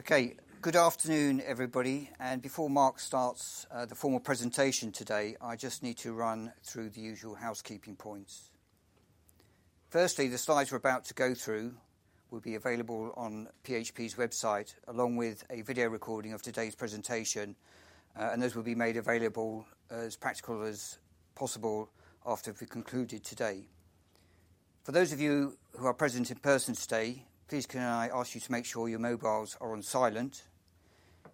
Okay, good afternoon, everybody. And before Mark starts, the formal presentation today, I just need to run through the usual housekeeping points. Firstly, the slides we're about to go through will be available on PHP's website, along with a video recording of today's presentation, and those will be made available as practical as possible after we've concluded today. For those of you who are present in person today, please, can I ask you to make sure your mobiles are on silent?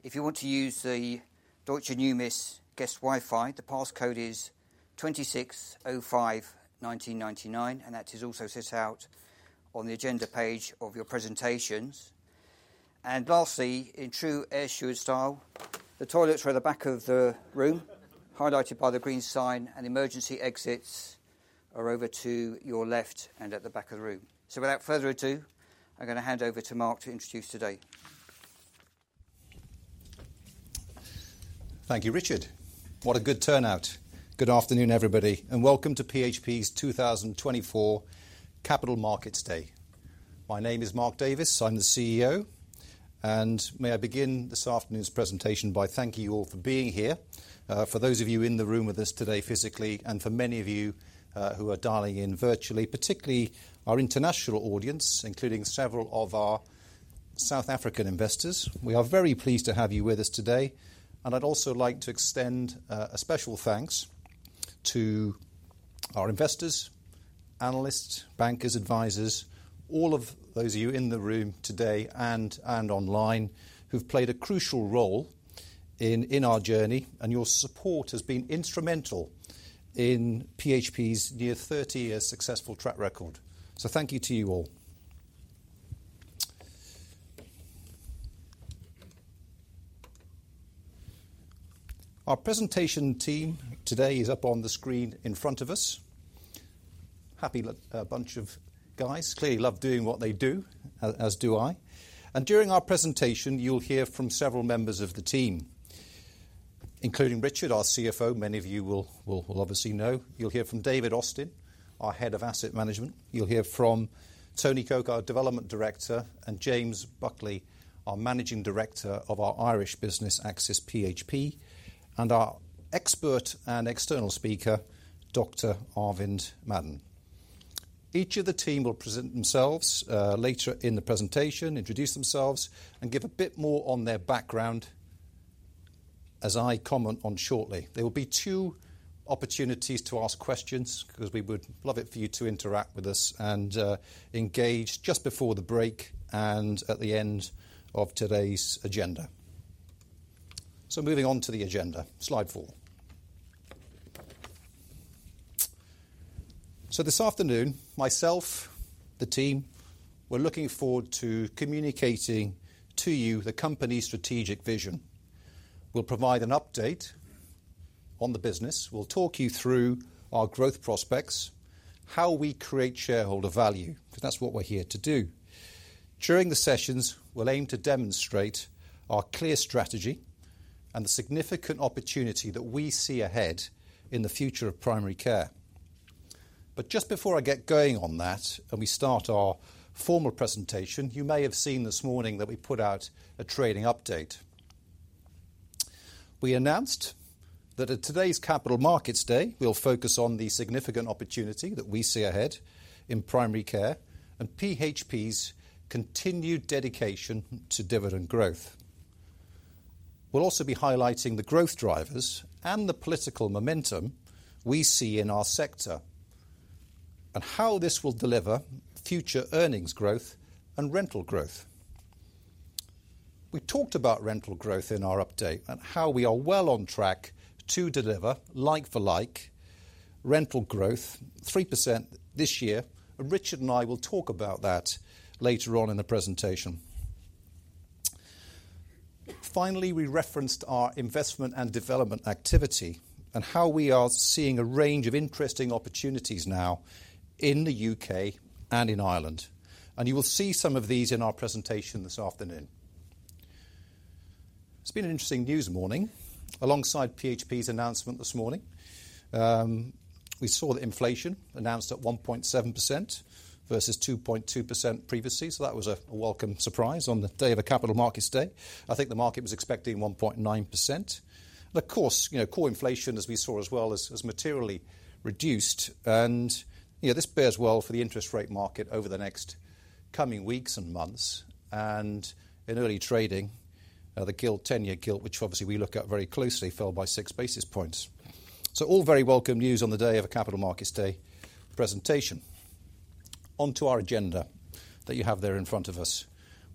If you want to use the Deutsche Numis guest Wi-Fi, the passcode is twenty-six o five nineteen ninety-nine, and that is also set out on the agenda page of your presentations. And lastly, in true Ayrshire style, the toilets are at the back of the room, highlighted by the green sign, and emergency exits are over to your left and at the back of the room. So without further ado, I'm going to hand over to Mark to introduce today. Thank you, Richard. What a good turnout! Good afternoon, everybody, and welcome to PHP's 2024 Capital Markets Day. My name is Mark Davies. I'm the CEO, and may I begin this afternoon's presentation by thanking you all for being here, for those of you in the room with us today physically and for many of you, who are dialing in virtually, particularly our international audience, including several of our South African investors. We are very pleased to have you with us today, and I'd also like to extend a special thanks to our investors, analysts, bankers, advisors, all of those of you in the room today and online who've played a crucial role in our journey, and your support has been instrumental in PHP's near thirty-year successful track record, so thank you to you all. Our presentation team today is up on the screen in front of us. Happy look, bunch of guys. Clearly love doing what they do, as do I. And during our presentation, you'll hear from several members of the team, including Richard, our CFO. Many of you will obviously know. You'll hear from David Austin, our Head of Asset Management. You'll hear from Tony Cooke, our Development Director, and James Buckley, our Managing Director of our Irish business, Axis PHP, and our expert and external speaker, Dr. Arvind Madan. Each of the team will present themselves, later in the presentation, introduce themselves, and give a bit more on their background as I comment on shortly. There will be two opportunities to ask questions, 'cause we would love it for you to interact with us and engage just before the break and at the end of today's agenda. So moving on to the agenda. Slide four. So this afternoon, myself, the team, we're looking forward to communicating to you the company's strategic vision. We'll provide an update on the business. We'll talk you through our growth prospects, how we create shareholder value, because that's what we're here to do. During the sessions, we'll aim to demonstrate our clear strategy and the significant opportunity that we see ahead in the future of primary care. But just before I get going on that, and we start our formal presentation, you may have seen this morning that we put out a trading update. We announced that at today's Capital Markets Day, we'll focus on the significant opportunity that we see ahead in primary care and PHP's continued dedication to dividend growth. We'll also be highlighting the growth drivers and the political momentum we see in our sector, and how this will deliver future earnings growth and rental growth. We talked about rental growth in our update and how we are well on track to deliver like-for-like rental growth, 3% this year. Richard and I will talk about that later on in the presentation. Finally, we referenced our investment and development activity and how we are seeing a range of interesting opportunities now in the UK and in Ireland, and you will see some of these in our presentation this afternoon. It's been an interesting news morning. Alongside PHP's announcement this morning, we saw that inflation announced at 1.7% versus 2.2% previously. That was a welcome surprise on the day of a Capital Markets Day. I think the market was expecting 1.9%. Of course, you know, core inflation, as we saw as well, is materially reduced and, you know, this bears well for the interest rate market over the next coming weeks and months. In early trading, the gilt, 10-year gilt, which obviously we look at very closely, fell by six basis points. All very welcome news on the day of a Capital Markets Day presentation. Onto our agenda that you have there in front of us.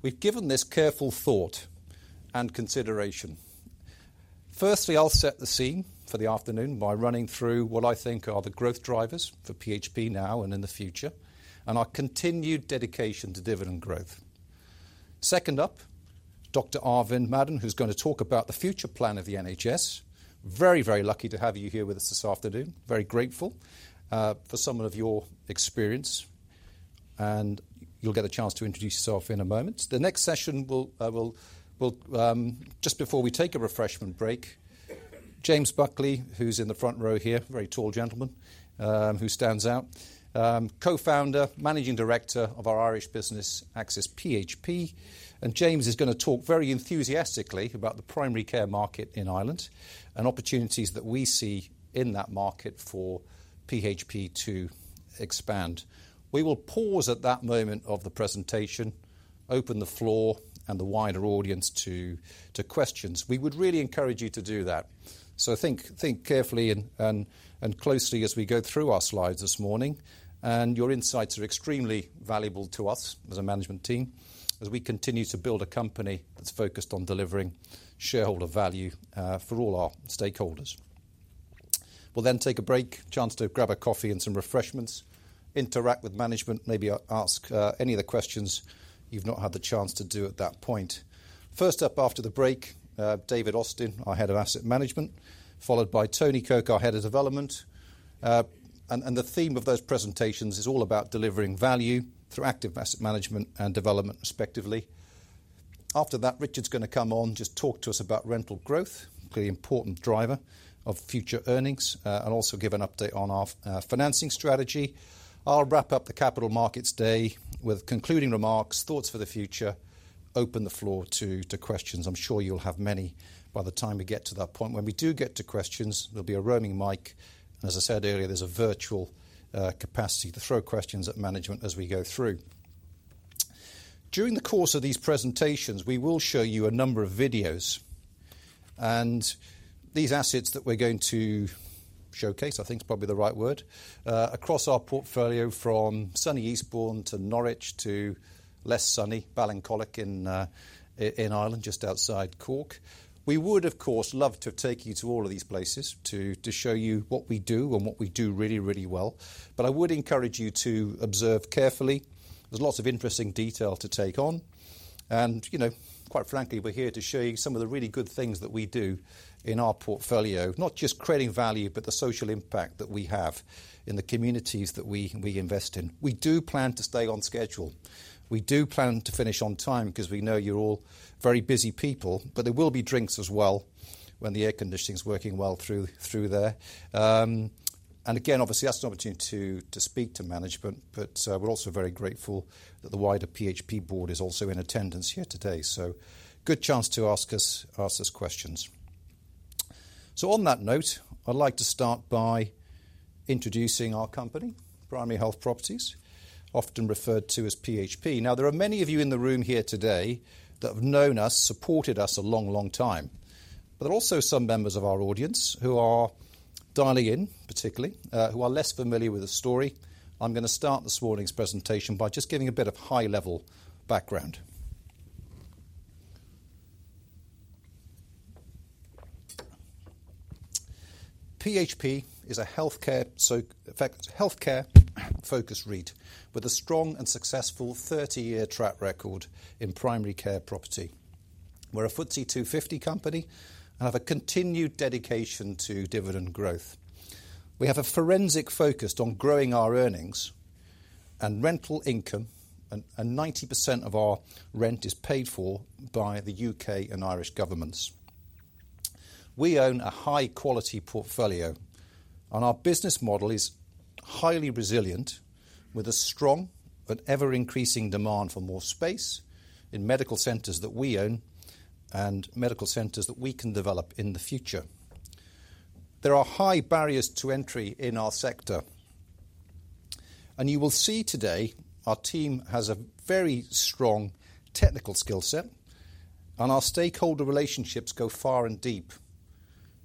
We've given this careful thought and consideration. Firstly, I'll set the scene for the afternoon by running through what I think are the growth drivers for PHP now and in the future, and our continued dedication to dividend growth. Second up, Dr. Arvind Madan, who's going to talk about the future plan of the NHS. Very, very lucky to have you here with us this afternoon. Very grateful for some of your experience, and you'll get a chance to introduce yourself in a moment. The next session will: James Buckley, who's in the front row here, a very tall gentleman who stands out, co-founder, Managing Director of our Irish business, Axis PHP. And James is gonna talk very enthusiastically about the primary care market in Ireland and opportunities that we see in that market for PHP to expand. We will pause at that moment of the presentation, open the floor and the wider audience to questions. We would really encourage you to do that. So think carefully and closely as we go through our slides this morning, and your insights are extremely valuable to us as a management team, as we continue to build a company that's focused on delivering shareholder value for all our stakeholders. We'll then take a break, chance to grab a coffee and some refreshments, interact with management, maybe ask any of the questions you've not had the chance to do at that point. First up after the break, David Austin, our Head of Asset Management, followed by Tony Cooke, our Head of Development. The theme of those presentations is all about delivering value through active asset management and development, respectively. After that, Richard's gonna come on, just talk to us about rental growth, a pretty important driver of future earnings, and also give an update on our, financing strategy. I'll wrap up the capital markets day with concluding remarks, thoughts for the future, open the floor to, to questions. I'm sure you'll have many by the time we get to that point. When we do get to questions, there'll be a roaming mic, and as I said earlier, there's a virtual, capacity to throw questions at management as we go through. During the course of these presentations, we will show you a number of videos, and these assets that we're going to showcase, I think is probably the right word, across our portfolio, from sunny Eastbourne to Norwich to less sunny Ballincollig in, in Ireland, just outside Cork. We would, of course, love to take you to all of these places to show you what we do and what we do really, really well, but I would encourage you to observe carefully. There's lots of interesting detail to take on. And, you know, quite frankly, we're here to show you some of the really good things that we do in our portfolio, not just creating value, but the social impact that we have in the communities that we invest in. We do plan to stay on schedule. We do plan to finish on time, because we know you're all very busy people, but there will be drinks as well, when the air conditioning is working well through there. And again, obviously, that's an opportunity to speak to management, but we're also very grateful that the wider PHP board is also in attendance here today, so good chance to ask us questions. So on that note, I'd like to start by introducing our company, Primary Health Properties, often referred to as PHP. Now, there are many of you in the room here today that have known us, supported us a long, long time, but there are also some members of our audience who are dialing in, particularly, who are less familiar with the story. I'm gonna start this morning's presentation by just giving a bit of high-level background. PHP is a healthcare, in fact, healthcare-focused REIT with a strong and successful thirty-year track record in primary care property. We're a FTSE 250 company, and have a continued dedication to dividend growth. We have a forensic focus on growing our earnings and rental income, and 90% of our rent is paid for by the UK and Irish governments. We own a high-quality portfolio, and our business model is highly resilient, with a strong but ever-increasing demand for more space in medical centers that we own and medical centers that we can develop in the future. There are high barriers to entry in our sector, and you will see today our team has a very strong technical skill set, and our stakeholder relationships go far and deep,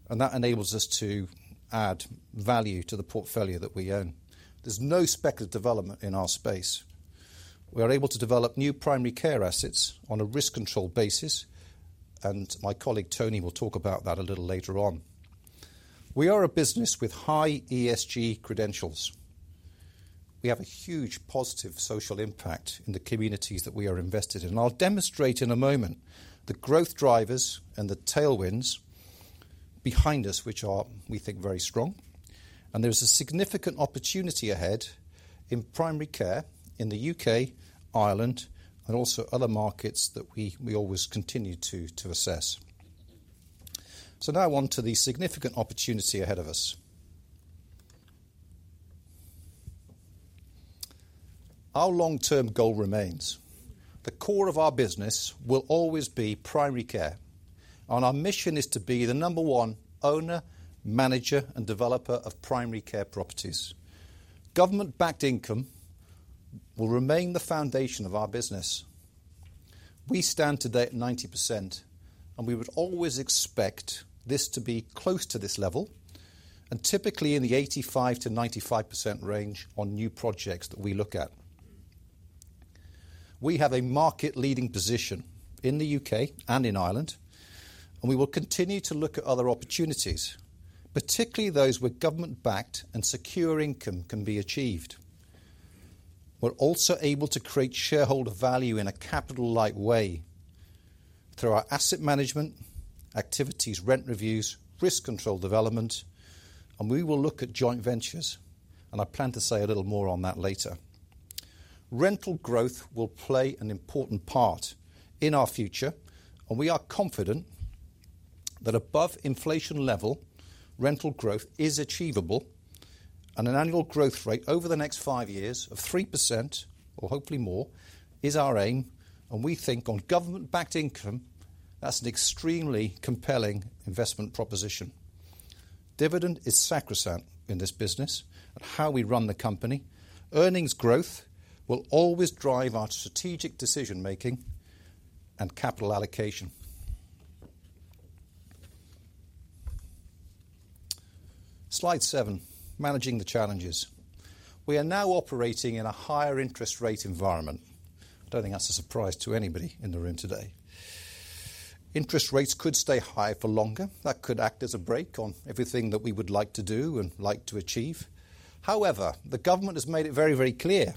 and that enables us to add value to the portfolio that we own. There's no speculative development in our space. We are able to develop new primary care assets on a risk-controlled basis, and my colleague, Tony, will talk about that a little later on. We are a business with high ESG credentials. We have a huge positive social impact in the communities that we are invested in, and I'll demonstrate in a moment the growth drivers and the tailwinds behind us, which are, we think, very strong. And there's a significant opportunity ahead in primary care in the UK, Ireland, and also other markets that we always continue to assess. So now on to the significant opportunity ahead of us. Our long-term goal remains. The core of our business will always be primary care, and our mission is to be the number one owner, manager, and developer of primary care properties. Government-backed income will remain the foundation of our business. We stand today at 90%, and we would always expect this to be close to this level, and typically in the 85%-95% range on new projects that we look at. We have a market-leading position in the UK and in Ireland, and we will continue to look at other opportunities, particularly those with government-backed and secure income can be achieved. We're also able to create shareholder value in a capital-light way through our asset management activities, rent reviews, risk-controlled development, and we will look at joint ventures, and I plan to say a little more on that later. Rental growth will play an important part in our future, and we are confident that above inflation level, rental growth is achievable, and an annual growth rate over the next five years of 3%, or hopefully more, is our aim. We think on government-backed income, that's an extremely compelling investment proposition. Dividend is sacrosanct in this business and how we run the company. Earnings growth will always drive our strategic decision-making and capital allocation. Slide seven, managing the challenges. We are now operating in a higher interest rate environment. I don't think that's a surprise to anybody in the room today. Interest rates could stay high for longer. That could act as a brake on everything that we would like to do and like to achieve. However, the government has made it very, very clear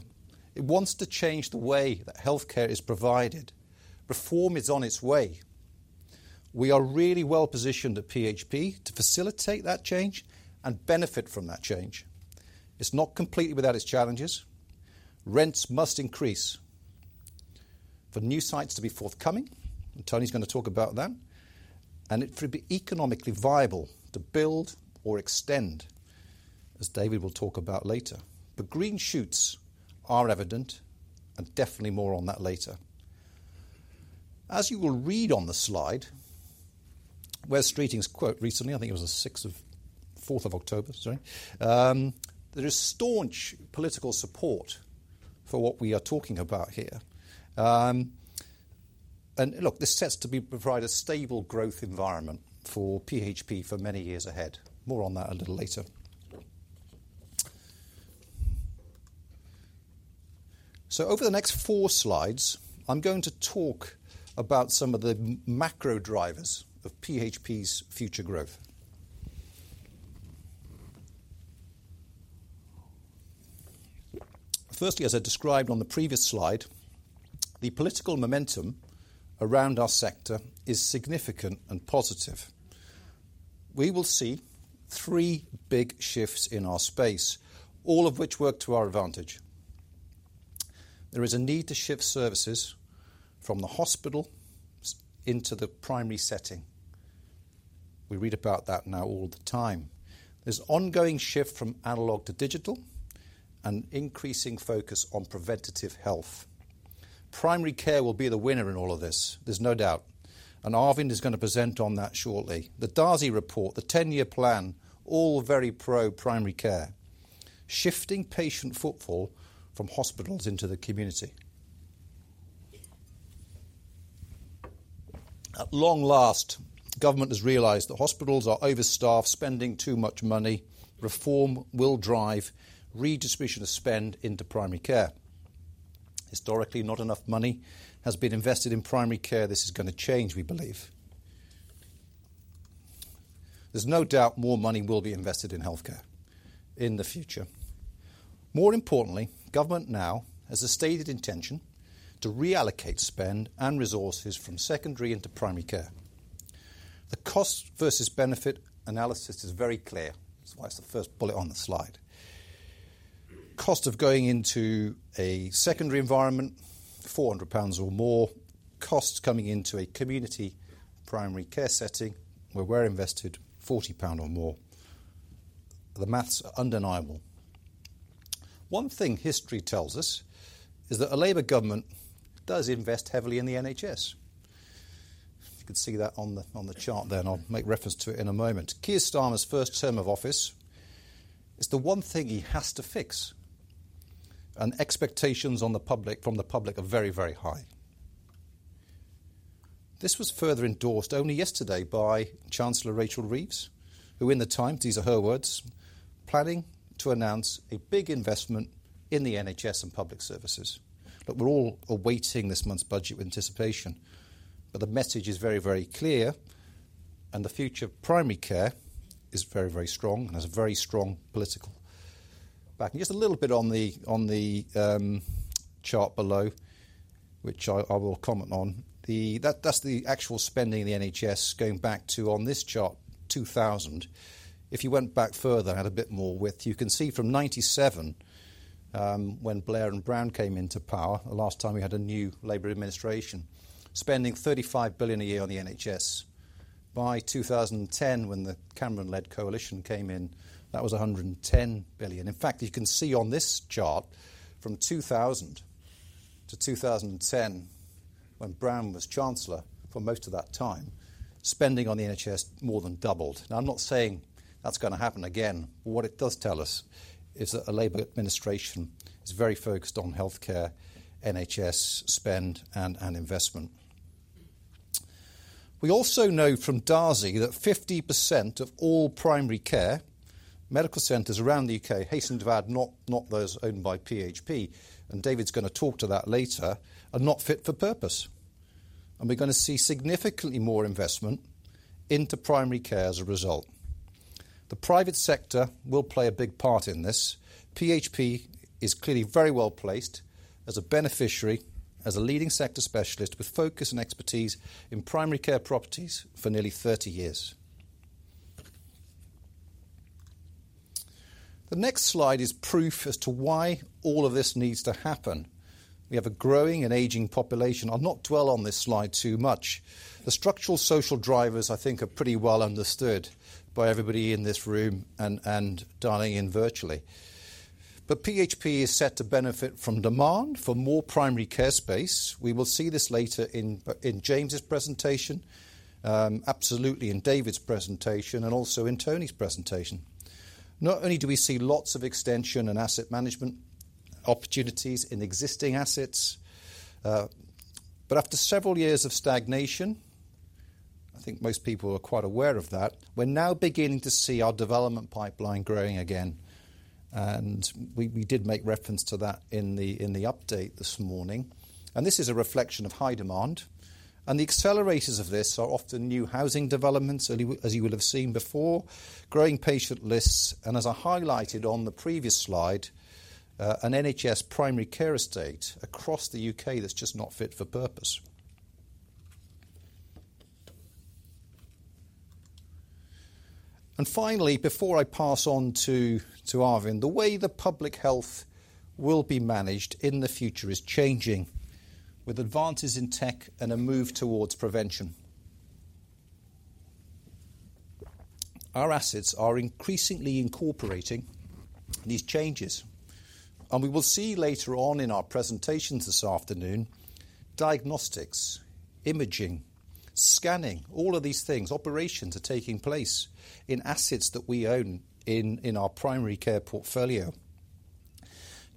it wants to change the way that healthcare is provided. Reform is on its way. We are really well-positioned at PHP to facilitate that change and benefit from that change. It's not completely without its challenges. Rents must increase for new sites to be forthcoming, and Tony's gonna talk about that, and it should be economically viable to build or extend, as David will talk about later. The green shoots are evident and definitely more on that later. As you will read on the slide, Wes Streeting's quote recently, I think it was the 4th of October, sorry, there is staunch political support for what we are talking about here. And look, this sets to be provide a stable growth environment for PHP for many years ahead. More on that a little later. So over the next four slides, I'm going to talk about some of the macro drivers of PHP's future growth. Firstly, as I described on the previous slide, the political momentum around our sector is significant and positive. We will see three big shifts in our space, all of which work to our advantage. There is a need to shift services from the hospital into the primary setting. We read about that now all the time. There's ongoing shift from analog to digital and increasing focus on preventative health. Primary care will be the winner in all of this, there's no doubt, and Arvind is gonna present on that shortly. The Darzi Report, the ten-year plan, all very pro-primary care, shifting patient footfall from hospitals into the community. At long last, government has realized that hospitals are overstaffed, spending too much money. Reform will drive redistribution of spend into primary care. Historically, not enough money has been invested in primary care. This is gonna change, we believe. There's no doubt more money will be invested in healthcare in the future. More importantly, government now has a stated intention to reallocate spend and resources from secondary into primary care. The cost versus benefit analysis is very clear. That's why it's the first bullet on the slide. Cost of going into a secondary environment, 400 pounds or more. Costs coming into a community primary care setting, where we're invested 40 pound or more. The math is undeniable. One thing history tells us is that a Labour government does invest heavily in the NHS. You can see that on the, on the chart there, and I'll make reference to it in a moment. Keir Starmer's first term of office is the one thing he has to fix, and expectations on the public, from the public are very, very high. This was further endorsed only yesterday by Chancellor Rachel Reeves, who in The Times, these are her words, "Planning to announce a big investment in the NHS and public services." But we're all awaiting this month's budget with anticipation. But the message is very, very clear, and the future of primary care is very, very strong and has a very strong political backing. Just a little bit on the chart below, which I will comment on. That's the actual spending in the NHS, going back to, on this chart, 2000. If you went back further and had a bit more width, you can see from 1997, when Blair and Brown came into power, the last time we had a new Labour administration, spending 35 billion a year on the NHS. By 2010, when the Cameron-led coalition came in, that was 110 billion. In fact, you can see on this chart, from 2000 to 2010, when Brown was Chancellor for most of that time, spending on the NHS more than doubled. Now, I'm not saying that's gonna happen again, but what it does tell us is that a Labour administration is very focused on healthcare, NHS spend, and investment. We also know from Darzi that 50% of all primary care medical centers around the U.K., hastened to add, not those owned by PHP, and David's gonna talk to that later, are not fit for purpose, and we're gonna see significantly more investment into primary care as a result. The private sector will play a big part in this. PHP is clearly very well-placed as a beneficiary, as a leading sector specialist with focus and expertise in primary care properties for nearly thirty years. The next slide is proof as to why all of this needs to happen. We have a growing and aging population. I'll not dwell on this slide too much. The structural social drivers, I think, are pretty well understood by everybody in this room and dialing in virtually, but PHP is set to benefit from demand for more primary care space. We will see this later in James' presentation, absolutely in David's presentation, and also in Tony's presentation. Not only do we see lots of extension and asset management opportunities in existing assets, but after several years of stagnation, I think most people are quite aware of that, we're now beginning to see our development pipeline growing again, and we did make reference to that in the update this morning, and this is a reflection of high demand. And the accelerators of this are often new housing developments, as you, as you will have seen before, growing patient lists, and as I highlighted on the previous slide, an NHS primary care estate across the U.K. that's just not fit for purpose. And finally, before I pass on to Arvind, the way the public health will be managed in the future is changing with advances in tech and a move towards prevention. Our assets are increasingly incorporating these changes, and we will see later on in our presentations this afternoon, diagnostics, imaging, scanning, all of these things, operations are taking place in assets that we own in our primary care portfolio.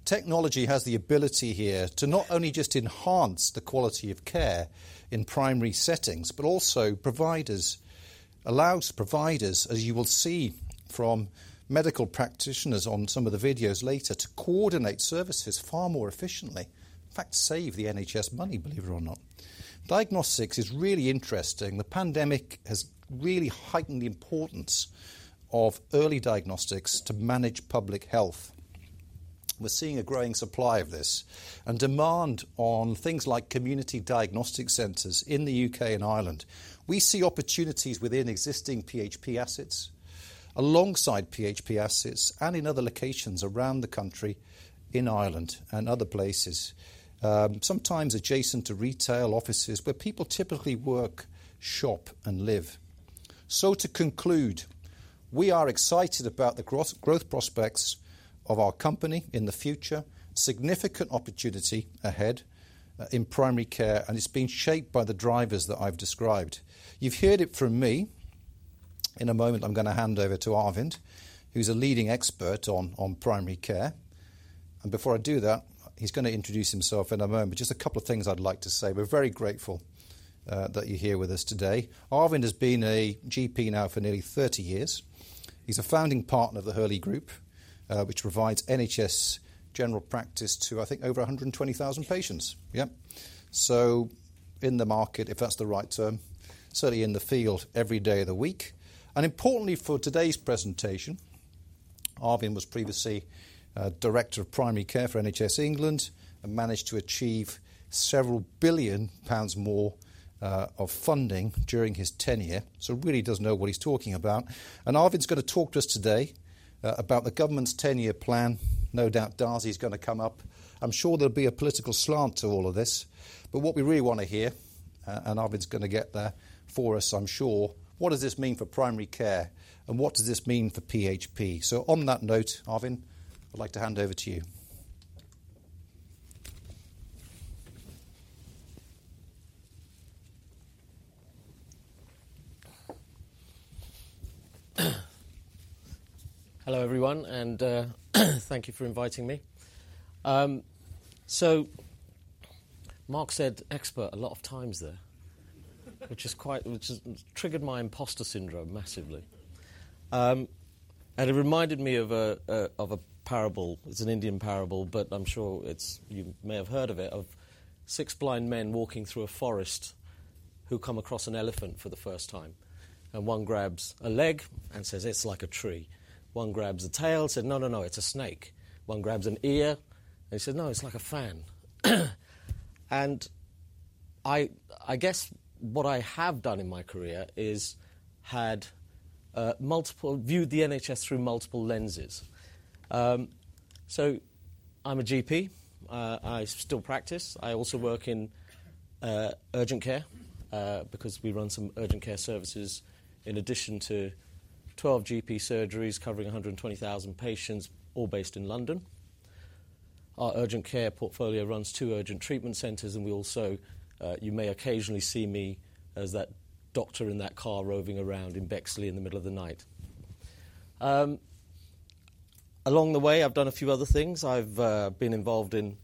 Technology has the ability here to not only just enhance the quality of care in primary settings, but also allows providers, as you will see from medical practitioners on some of the videos later, to coordinate services far more efficiently. In fact, save the NHS money, believe it or not. Diagnostics is really interesting. The pandemic has really heightened the importance of early diagnostics to manage public health. We're seeing a growing supply of this, and demand on things like community diagnostic centers in the UK and Ireland. We see opportunities within existing PHP assets, alongside PHP assets, and in other locations around the country, in Ireland and other places, sometimes adjacent to retail offices, where people typically work, shop, and live. To conclude, we are excited about the growth prospects of our company in the future, significant opportunity ahead in primary care, and it's being shaped by the drivers that I've described. You've heard it from me. In a moment, I'm gonna hand over to Arvind, who's a leading expert on primary care. And before I do that, he's gonna introduce himself in a moment. But just a couple of things I'd like to say. We're very grateful that you're here with us today. Arvind has been a GP now for nearly thirty years. He's a founding partner of The Hurley Group, which provides NHS general practice to, I think, over one hundred and twenty thousand patients. Yep. So in the market, if that's the right term, certainly in the field every day of the week. Importantly for today's presentation, Arvind was previously Director of Primary Care for NHS England and managed to achieve several billion pounds more of funding during his tenure, so really does know what he's talking about. Arvind's gonna talk to us today about the government's ten-year plan. No doubt Darzi is gonna come up. I'm sure there'll be a political slant to all of this, but what we really want to hear, and Arvind's gonna get there for us, I'm sure: what does this mean for primary care, and what does this mean for PHP? On that note, Arvind, I'd like to hand over to you. Hello, everyone, and thank you for inviting me. So Mark said, "expert," a lot of times there, which has triggered my impostor syndrome massively. And it reminded me of a parable. It's an Indian parable, but I'm sure you may have heard of it, of six blind men walking through a forest who come across an elephant for the first time, and one grabs a leg and says, "It's like a tree." One grabs the tail and said, "No, no, no, it's a snake." One grabs an ear, and he said, "No, it's like a fan." And I guess what I have done in my career is had multiple viewed the NHS through multiple lenses. So I'm a GP. I still practice. I also work in urgent care, because we run some urgent care services in addition to 12 GP surgeries covering 120,000 patients, all based in London. Our urgent care portfolio runs two urgent treatment centers, and we also, you may occasionally see me as that doctor in that car roving around in Bexley in the middle of the night. Along the way, I've done a few other things. I've been involved in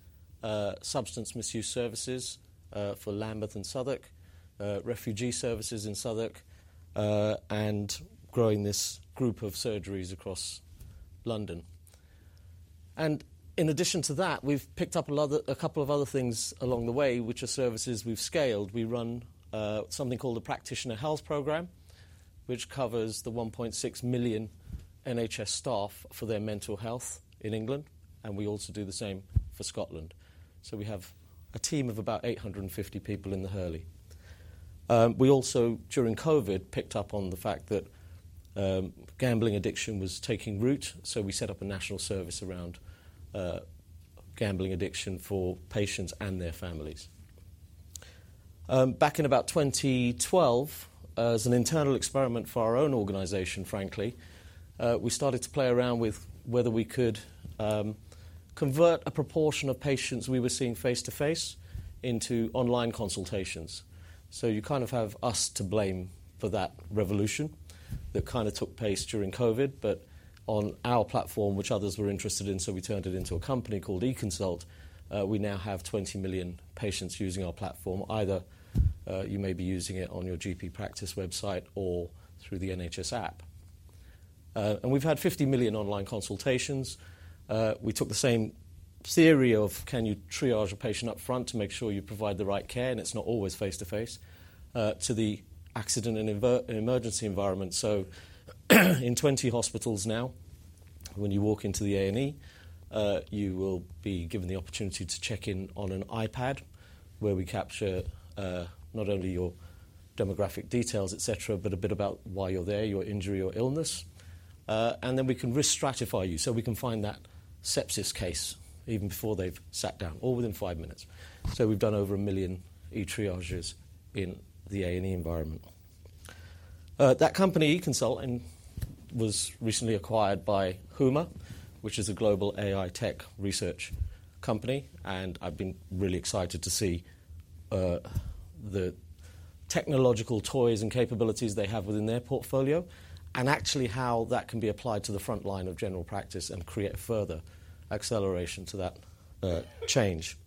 substance misuse services for Lambeth and Southwark, refugee services in Southwark, and growing this group of surgeries across London. In addition to that, we've picked up a lot of, a couple of other things along the way, which are services we've scaled. We run something called the Practitioner Health Programme, which covers the 1.6 million NHS staff for their mental health in England, and we also do the same for Scotland. So we have a team of about 850 people in the Hurley Group. We also, during COVID, picked up on the fact that gambling addiction was taking root, so we set up a national service around gambling addiction for patients and their families. Back in about 2012, as an internal experiment for our own organization, frankly, we started to play around with whether we could convert a proportion of patients we were seeing face-to-face into online consultations. You kind of have us to blame for that revolution that kind of took place during COVID, but on our platform, which others were interested in, so we turned it into a company called eConsult. We now have 20 million patients using our platform. Either you may be using it on your GP practice website or through the NHS App. And we've had 50 million online consultations. We took the same theory of can you triage a patient up front to make sure you provide the right care, and it's not always face to face to the accident and emergency environment. So in twenty hospitals now, when you walk into the A&E, you will be given the opportunity to check in on an iPad, where we capture, not only your demographic details, et cetera, et cetera, but a bit about why you're there, your injury or illness. And then we can restratify you, so we can find that sepsis case even before they've sat down, all within five minutes. So we've done over a million eTriages in the A&E environment. That company, eConsult, and was recently acquired by Huma, which is a global AI tech research company, and I've been really excited to see, the technological toys and capabilities they have within their portfolio and actually how that can be applied to the front line of general practice and create further acceleration to that, change.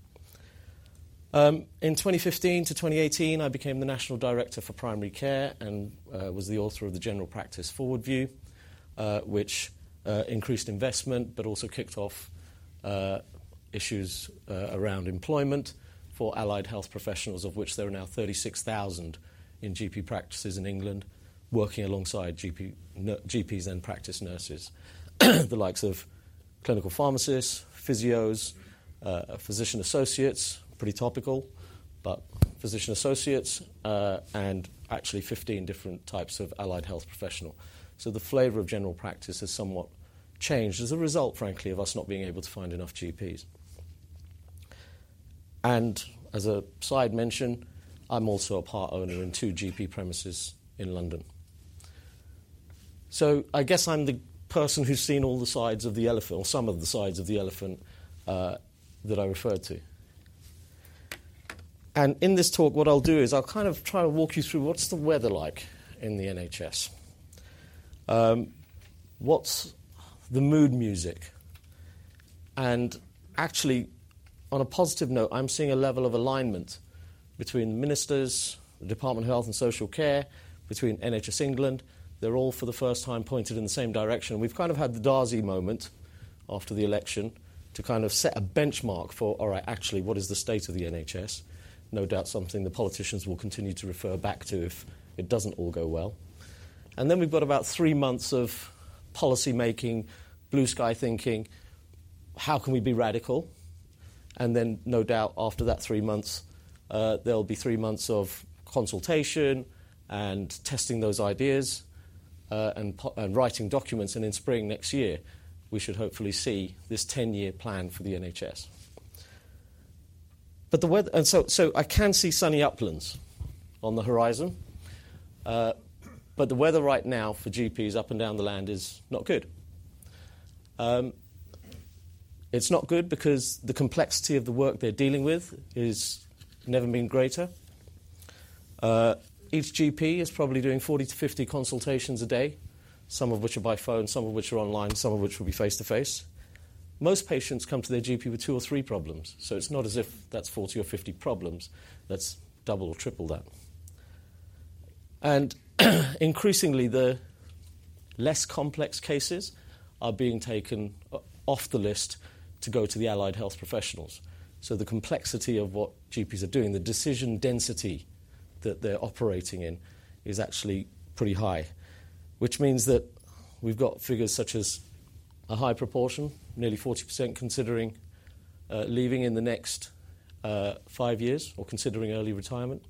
In twenty fifteen to twenty eighteen, I became the national director for primary care and was the author of the General Practice Forward View, which increased investment, but also kicked off issues around employment for allied health professionals, of which there are now 36,000 in GP practices in England, working alongside GPs and practice nurses. The likes of clinical pharmacists, physios, physician associates, pretty topical, but physician associates, and actually 15 different types of allied health professional. So the flavor of general practice has somewhat changed as a result, frankly, of us not being able to find enough GPs. And as a side mention, I'm also a part owner in two GP premises in London. I guess I'm the person who's seen all the sides of the elephant or some of the sides of the elephant that I referred to. In this talk, what I'll do is I'll kind of try to walk you through what's the weather like in the NHS? What's the mood music? Actually, on a positive note, I'm seeing a level of alignment between ministers, the Department of Health and Social Care, between NHS England. They're all, for the first time, pointed in the same direction. We've kind of had the Darzi moment after the election to kind of set a benchmark for, all right, actually, what is the state of the NHS? No doubt, something the politicians will continue to refer back to if it doesn't all go well. Then we've got about three months of policymaking, blue-sky thinking, how can we be radical? And then, no doubt, after that three months, there'll be three months of consultation and testing those ideas, and writing documents, and in spring next year, we should hopefully see this ten-year plan for the NHS. But the weather, and so I can see sunny uplands on the horizon, but the weather right now for GPs up and down the land is not good. It's not good because the complexity of the work they're dealing with is never been greater. Each GP is probably doing forty to fifty consultations a day, some of which are by phone, some of which are online, some of which will be face to face. Most patients come to their GP with two or three problems, so it's not as if that's forty or fifty problems. That's double or triple that. Increasingly, the less complex cases are being taken off the list to go to the allied health professionals. So the complexity of what GPs are doing, the decision density that they're operating in, is actually pretty high, which means that we've got figures such as a high proportion, nearly 40%, considering leaving in the next five years or considering early retirement.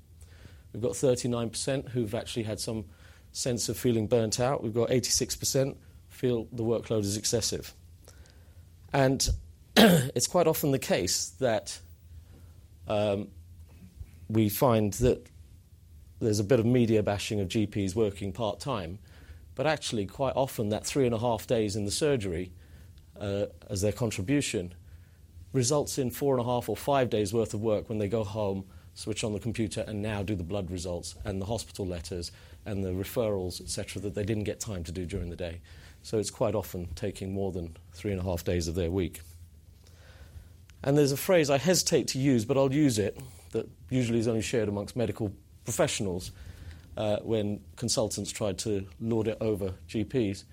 We've got 39% who've actually had some sense of feeling burned out. We've got 86% feel the workload is excessive. And it's quite often the case that, we find that there's a bit of media bashing of GPs working part-time, but actually, quite often, that three and a half days in the surgery, as their contribution, results in four and a half or five days worth of work when they go home, switch on the computer, and now do the blood results and the hospital letters and the referrals, et cetera, that they didn't get time to do during the day. So it's quite often taking more than three and a half days of their week. And there's a phrase I hesitate to use, but I'll use it, that usually is only shared amongst medical professionals, when consultants try to lord it over GPs.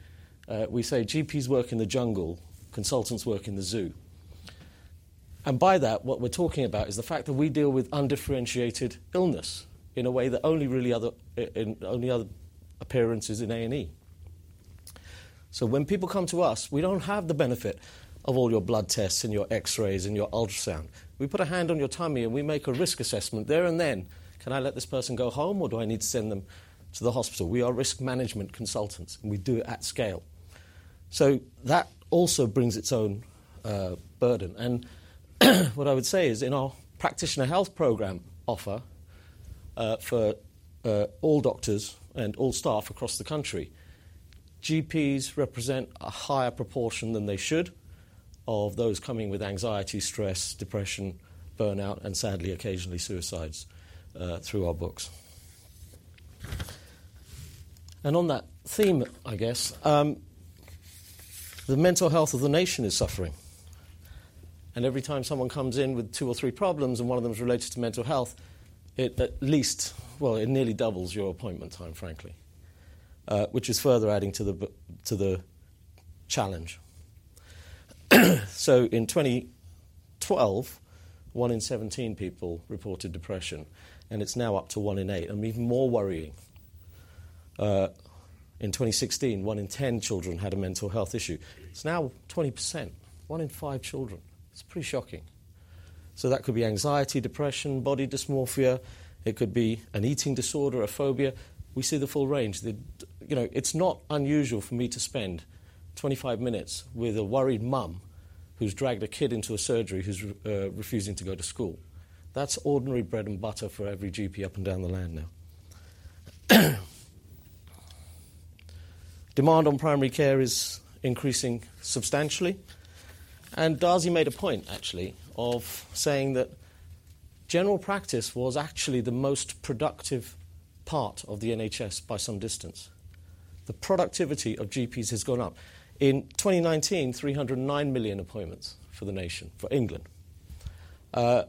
We say, "GPs work in the jungle, consultants work in the zoo." And by that, what we're talking about is the fact that we deal with undifferentiated illness in a way that only really other appearance is in A&E. So when people come to us, we don't have the benefit of all your blood tests and your X-rays and your ultrasound. We put a hand on your tummy, and we make a risk assessment there and then. Can I let this person go home, or do I need to send them to the hospital? We are risk management consultants, and we do it at scale. So that also brings its own burden. What I would say is in our Practitioner Health Programme offer, for all doctors and all staff across the country, GPs represent a higher proportion than they should of those coming with anxiety, stress, depression, burnout, and sadly, occasionally suicides, through our books. On that theme, I guess, the mental health of the nation is suffering, and every time someone comes in with two or three problems and one of them is related to mental health, it at least, well, it nearly doubles your appointment time, frankly, which is further adding to the challenge. In 2012, one in 17 people reported depression, and it's now up to one in eight, and even more worrying, in 2016, one in 10 children had a mental health issue. It's now 20%, one in five children. It's pretty shocking. So that could be anxiety, depression, body dysmorphia. It could be an eating disorder, a phobia. We see the full range. You know, it's not unusual for me to spend 25 minutes with a worried mum who's dragged a kid into a surgery who's refusing to go to school. That's ordinary bread and butter for every GP up and down the land now. Demand on primary care is increasing substantially, and Darzi made a point, actually, of saying that general practice was actually the most productive part of the NHS by some distance. The productivity of GPs has gone up. In 2019, 309 million appointments for the nation, for England, gone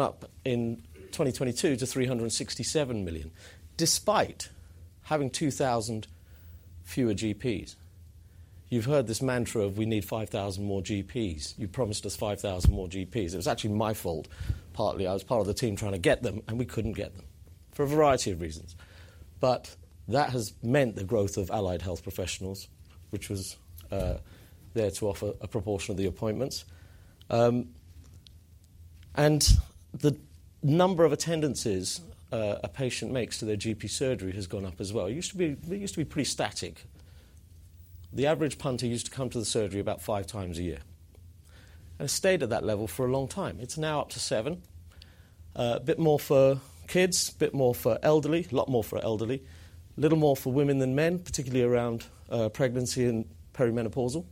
up in 2022 to 367 million, despite having 2,000 fewer GPs. You've heard this mantra of: We need 5,000 more GPs. You promised us five thousand more GPs. It was actually my fault, partly. I was part of the team trying to get them, and we couldn't get them for a variety of reasons. But that has meant the growth of allied health professionals, which was there to offer a proportion of the appointments, and the number of attendances a patient makes to their GP surgery has gone up as well. It used to be, it used to be pretty static. The average punter used to come to the surgery about five times a year and stayed at that level for a long time. It's now up to seven, a bit more for kids, a bit more for elderly, a lot more for elderly, little more for women than men, particularly around pregnancy and perimenopausal.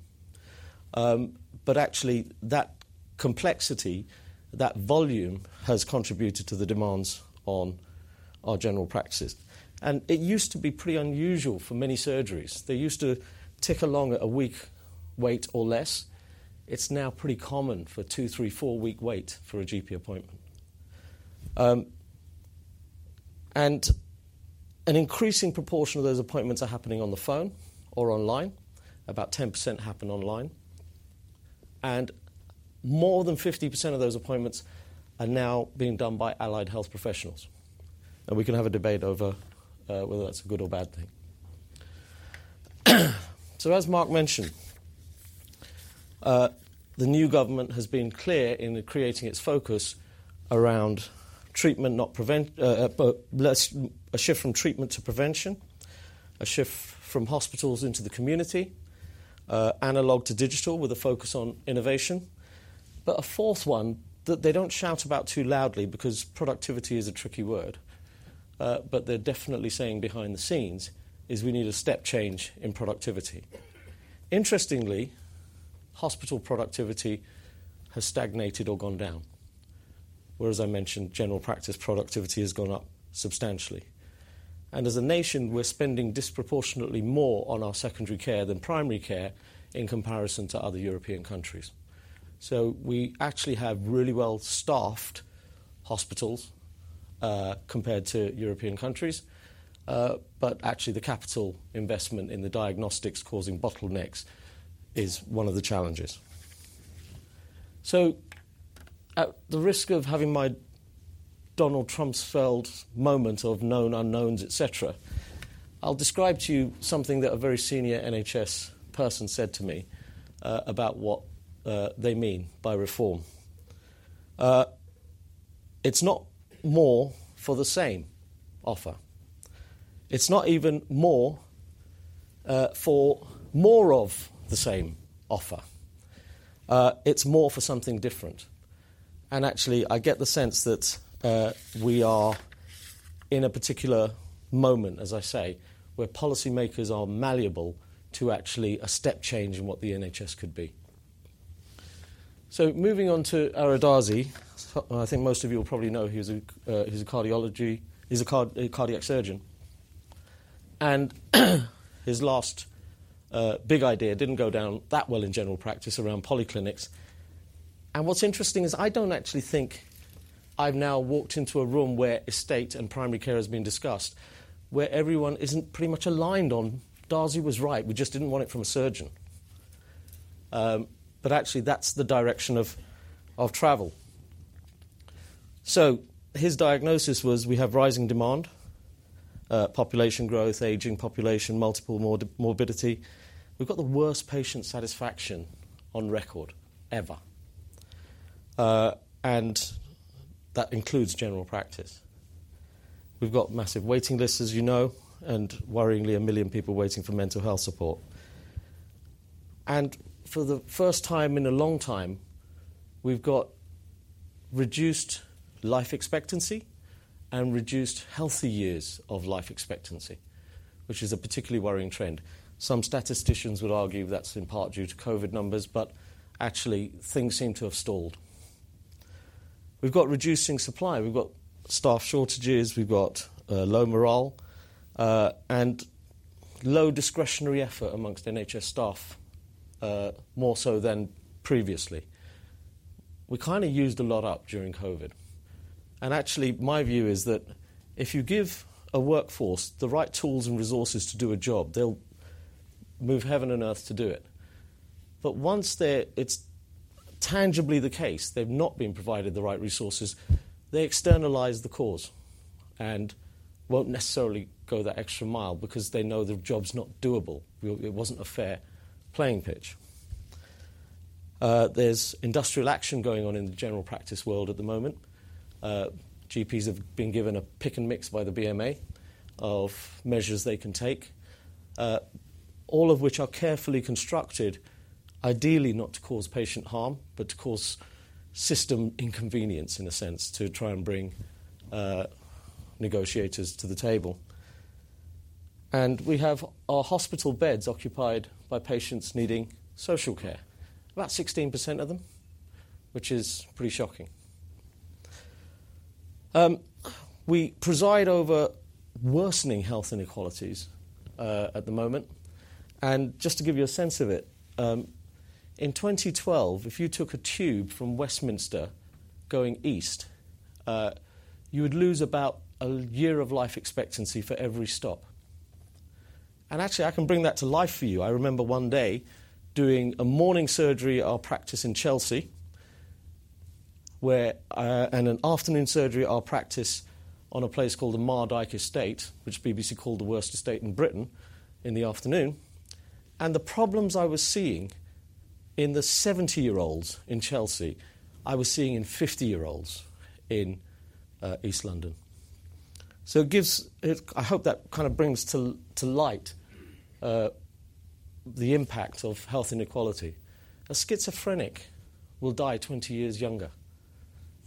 But actually, that complexity, that volume, has contributed to the demands on our general practices. And it used to be pretty unusual for many surgeries. They used to tick along at a week wait or less. It's now pretty common for a two, three, four-week wait for a GP appointment. And an increasing proportion of those appointments are happening on the phone or online. About 10% happen online, and more than 50% of those appointments are now being done by allied health professionals, and we can have a debate over whether that's a good or bad thing. So, as Mark mentioned, the new government has been clear in creating its focus around treatment, not prevent, but less, a shift from treatment to prevention, a shift from hospitals into the community, analog to digital with a focus on innovation. But a fourth one that they don't shout about too loudly because productivity is a tricky word, but they're definitely saying behind the scenes, is we need a step change in productivity. Interestingly, hospital productivity has stagnated or gone down, whereas I mentioned general practice productivity has gone up substantially, and as a nation, we're spending disproportionately more on our secondary care than primary care in comparison to other European countries. So we actually have really well-staffed hospitals, compared to European countries, but actually, the capital investment in the diagnostics causing bottlenecks is one of the challenges. So at the risk of having my Donald Rumsfeld moment of known unknowns, et cetera, I'll describe to you something that a very senior NHS person said to me, about what they mean by reform. It's not more for the same offer. It's not even more for more of the same offer. It's more for something different. Actually, I get the sense that we are in a particular moment, as I say, where policymakers are malleable to actually a step change in what the NHS could be. So moving on to Ara Darzi, I think most of you will probably know he's a cardiac surgeon, and his last big idea didn't go down that well in general practice around polyclinics. What's interesting is I don't actually think I've now walked into a room where estate and primary care has been discussed, where everyone isn't pretty much aligned on, "Darzi was right, we just didn't want it from a surgeon." But actually, that's the direction of travel. His diagnosis was: we have rising demand, population growth, aging population, multiple morbidity. We've got the worst patient satisfaction on record ever, and that includes general practice. We've got massive waiting lists, as you know, and worryingly, a million people waiting for mental health support. And for the first time in a long time, we've got reduced life expectancy and reduced healthy years of life expectancy, which is a particularly worrying trend. Some statisticians would argue that's in part due to COVID numbers, but actually, things seem to have stalled. We've got reducing supply, we've got staff shortages, we've got low morale and low discretionary effort among NHS staff, more so than previously. We kind of used a lot up during COVID, and actually, my view is that if you give a workforce the right tools and resources to do a job, they'll move heaven and earth to do it. But once it's tangibly the case, they've not been provided the right resources, they externalize the cause and won't necessarily go that extra mile because they know the job's not doable. It wasn't a fair playing field. There's industrial action going on in the general practice world at the moment. GPs have been given a pick and mix by the BMA of measures they can take, all of which are carefully constructed, ideally not to cause patient harm, but to cause system inconvenience, in a sense, to try and bring negotiators to the table. And we have our hospital beds occupied by patients needing social care, about 16% of them, which is pretty shocking. We preside over worsening health inequalities at the moment. And just to give you a sense of it, in 2012, if you took a tube from Westminster going east, you would lose about a year of life expectancy for every stop. And actually, I can bring that to life for you. I remember one day doing a morning surgery at our practice in Chelsea, where... And an afternoon surgery at our practice on a place called the Mardyke Estate, which BBC called the worst estate in Britain in the afternoon. And the problems I was seeing in the seventy-year-olds in Chelsea, I was seeing in fifty-year-olds in East London. So it gives, I hope that kind of brings to light the impact of health inequality. A schizophrenic will die twenty years younger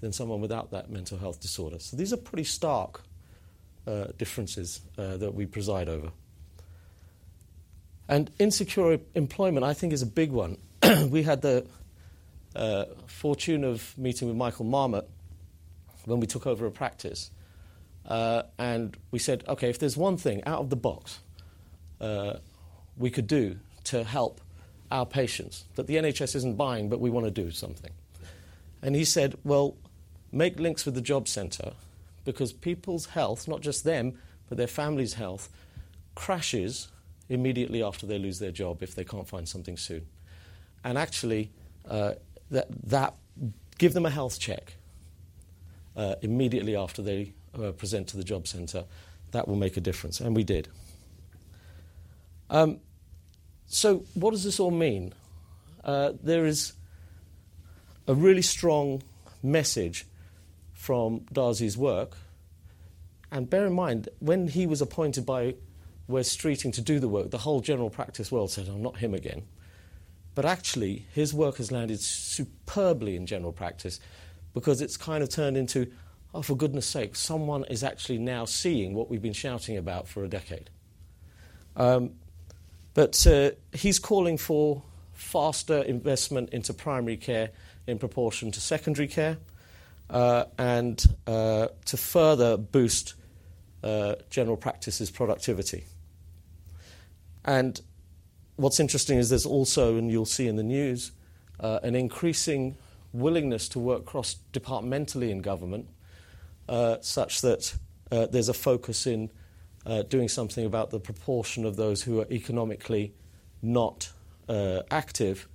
than someone without that mental health disorder. So these are pretty stark differences that we preside over. And insecure employment, I think, is a big one. We had the fortune of meeting with Michael Marmot when we took over a practice. And we said, "Okay, if there's one thing out of the box, we could do to help our patients, that the NHS isn't buying, but we want to do something." And he said, "Well, make links with the Jobcentre because people's health, not just them, but their family's health, crashes immediately after they lose their job, if they can't find something soon. And actually, that, give them a health check, immediately after they present to the Jobcentre, that will make a difference." And we did. So what does this all mean? There is a really strong message from Darzi's work, and bear in mind, when he was appointed by Wes Streeting to do the work, the whole general practice world said, "Oh, not him again," but actually, his work has landed superbly in general practice because it's kind of turned into, "Oh, for goodness sake, someone is actually now seeing what we've been shouting about for a decade," but he's calling for faster investment into primary care in proportion to secondary care, and to further boost general practice's productivity, and what's interesting is there's also, and you'll see in the news, an increasing willingness to work cross-departmentally in government, such that there's a focus in doing something about the proportion of those who are economically not active,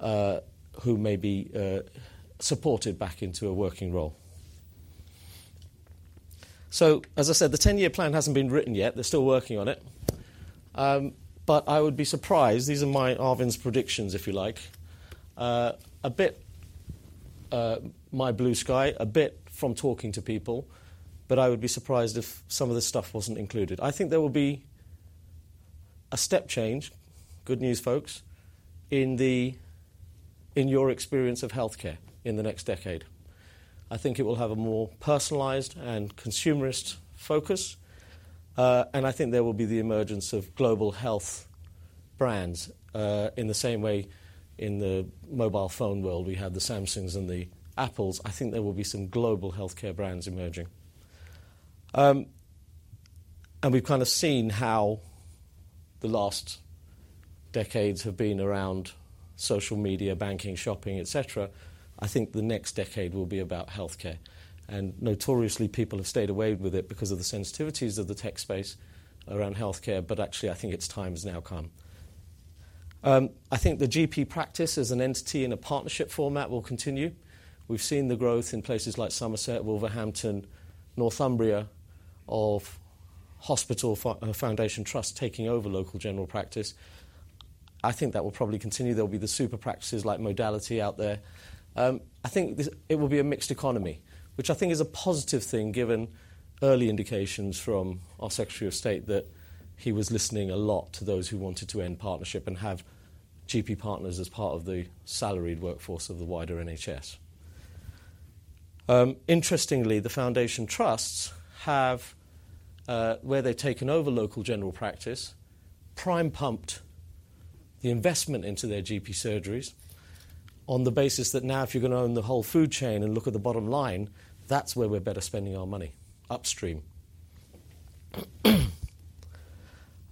who may be supported back into a working role. So, as I said, the ten-year plan hasn't been written yet. They're still working on it. But I would be surprised, these are my Arvind's predictions, if you like. A bit, my blue sky, a bit from talking to people, but I would be surprised if some of this stuff wasn't included. I think there will be a step change, good news, folks, in your experience of healthcare in the next decade. I think it will have a more personalized and consumerist focus, and I think there will be the emergence of global health brands. In the same way in the mobile phone world, we had the Samsungs and the Apples. I think there will be some global healthcare brands emerging. And we've kind of seen how the last decades have been around social media, banking, shopping, et cetera. I think the next decade will be about healthcare, and notoriously, people have stayed away with it because of the sensitivities of the tech space around healthcare, but actually, I think its time has now come. I think the GP practice as an entity in a partnership format will continue. We've seen the growth in places like Somerset, Wolverhampton, Northumbria, of hospital foundation trusts taking over local general practice. I think that will probably continue. There'll be the super practices like Modality out there. I think this, it will be a mixed economy, which I think is a positive thing, given early indications from our Secretary of State that he was listening a lot to those who wanted to end partnership and have GP partners as part of the salaried workforce of the wider NHS. Interestingly, the foundation trusts have, where they've taken over local general practice, pump-primed the investment into their GP surgeries on the basis that now if you're going to own the whole food chain and look at the bottom line, that's where we're better spending our money, upstream.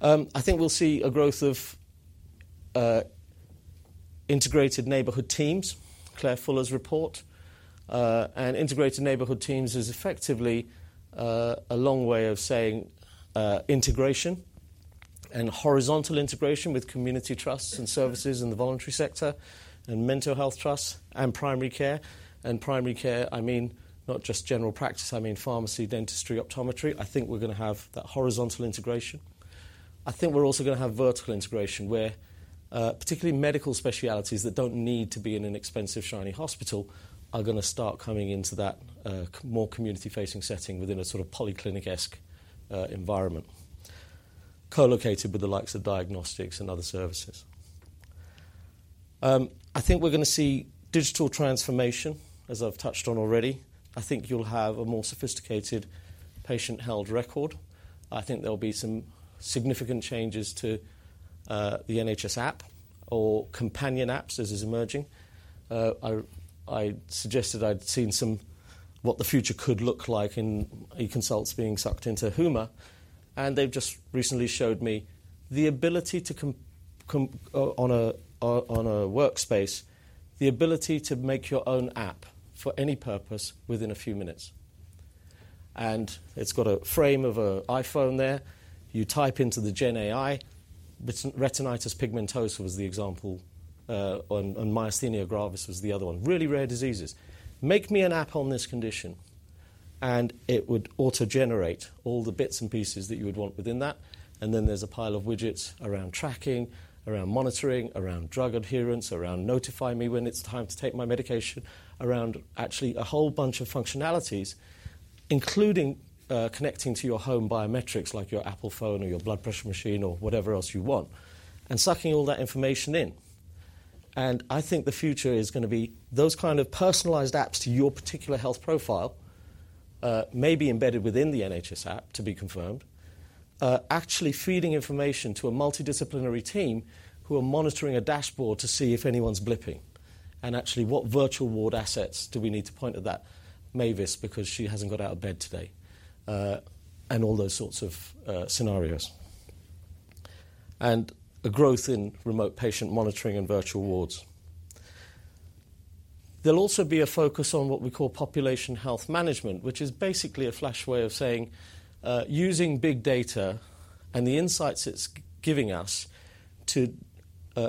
I think we'll see a growth of Integrated Neighbourhood Teams, Claire Fuller's report. Integrated Neighbourhood Teams is effectively a long way of saying integration and horizontal integration with community trusts and services in the voluntary sector, and mental health trusts, and primary care, I mean, not just general practice, I mean, pharmacy, dentistry, optometry. I think we're gonna have that horizontal integration. I think we're also gonna have vertical integration, where particularly medical specialties that don't need to be in an expensive, shiny hospital are gonna start coming into that more community-facing setting within a sort of polyclinic-esque environment, co-located with the likes of diagnostics and other services. I think we're gonna see digital transformation, as I've touched on already. I think you'll have a more sophisticated patient-held record. I think there'll be some significant changes to the NHS App or companion apps, as is emerging. I suggested I'd seen some what the future could look like in eConsults being sucked into Huma, and they've just recently showed me the ability to comment on a workspace, the ability to make your own app for any purpose within a few minutes. And it's got a frame of a iPhone there. You type into the Gen AI, retinitis pigmentosa was the example, and myasthenia gravis was the other one. Really rare diseases. Make me an app on this condition, and it would autogenerate all the bits and pieces that you would want within that, and then there's a pile of widgets around tracking, around monitoring, around drug adherence, around notify me when it's time to take my medication, around actually a whole bunch of functionalities, including connecting to your home biometrics, like your Apple phone or your blood pressure machine or whatever else you want, and sucking all that information in. I think the future is gonna be those kind of personalized apps to your particular health profile, maybe embedded within the NHS App, to be confirmed, actually feeding information to a multidisciplinary team who are monitoring a dashboard to see if anyone's blipping. And actually, what virtual ward assets do we need to point at that Mavis because she hasn't got out of bed today? And all those sorts of scenarios. And a growth in remote patient monitoring and virtual wards. There'll also be a focus on what we call population health management, which is basically a fancy way of saying, using big data and the insights it's giving us to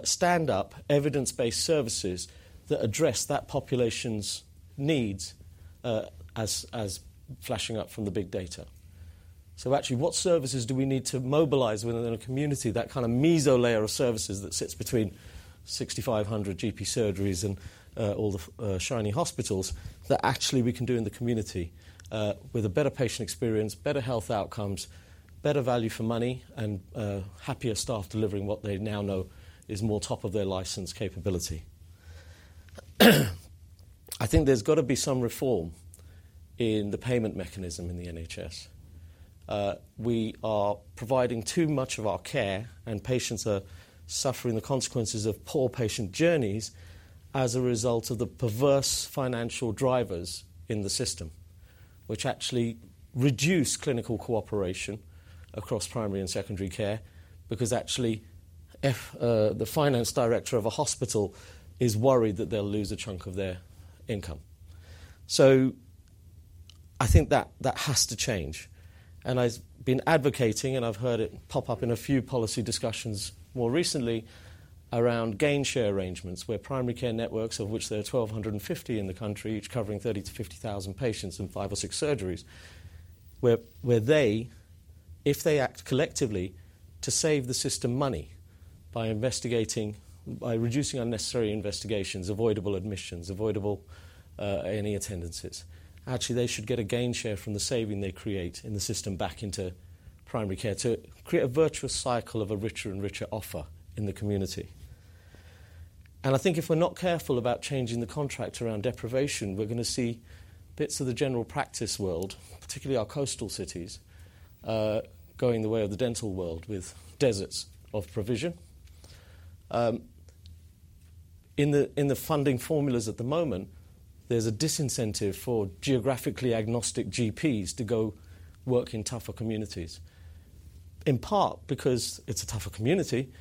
stand up evidence-based services that address that population's needs, as flagging up from the big data. So actually, what services do we need to mobilize within a community, that kind of meso layer of services that sits between 6,500 GP surgeries and all the shiny hospitals, that actually we can do in the community with a better patient experience, better health outcomes, better value for money, and happier staff delivering what they now know is more top of their license capability? I think there's got to be some reform in the payment mechanism in the NHS. We are providing too much of our care, and patients are suffering the consequences of poor patient journeys as a result of the perverse financial drivers in the system, which actually reduce clinical cooperation across primary and secondary care, because actually, if the finance director of a hospital is worried that they'll lose a chunk of their income. I think that, that has to change, and I've been advocating, and I've heard it pop up in a few policy discussions more recently around gain share arrangements, where Primary Care Networks, of which there are 1,250 in the country, each covering 30,000-50,000 patients in five or six surgeries, where, where they, if they act collectively to save the system money by investigating, by reducing unnecessary investigations, avoidable admissions, avoidable A&E attendances, actually, they should get a gain share from the saving they create in the system back into primary care to create a virtuous cycle of a richer and richer offer in the community. I think if we're not careful about changing the contract around deprivation, we're gonna see bits of the general practice world, particularly our coastal cities, going the way of the dental world with deserts of provision. In the funding formulas at the moment, there's a disincentive for geographically agnostic GPs to go work in tougher communities. In part, because it's a tougher community,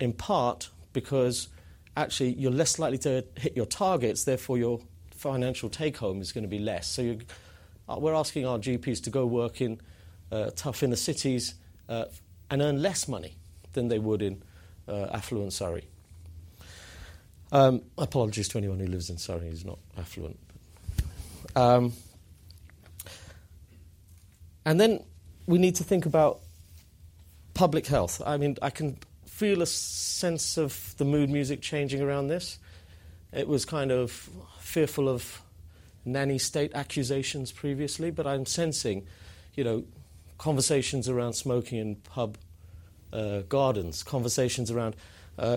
in part, because actually you're less likely to hit your targets, therefore financial take home is gonna be less. So you're, we're asking our GPs to go work in, tough inner cities, and earn less money than they would in, affluent Surrey. Apologies to anyone who lives in Surrey who's not affluent. Then we need to think about public health. I mean, I can feel a sense of the mood music changing around this. It was kind of fearful of nanny state accusations previously, but I'm sensing, you know, conversations around smoking in pub gardens, conversations around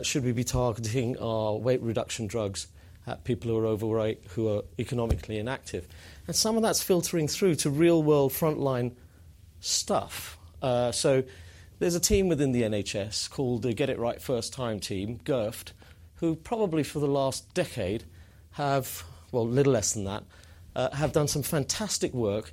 should we be targeting our weight reduction drugs at people who are overweight, who are economically inactive? And some of that's filtering through to real-world frontline stuff. So there's a team within the NHS called the Get It Right First Time team, GIRFT, who probably for the last decade have, well, a little less than that, have done some fantastic work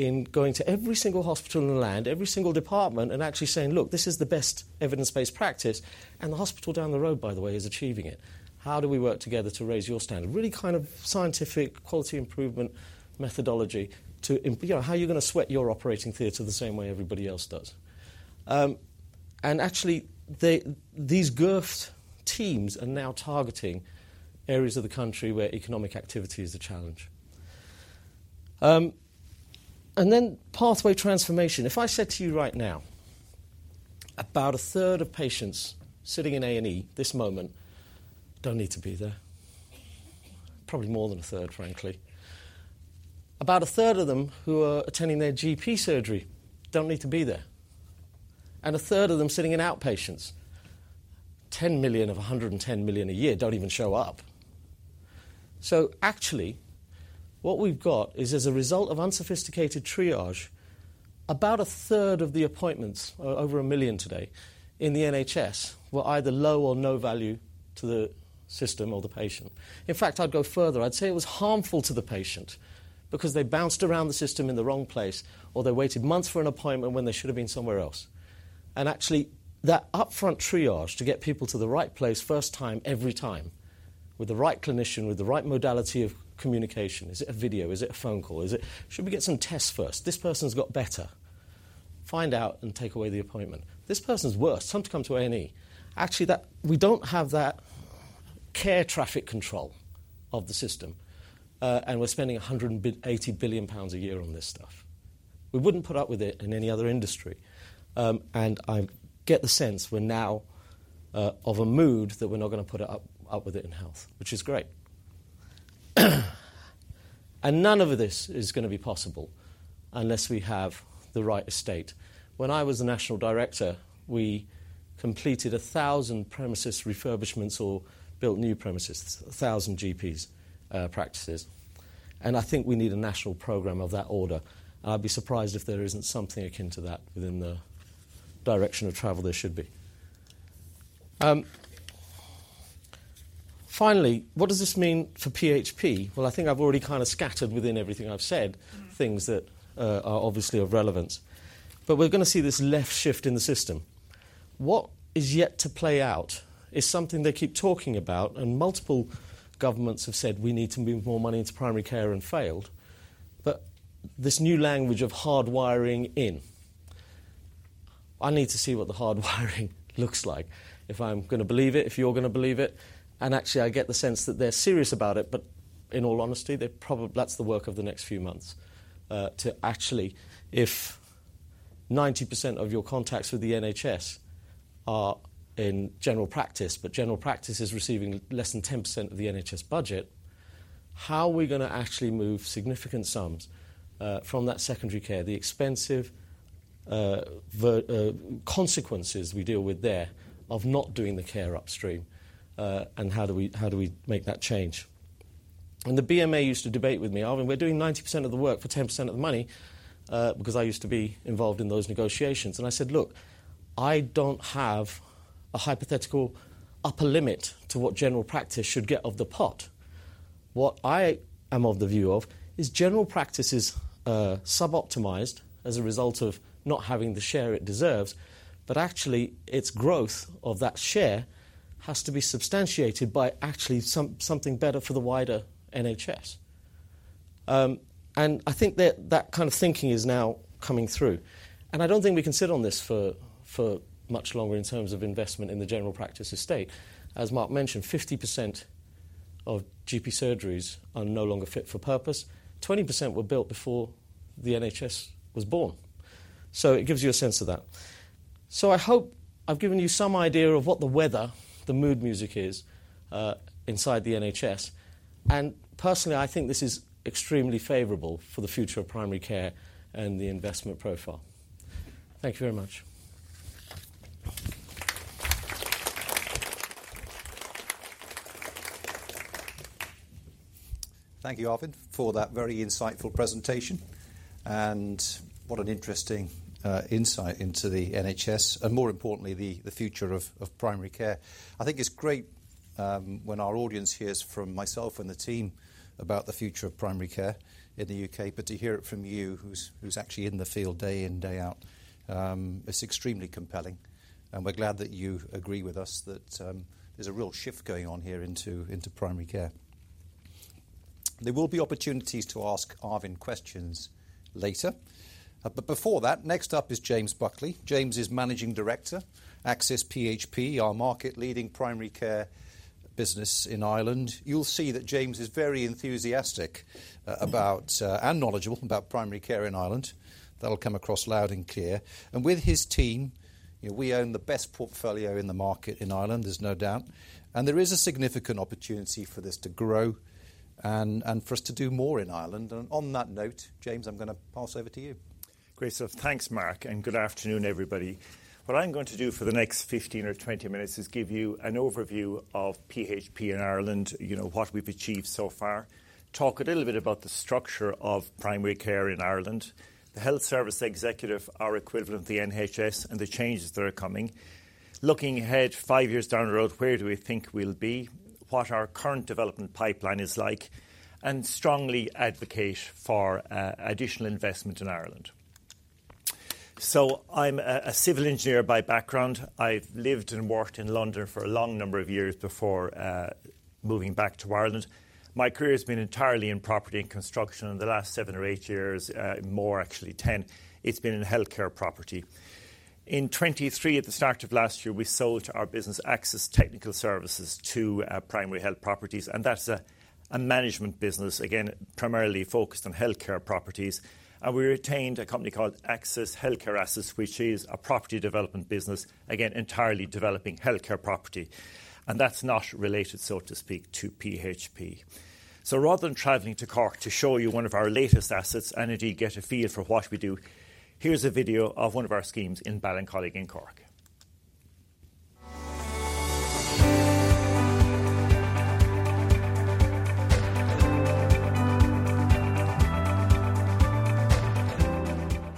in going to every single hospital in the land, every single department, and actually saying: Look, this is the best evidence-based practice, and the hospital down the road, by the way, is achieving it. How do we work together to raise your standard? Really kind of scientific quality improvement methodology to, you know, how are you gonna sweat your operating theater the same way everybody else does? Actually, these GIRFT teams are now targeting areas of the country where economic activity is a challenge, and then pathway transformation. If I said to you right now, about a third of patients sitting in A&E this moment don't need to be there. Probably more than a third, frankly. About a third of them who are attending their GP surgery don't need to be there, and a third of them sitting in outpatients. 10 million of 110 million a year don't even show up. Actually, what we've got is, as a result of unsophisticated triage, about a third of the appointments, over a million today in the NHS, were either low or no value to the system or the patient. In fact, I'd go further. I'd say it was harmful to the patient because they bounced around the system in the wrong place, or they waited months for an appointment when they should have been somewhere else. Actually, that upfront triage to get people to the right place first time, every time, with the right clinician, with the right modality of communication, is it a video? Is it a phone call? Is it... Should we get some tests first? This person's got better. Find out and take away the appointment. This person's worse, tell them to come to A&E. Actually, that we don't have that air traffic control of the system, and we're spending 108 billion pounds a year on this stuff. We wouldn't put up with it in any other industry, and I get the sense we're now of a mood that we're not gonna put up with it in health, which is great. And none of this is gonna be possible unless we have the right estate. When I was a national director, we completed 1,000 premises refurbishments or built new premises, 1,000 GPs practices, and I think we need a national program of that order. I'd be surprised if there isn't something akin to that within the direction of travel there should be. Finally, what does this mean for PHP? I think I've already kind of scattered within everything I've said, things that are obviously of relevance. But we're gonna see this left shift in the system. What is yet to play out is something they keep talking about, and multiple governments have said we need to move more money into primary care and failed. But this new language of hardwiring in, I need to see what the hardwiring looks like, if I'm gonna believe it, if you're gonna believe it, and actually, I get the sense that they're serious about it, but in all honesty, they're probably. That's the work of the next few months. To actually, if 90% of your contacts with the NHS are in general practice, but general practice is receiving less than 10% of the NHS budget, how are we gonna actually move significant sums from that secondary care, the expensive, very, consequences we deal with there of not doing the care upstream? And how do we, how do we make that change? And the BMA used to debate with me, Arvind, we're doing 90% of the work for 10% of the money because I used to be involved in those negotiations. And I said: Look, I don't have a hypothetical upper limit to what general practice should get of the pot. What I am of the view of is general practice is suboptimized as a result of not having the share it deserves, but actually, its growth of that share has to be substantiated by actually something better for the wider NHS. And I think that kind of thinking is now coming through, and I don't think we can sit on this for much longer in terms of investment in the general practice estate. As Mark mentioned, 50% of GP surgeries are no longer fit for purpose. 20% were built before the NHS was born. So it gives you a sense of that. So I hope I've given you some idea of what the weather, the mood music is inside the NHS, and personally, I think this is extremely favorable for the future of primary care and the investment profile. Thank you very much. Thank you, Arvind, for that very insightful presentation. What an interesting insight into the NHS and more importantly, the future of primary care. I think it's great when our audience hears from myself and the team about the future of primary care in the U.K., but to hear it from you, who's actually in the field day in, day out, it's extremely compelling, and we're glad that you agree with us that there's a real shift going on here into primary care. There will be opportunities to ask Arvind questions later. Before that, next up is James Buckley. James is Managing Director, Axis PHP, our market-leading primary care business in Ireland. You'll see that James is very enthusiastic about and knowledgeable about primary care in Ireland. That'll come across loud and clear. With his team, you know, we own the best portfolio in the market in Ireland. There's no doubt, and there is a significant opportunity for this to grow and for us to do more in Ireland. On that note, James, I'm gonna pass over to you. Great. So thanks, Mark, and good afternoon, everybody. What I'm going to do for the next 15 or 20 minutes is give you an overview of PHP in Ireland, you know, what we've achieved so far. Talk a little bit about the structure of primary care in Ireland. The Health Service Executive, our equivalent of the NHS, and the changes that are coming. Looking ahead 5 years down the road, where do we think we'll be, what our current development pipeline is like. And strongly advocate for additional investment in Ireland. So I'm a civil engineer by background. I've lived and worked in London for a long number of years before moving back to Ireland. My career's been entirely in property and construction, and the last 7 or 8 years, more, actually, 10, it's been in healthcare property. In 2023, at the start of last year, we sold our business, Axis Technical Services, to Primary Health Properties, and that's a management business, again, primarily focused on healthcare properties. And we retained a company called Axis Healthcare Assets, which is a property development business, again, entirely developing healthcare property, and that's not related, so to speak, to PHP. So rather than traveling to Cork to show you one of our latest assets and indeed get a feel for what we do, here's a video of one of our schemes in Ballincollig in Cork.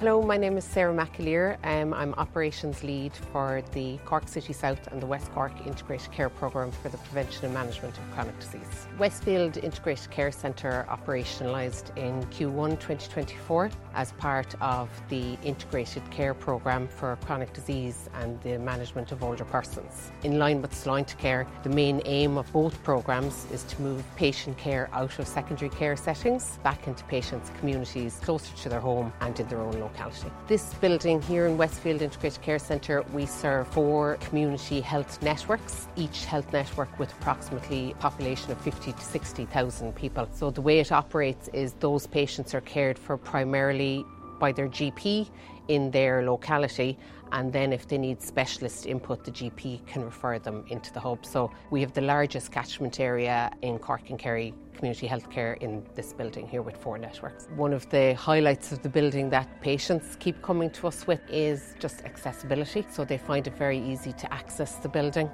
Hello, my name is Sarah McAleer, and I'm Operations Lead for the Cork City South and the West Cork Integrated Care Programme for the Prevention and Management of Chronic Disease. Westfield Integrated Care Centre operationalized in Q1 2024 as part of the integrated care program for chronic disease and the management of older persons. In line with Sláintecare, the main aim of both programs is to move patient care out of secondary care settings back into patients' communities, closer to their home and in their own locality. This building here in Westfield Integrated Care Centre, we serve four community health networks, each health network with approximately a population of 50-60 thousand people. So the way it operates is those patients are cared for primarily by their GP in their locality, and then if they need specialist input, the GP can refer them into the hub. So we have the largest catchment area in Cork and Kerry Community Healthcare in this building here with four networks. One of the highlights of the building that patients keep coming to us with is just accessibility. They find it very easy to access the building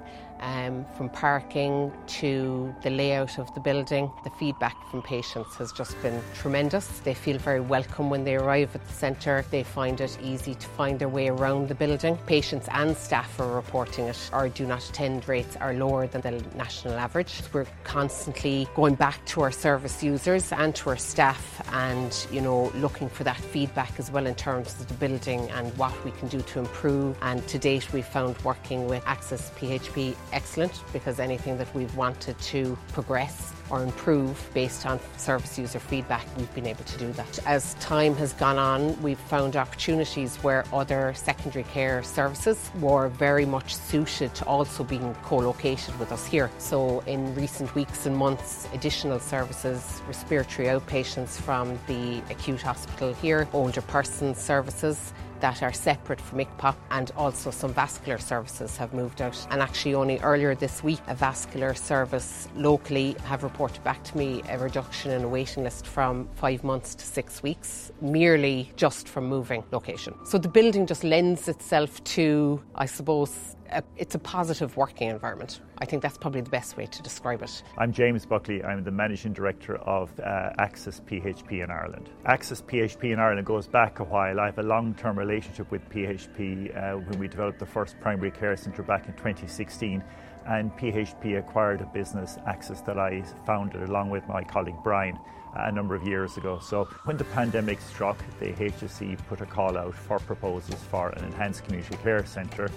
from parking to the layout of the building. The feedback from patients has just been tremendous. They feel very welcome when they arrive at the center. They find it easy to find their way around the building. Patients and staff are reporting that our Do Not Attend rates are lower than the national average. We're constantly going back to our service users and to our staff and, you know, looking for that feedback as well in terms of the building and what we can do to improve. To date, we've found working with Axis PHP excellent, because anything that we've wanted to progress or improve based on service user feedback, we've been able to do that. As time has gone on, we've found opportunities where other secondary care services were very much suited to also being co-located with us here. In recent weeks and months, additional services, respiratory outpatients from the acute hospital here, older person services that are separate from ICPC, and also some vascular services have moved out. Actually, only earlier this week, a vascular service locally have reported back to me a reduction in a waiting list from five months to six weeks, merely just from moving location. The building just lends itself to, I suppose, it's a positive working environment. I think that's probably the best way to describe it. I'm James Buckley. I'm the Managing Director of Axis PHP in Ireland. Axis PHP in Ireland goes back a while. I have a long-term relationship with PHP when we developed the first primary care center back in 2016, and PHP acquired a business, Axis, that I founded, along with my colleague, Brian, a number of years ago. So when the pandemic struck, the HSE put a call out for proposals for an enhanced community care center,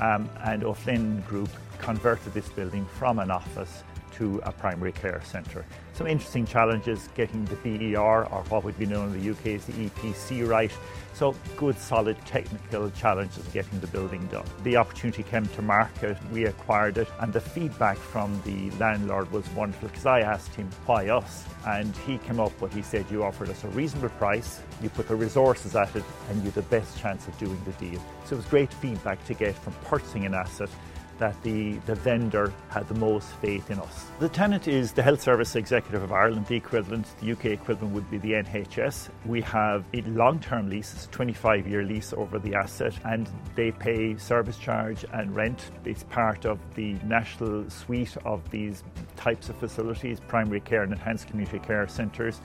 and O'Flynn Group converted this building from an office to a primary care center. Some interesting challenges, getting the BER, or what would be known in the UK as the EPC, right, so good, solid technical challenges getting the building done. The opportunity came to market, we acquired it, and the feedback from the landlord was wonderful, 'cause I asked him, "Why us?" And he came up, what he said, "You offered us a reasonable price, you put the resources at it, and you're the best chance of doing the deal." So it was great feedback to get from purchasing an asset that the vendor had the most faith in us. The tenant is the Health Service Executive of Ireland. The equivalent, the UK equivalent, would be the NHS. We have a long-term lease. It's a 25-year lease over the asset, and they pay service charge and rent. It's part of the national suite of these types of facilities, primary care and enhanced community care centers.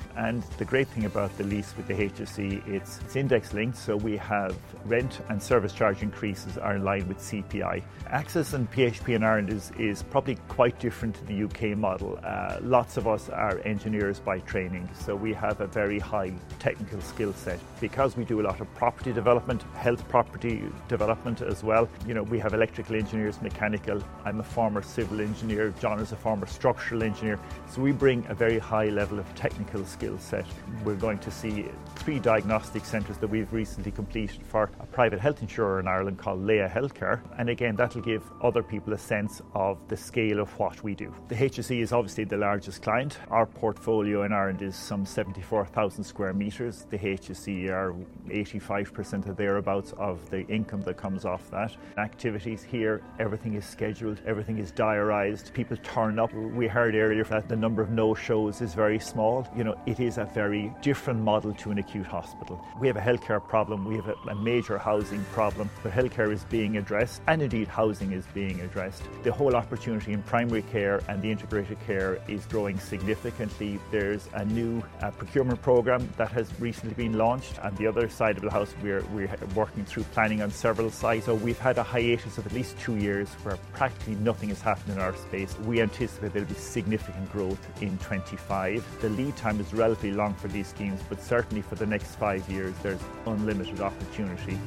The great thing about the lease with the HSE, it's index-linked, so we have rent and service charge increases are in line with CPI. Axis and PHP in Ireland is probably quite different to the U.K. model. Lots of us are engineers by training, so we have a very high technical skill set. Because we do a lot of property development, health property development as well, you know, we have electrical engineers, mechanical. I'm a former civil engineer. John is a former structural engineer. So we bring a very high level of technical skill set. We're going to see three diagnostic centers that we've recently completed for a private health insurer in Ireland called Laya Healthcare, and again, that'll give other people a sense of the scale of what we do. The HSE is obviously the largest client. Our portfolio in Ireland is some 74,000 square meters. The HSE are 85% or thereabouts of the income that comes off that. Activities here, everything is scheduled. Everything is diarized. People turn up. We heard earlier that the number of no-shows is very small. You know, it is a very different model to an acute hospital. We have a healthcare problem. We have a major housing problem. The healthcare is being addressed, and indeed, housing is being addressed. The whole opportunity in primary care and the integrated care is growing significantly. There's a new procurement program that has recently been launched. On the other side of the house, we're working through planning on several sites. So we've had a hiatus of at least 2 years where practically nothing has happened in our space. We anticipate there'll be significant growth in 2025. The lead time is relatively long for these schemes, but certainly for the next five years, there's unlimited opportunity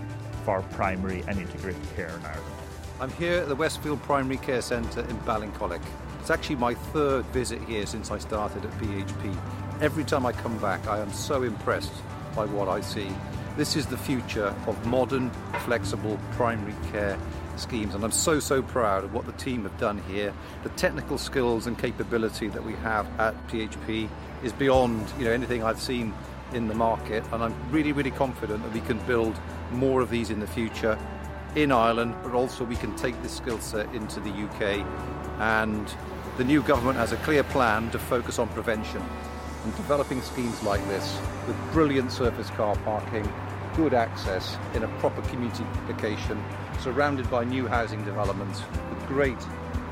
for primary and integrated care in Ireland. I'm here at the Westfield Integrated Care Centre in Ballincollig. It's actually my third visit here since I started at PHP. Every time I come back, I am so impressed by what I see. This is the future of modern, flexible primary care schemes, and I'm so, so proud of what the team have done here. The technical skills and capability that we have at PHP is beyond, you know, anything I've seen in the market, and I'm really, really confident that we can build more of these in the future in Ireland, but also we can take this skill set into the UK. And the new government has a clear plan to focus on prevention and developing schemes like this, with brilliant surface car parking, good access in a proper community location, surrounded by new housing developments. Great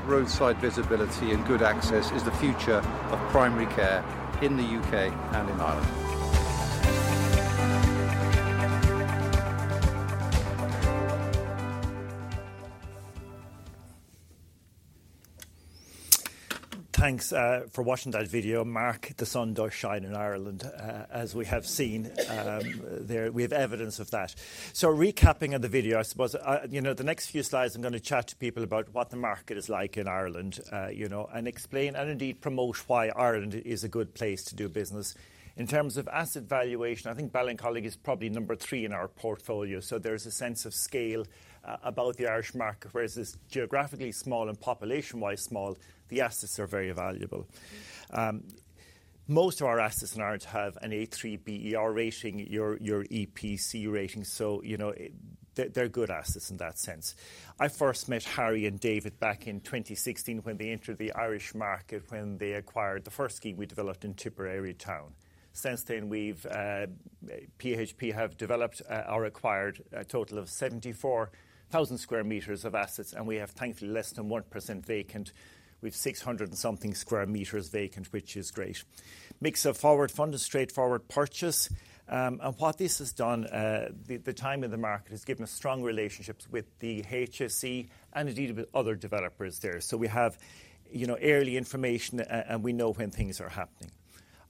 roadside visibility and good access is the future of primary care in the UK and in Ireland. Thanks, for watching that video. Mark, the sun does shine in Ireland, as we have seen, there. We have evidence of that. So recapping of the video, I suppose, you know, the next few slides, I'm gonna chat to people about what the market is like in Ireland, you know, and explain and indeed promote why Ireland is a good place to do business. In terms of asset valuation, I think Ballincollig is probably number three in our portfolio, so there's a sense of scale, about the Irish market, whereas it's geographically small and population-wise small, the assets are very valuable. Most of our assets in Ireland have an A3 BER rating, your EPC rating, so, you know, they're good assets in that sense. I first met Harry and David back in 2016 when they entered the Irish market, when they acquired the first scheme we developed in Tipperary Town. Since then, we've PHP have developed or acquired a total of 74,000 square meters of assets, and we have thankfully less than 1% vacant, with 600 and something square meters vacant, which is great. Mix of forward funded, straightforward purchase. What this has done, the time in the market, has given us strong relationships with the HSE and indeed with other developers there. So we have, you know, early information, and we know when things are happening.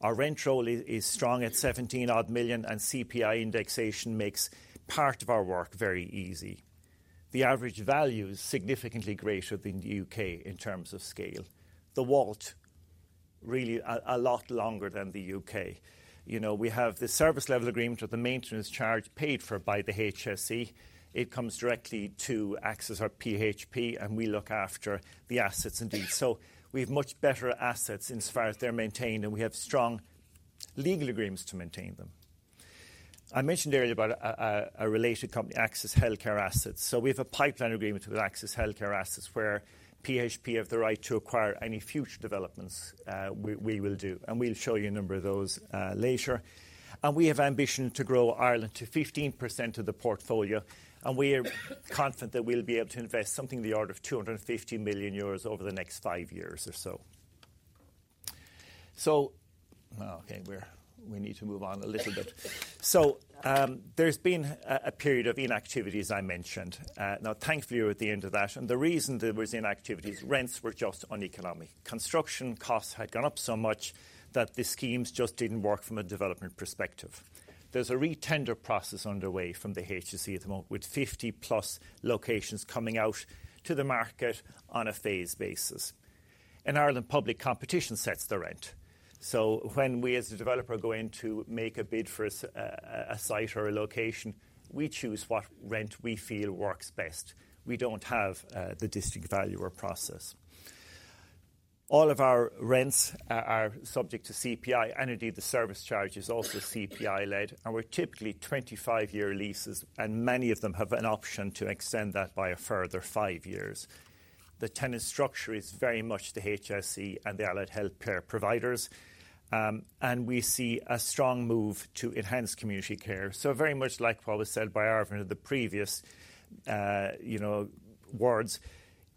Our rent roll is strong at 17-odd million, and CPI indexation makes part of our work very easy. The average value is significantly greater than the U.K. in terms of scale. The WALT, really a lot longer than the UK. You know, we have the service level agreement or the maintenance charge paid for by the HSE. It comes directly to Axis or PHP, and we look after the assets indeed. So we have much better assets in as far as they're maintained, and we have strong legal agreements to maintain them. I mentioned earlier about a related company, Axis Healthcare Assets. So we have a pipeline agreement with Axis Healthcare Assets, where PHP have the right to acquire any future developments, we will do, and we'll show you a number of those later. And we have ambition to grow Ireland to 15% of the portfolio, and we are confident that we'll be able to invest something in the order of 250 million euros over the next 5 years or so. There's been a period of inactivity, as I mentioned. Now, thankfully, we're at the end of that, and the reason there was inactivity is rents were just uneconomic. Construction costs had gone up so much that the schemes just didn't work from a development perspective. There's a re-tender process underway from the HSE at the moment, with 50 plus locations coming out to the market on a phased basis. In Ireland, public competition sets the rent, so when we, as a developer, go in to make a bid for a site or a location, we choose what rent we feel works best. We don't have the District Valuer process. All of our rents are subject to CPI, and indeed, the service charge is also CPI-led, and we're typically twenty-five-year leases, and many of them have an option to extend that by a further five years. The tenant structure is very much the HSE and the allied healthcare providers. And we see a strong move to enhance community care. So very much like what was said by Arvind in the previous words,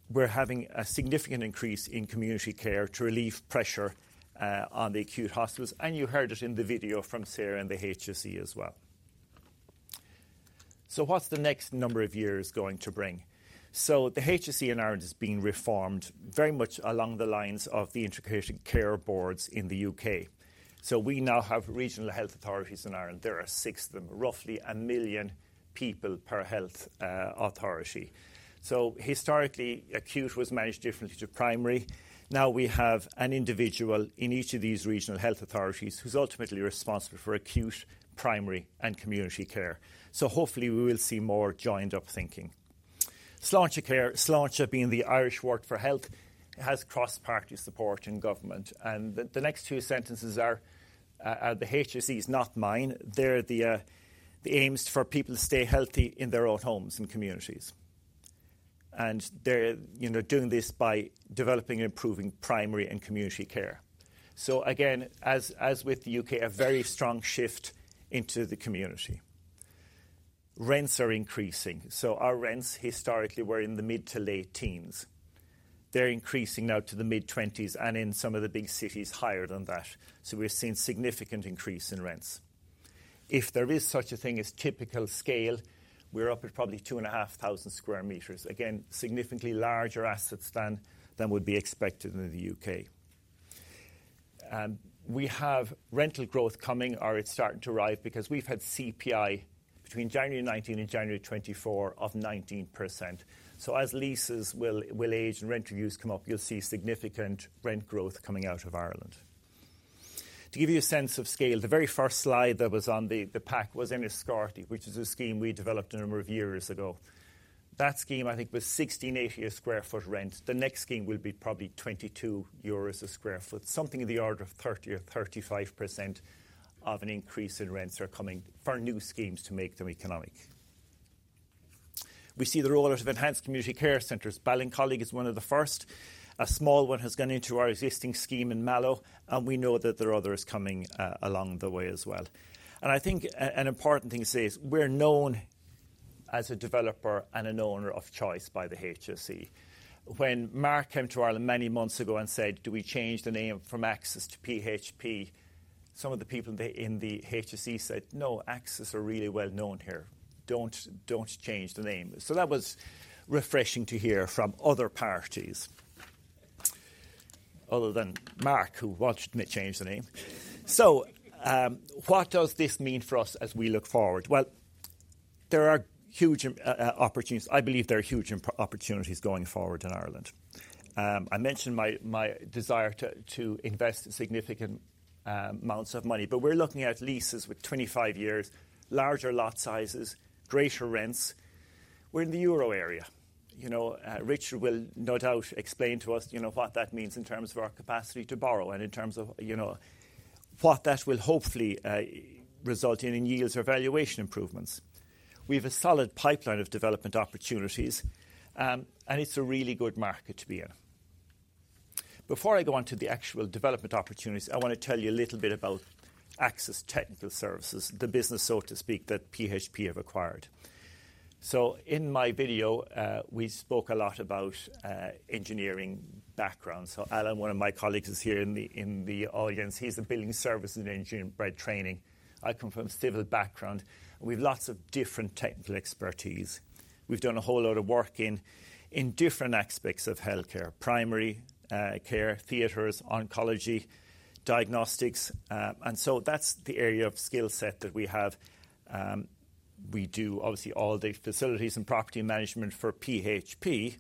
we're having a significant increase in community care to relieve pressure on the acute hospitals, and you heard it in the video from Sarah and the HSE as well. So what's the next number of years going to bring? So the HSE in Ireland is being reformed very much along the lines of the integrated care boards in the UK. So we now have regional health authorities in Ireland. There are six of them, roughly a million people per health authority. So historically, acute was managed differently to primary. Now, we have an individual in each of these regional health authorities who's ultimately responsible for acute, primary, and community care, so hopefully, we will see more joined-up thinking. Sláintecare, sláinte being the Irish word for health, has cross-party support in government, and the next two sentences are the HSE's, not mine. They're the aims for people to stay healthy in their own homes and communities. And they're, you know, doing this by developing and improving primary and community care. So again, as with the UK, a very strong shift into the community. Rents are increasing, so our rents historically were in the mid to late teens. They're increasing now to the mid-twenties and in some of the big cities, higher than that, so we're seeing significant increase in rents. If there is such a thing as typical scale, we're up at probably 2,500 square meters. Again, significantly larger assets than would be expected in the UK. We have rental growth coming, or it's starting to arrive, because we've had CPI between January 2019 and January 2024 of 19%. So as leases will age and rent reviews come up, you'll see significant rent growth coming out of Ireland. To give you a sense of scale, the very first slide that was on the pack was Enniscorthy, which is a scheme we developed a number of years ago. That scheme, I think, was 16.80 a square foot rent. The next scheme will be probably 22 euros a sq ft. Something in the order of 30 or 35% of an increase in rents are coming for new schemes to make them economic. We see the rollout of enhanced community care centers. Ballincollig is one of the first. A small one has gone into our existing scheme in Mallow, and we know that there are others coming along the way as well. And I think an important thing to say is we're known as a developer and an owner of choice by the HSE. When Mark came to Ireland many months ago and said, "Do we change the name from Axis to PHP?" Some of the people in the HSE said, "No, Axis are really well known here. Don't, don't change the name." So that was refreshing to hear from other parties, other than Mark, who wanted me to change the name. So, what does this mean for us as we look forward? Well, there are huge opportunities. I believe there are huge opportunities going forward in Ireland. I mentioned my desire to invest significant amounts of money, but we're looking at leases with 25 years, larger lot sizes, greater rents. We're in the euro area. You know, Richard will no doubt explain to us, you know, what that means in terms of our capacity to borrow and in terms of, you know, what that will hopefully result in, in yields or valuation improvements. We have a solid pipeline of development opportunities, and it's a really good market to be in. Before I go on to the actual development opportunities, I want to tell you a little bit about Axis Technical Services, the business, so to speak, that PHP have acquired. So in my video, we spoke a lot about engineering background. So Alan, one of my colleagues, is here in the audience. He's a building services engineer by training. I come from a civil background. We've lots of different technical expertise. We've done a whole lot of work in different aspects of healthcare: primary care, theaters, oncology, diagnostics, and so that's the area of skill set that we have. We do, obviously, all the facilities and property management for PHP,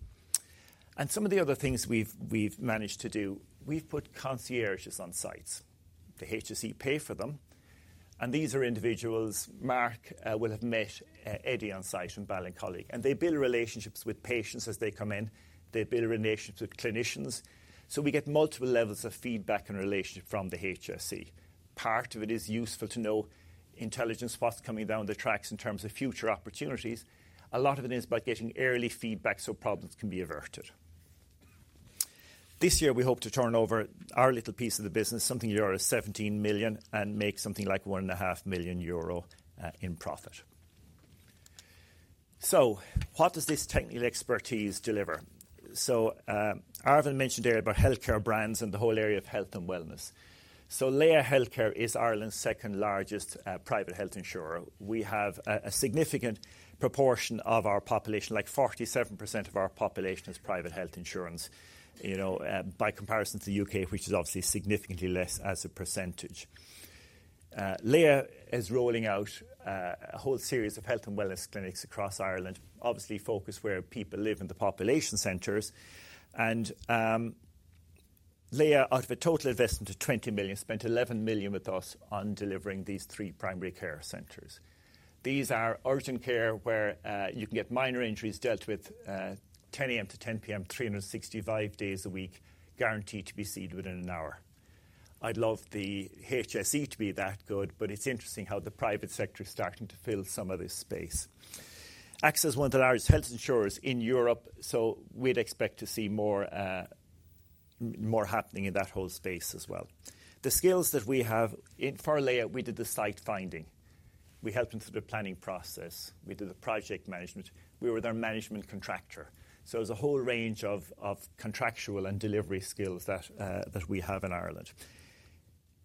and some of the other things we've managed to do, we've put concierges on sites. The HSE pay for them, and these are individuals Mark will have met Eddie on site in Ballincollig, and they build relationships with patients as they come in. They build relationships with clinicians, so we get multiple levels of feedback and relationship from the HSE. Part of it is useful to know intelligence, what's coming down the tracks in terms of future opportunities. A lot of it is about getting early feedback so problems can be averted. This year, we hope to turn over our little piece of the business, something euro 17 million, and make something like 1.5 million euro in profit. So what does this technical expertise deliver? So, Arvind mentioned earlier about healthcare brands and the whole area of health and wellness. So Laya Healthcare is Ireland's second largest private health insurer. We have a significant proportion of our population, like 47% of our population, has private health insurance, you know, by comparison to the U.K., which is obviously significantly less as a percentage. Laya is rolling out a whole series of health and wellness clinics across Ireland, obviously focused where people live in the population centers. Laya, out of a total investment of 20 million, spent 11 million with us on delivering these 3 primary care centers. These are urgent care, where you can get minor injuries dealt with, 10 A.M. to 10 P.M., 365 days a week, guaranteed to be seen within an hour. I'd love the HSE to be that good, but it's interesting how the private sector is starting to fill some of this space. Laya is one of the largest health insurers in Europe, so we'd expect to see more happening in that whole space as well. The skills that we have. For Laya, we did the site finding. We helped them through the planning process. We did the project management. We were their management contractor, so there's a whole range of contractual and delivery skills that we have in Ireland.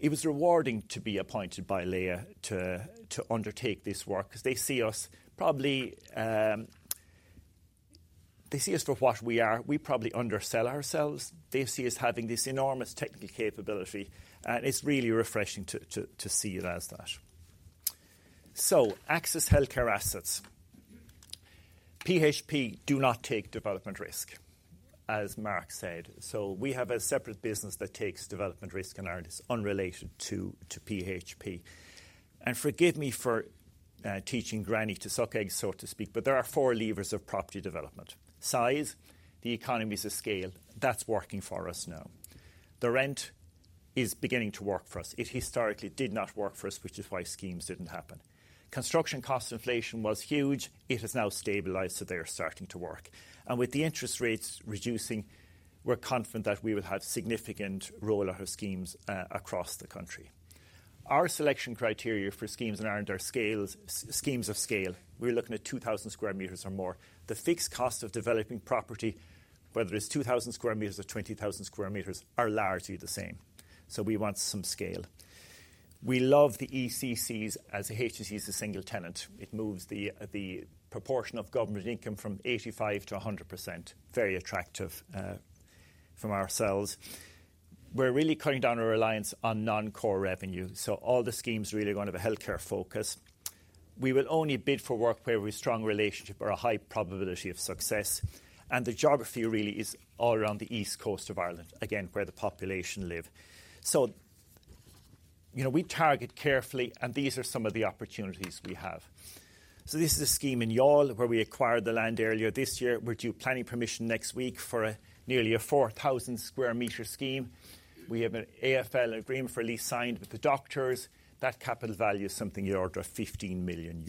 It was rewarding to be appointed by Laya to undertake this work, because they see us probably. They see us for what we are. We probably undersell ourselves. They see us having this enormous technical capability, and it's really refreshing to see it as that. So Axis Healthcare Assets. PHP do not take development risk, as Mark said, so we have a separate business that takes development risk in Ireland, unrelated to PHP. Forgive me for teaching granny to suck eggs, so to speak, but there are four levers of property development: size, the economies of scale, that's working for us now. The rent is beginning to work for us. It historically did not work for us, which is why schemes didn't happen. Construction cost inflation was huge. It has now stabilized, so they are starting to work. With the interest rates reducing, we're confident that we will have significant rollout of schemes across the country. Our selection criteria for schemes in Ireland are schemes of scale. We're looking at 2,000 sq m or more. The fixed cost of developing property, whether it's 2,000 sq m or 20,000 sq m, are largely the same, so we want some scale. We love the ECCs as the HSE's a single tenant. It moves the proportion of government income from 85% to 100%. Very attractive from ourselves. We're really cutting down our reliance on non-core revenue, so all the schemes really are going to have a healthcare focus. We will only bid for work where we've a strong relationship or a high probability of success, and the geography really is all around the east coast of Ireland, again, where the population live. So, you know, we target carefully, and these are some of the opportunities we have. So this is a scheme in Youghal, where we acquired the land earlier this year. We're due planning permission next week for nearly 4,000 sq m scheme. We have an AFL, Agreement for Lease, signed with the doctors. That capital value is something in the order of EUR 15 million.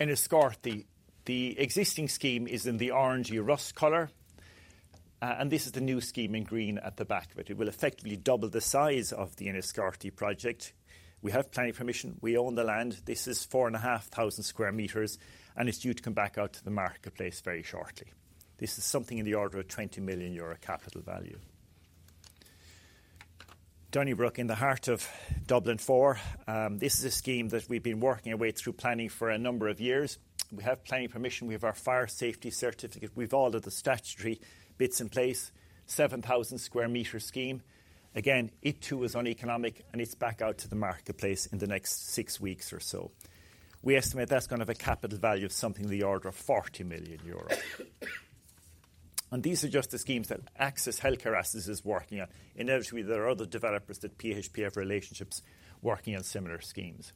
Enniscorthy, the existing scheme is in the orangey rust color, and this is the new scheme in green at the back of it. It will effectively double the size of the Enniscorthy project. We have planning permission. We own the land. This is 4,500 sq m, and it's due to come back out to the marketplace very shortly. This is something in the order of 20 million euro capital value. Donnybrook, in the heart of Dublin 4, this is a scheme that we've been working our way through planning for a number of years. We have planning permission. We have our fire safety certificate. We've all of the statutory bits in place. 7,000 sq m scheme. Again, it too is on economics, and it's back out to the marketplace in the next six weeks or so. We estimate that's going to have a capital value of something in the order of 40 million euro. And these are just the schemes that Axis Healthcare Assets is working on. Inevitably, there are other developers that PHP have relationships working on similar schemes.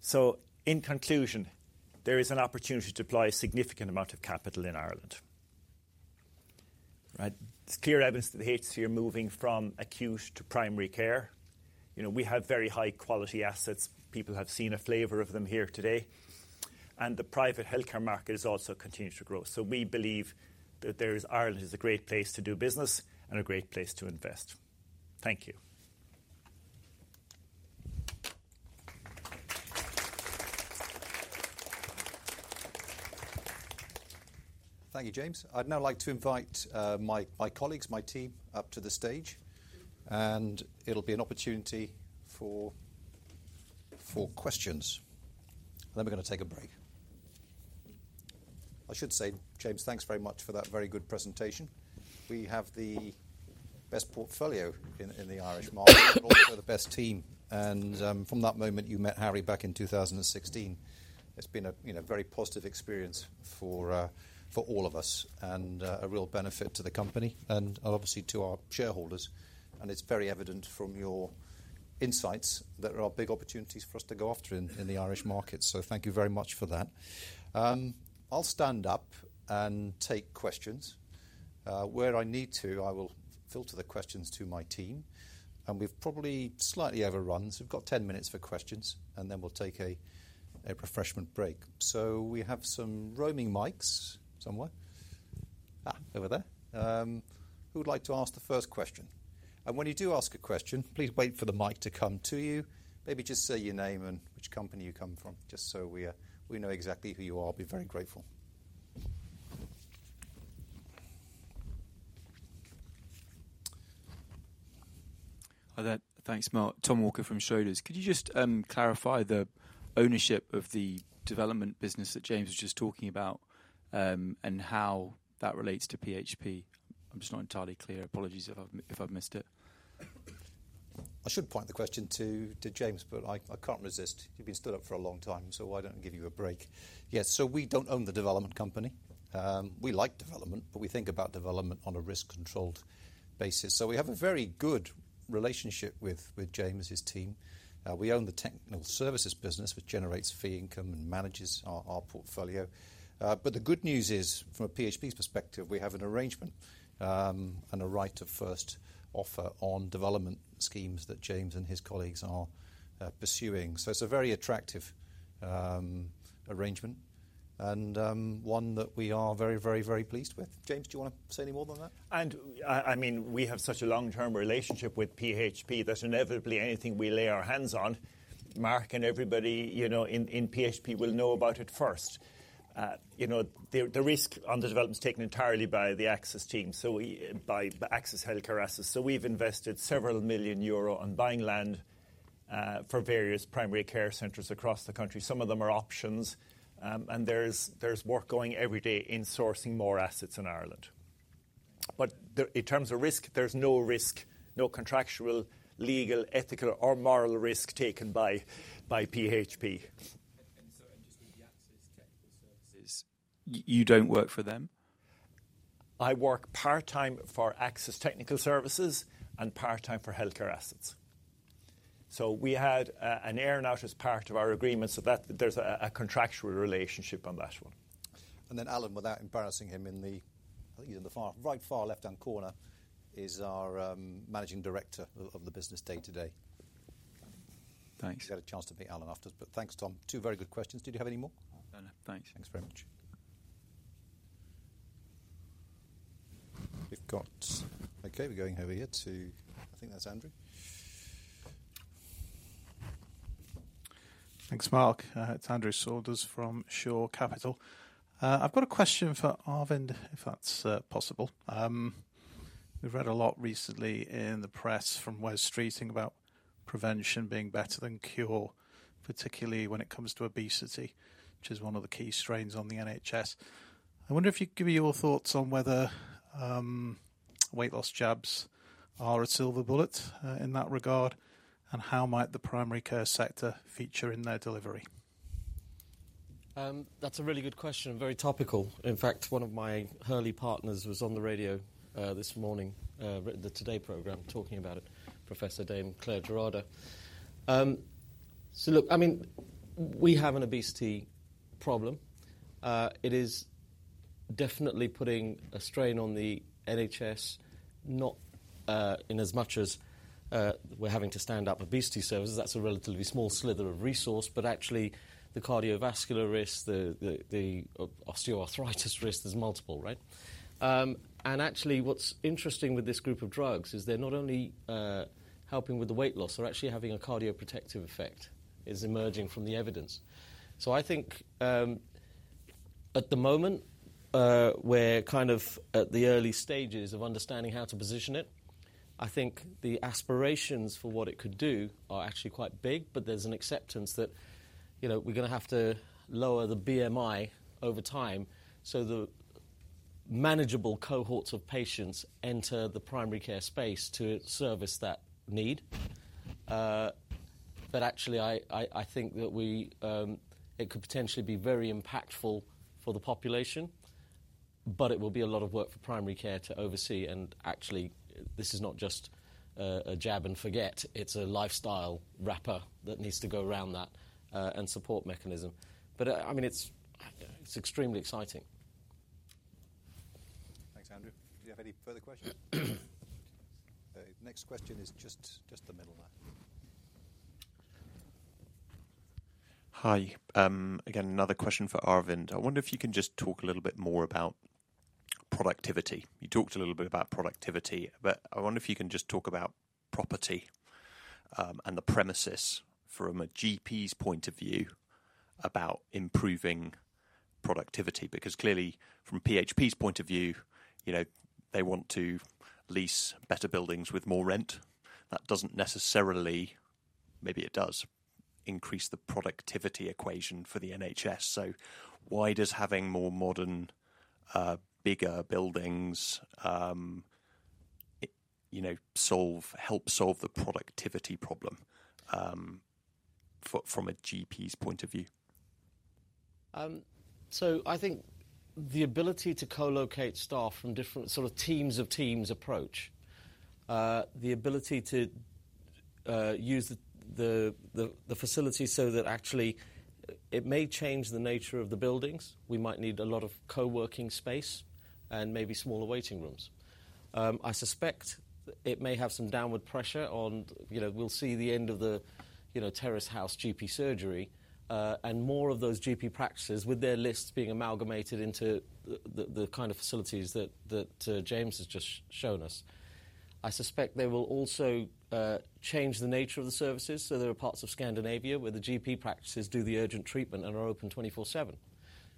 So in conclusion, there is an opportunity to deploy a significant amount of capital in Ireland. Right? It's clear evidence that the HSE are moving from acute to primary care. You know, we have very high quality assets. People have seen a flavor of them here today, and the private healthcare market is also continuing to grow. So we believe that there is. Ireland is a great place to do business and a great place to invest. Thank you. Thank you, James. I'd now like to invite my colleagues, my team, up to the stage, and it'll be an opportunity for questions. Then we're gonna take a break. I should say, James, thanks very much for that very good presentation. We have the best portfolio in the Irish market, and also the best team, and from that moment you met Harry back in two thousand and sixteen, it's been a you know, very positive experience for all of us and a real benefit to the company and obviously to our shareholders, and it's very evident from your insights that there are big opportunities for us to go after in the Irish market, so thank you very much for that. I'll stand up and take questions. Where I need to, I will filter the questions to my team. We've probably slightly overrun, so we've got ten minutes for questions, and then we'll take a refreshment break. We have some roaming mics somewhere. Over there. Who would like to ask the first question? When you do ask a question, please wait for the mic to come to you. Maybe just say your name and which company you come from, just so we know exactly who you are. I'll be very grateful. Hi there. Thanks, Mark. Tom Walker from Schroders. Could you just clarify the ownership of the development business that James was just talking about, and how that relates to PHP? I'm just not entirely clear. Apologies if I've missed it. I should point the question to James, but I can't resist. You've been stood up for a long time, so why don't I give you a break? Yes, so we don't own the development company. We like development, but we think about development on a risk-controlled basis. We have a very good relationship with James, his team. We own the technical services business, which generates fee income and manages our portfolio. But the good news is, from a PHP's perspective, we have an arrangement, and a right to first offer on development schemes that James and his colleagues are pursuing. It's a very attractive arrangement and one that we are very, very, very pleased with. James, do you want to say any more about that? We have such a long-term relationship with PHP that inevitably anything we lay our hands on, Mark and everybody, you know, in PHP will know about it first. You know, the risk on the development is taken entirely by the Axis team, so we by the Axis Healthcare Assets. So we've invested several million EUR on buying land for various primary care centers across the country. Some of them are options, and there's work going every day in sourcing more assets in Ireland. But in terms of risk, there's no risk, no contractual, legal, ethical, or moral risk taken by PHP. And so, just with the Axis Technical Services, you don't work for them? I work part-time for Axis Technical Services and part-time for Axis Healthcare Assets. So we had an earn-out as part of our agreement so that there's a contractual relationship on that one. And then Alan, without embarrassing him, I think he's in the far right far left-hand corner, is our Managing Director of the business day to day. Thanks. You'll get a chance to meet Alan afterwards, but thanks, Tom. Two very good questions. Did you have any more? No. No. Thanks. Thanks very much. We've got... Okay, we're going over here to, I think that's Andrew.... Thanks, Mark. It's Andrew Saunders from Shore Capital. I've got a question for Arvind, if that's possible. We've read a lot recently in the press from Wes Streeting about prevention being better than cure, particularly when it comes to obesity, which is one of the key strains on the NHS. I wonder if you'd give me your thoughts on whether weight loss jabs are a silver bullet in that regard, and how might the primary care sector feature in their delivery? That's a really good question, very topical. In fact, one of my Hurley partners was on the radio this morning, the Today programme, talking about it, Professor Dame Clare Gerada. So look, I mean, we have an obesity problem. It is definitely putting a strain on the NHS, not in as much as we're having to stand up obesity services. That's a relatively small sliver of resource, but actually the cardiovascular risk, the osteoarthritis risk is multiple, right? And actually, what's interesting with this group of drugs is they're not only helping with the weight loss, they're actually having a cardioprotective effect is emerging from the evidence. So I think at the moment, we're kind of at the early stages of understanding how to position it. I think the aspirations for what it could do are actually quite big, but there's an acceptance that, you know, we're gonna have to lower the BMI over time, so the manageable cohorts of patients enter the primary care space to service that need, but actually I think it could potentially be very impactful for the population, but it will be a lot of work for primary care to oversee. Actually, this is not just a jab and forget, it's a lifestyle wrapper that needs to go around that and support mechanism. I mean, it's extremely exciting. Thanks, Andrew. Do you have any further questions? Next question is just the middle now. Hi. Again, another question for Arvind. I wonder if you can just talk a little bit more about productivity. You talked a little bit about productivity, but I wonder if you can just talk about property, and the premises from a GP's point of view about improving productivity, because clearly from PHP's point of view, you know, they want to lease better buildings with more rent. That doesn't necessarily, maybe it does, increase the productivity equation for the NHS. So why does having more modern, bigger buildings, you know, help solve the productivity problem, from a GP's point of view? So I think the ability to co-locate staff from different sort of teams of teams approach, the ability to use the facilities so that actually it may change the nature of the buildings. We might need a lot of co-working space and maybe smaller waiting rooms. I suspect it may have some downward pressure on, you know, we'll see the end of the, you know, terrace house GP surgery, and more of those GP practices with their lists being amalgamated into the kind of facilities that James has just shown us. I suspect they will also change the nature of the services. So there are parts of Scandinavia where the GP practices do the urgent treatment and are open twenty-four seven.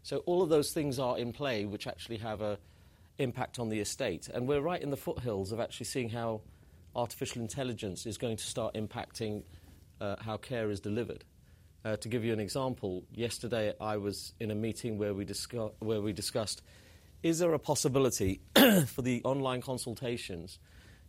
So all of those things are in play, which actually have an impact on the estate, and we're right in the foothills of actually seeing how artificial intelligence is going to start impacting how care is delivered. To give you an example, yesterday I was in a meeting where we discussed, is there a possibility for the online consultations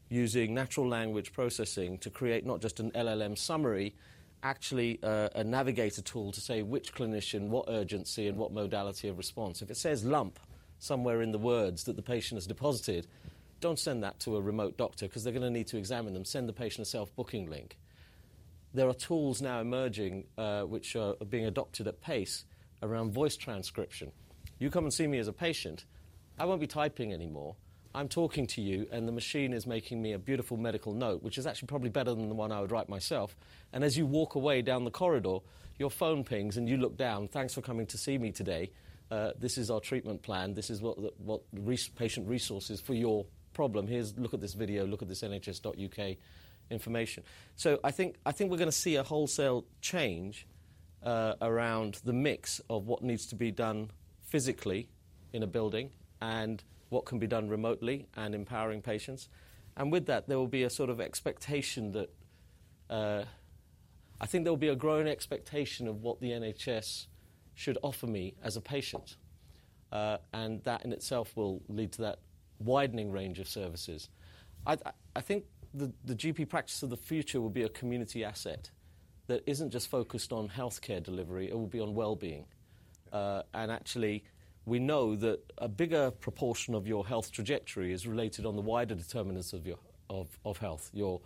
using natural language processing to create not just an LLM summary, actually, a navigator tool to say which clinician, what urgency, and what modality of response. If it says lump somewhere in the words that the patient has deposited, don't send that to a remote doctor 'cause they're gonna need to examine them. Send the patient a self-booking link. There are tools now emerging which are being adopted at pace around voice transcription. You come and see me as a patient. I won't be typing anymore. I'm talking to you, and the machine is making me a beautiful medical note, which is actually probably better than the one I would write myself. And as you walk away down the corridor, your phone pings, and you look down, "Thanks for coming to see me today. This is our treatment plan. This is what patient resources for your problem. Here's... Look at this video. Look at this NHS.uk information." So I think we're gonna see a wholesale change around the mix of what needs to be done physically in a building and what can be done remotely and empowering patients. And with that, there will be a sort of expectation that... I think there will be a growing expectation of what the NHS should offer me as a patient, and that in itself will lead to that widening range of services. I think the GP practice of the future will be a community asset that isn't just focused on healthcare delivery, it will be on well-being. And actually, we know that a bigger proportion of your health trajectory is related on the wider determinants of your health, your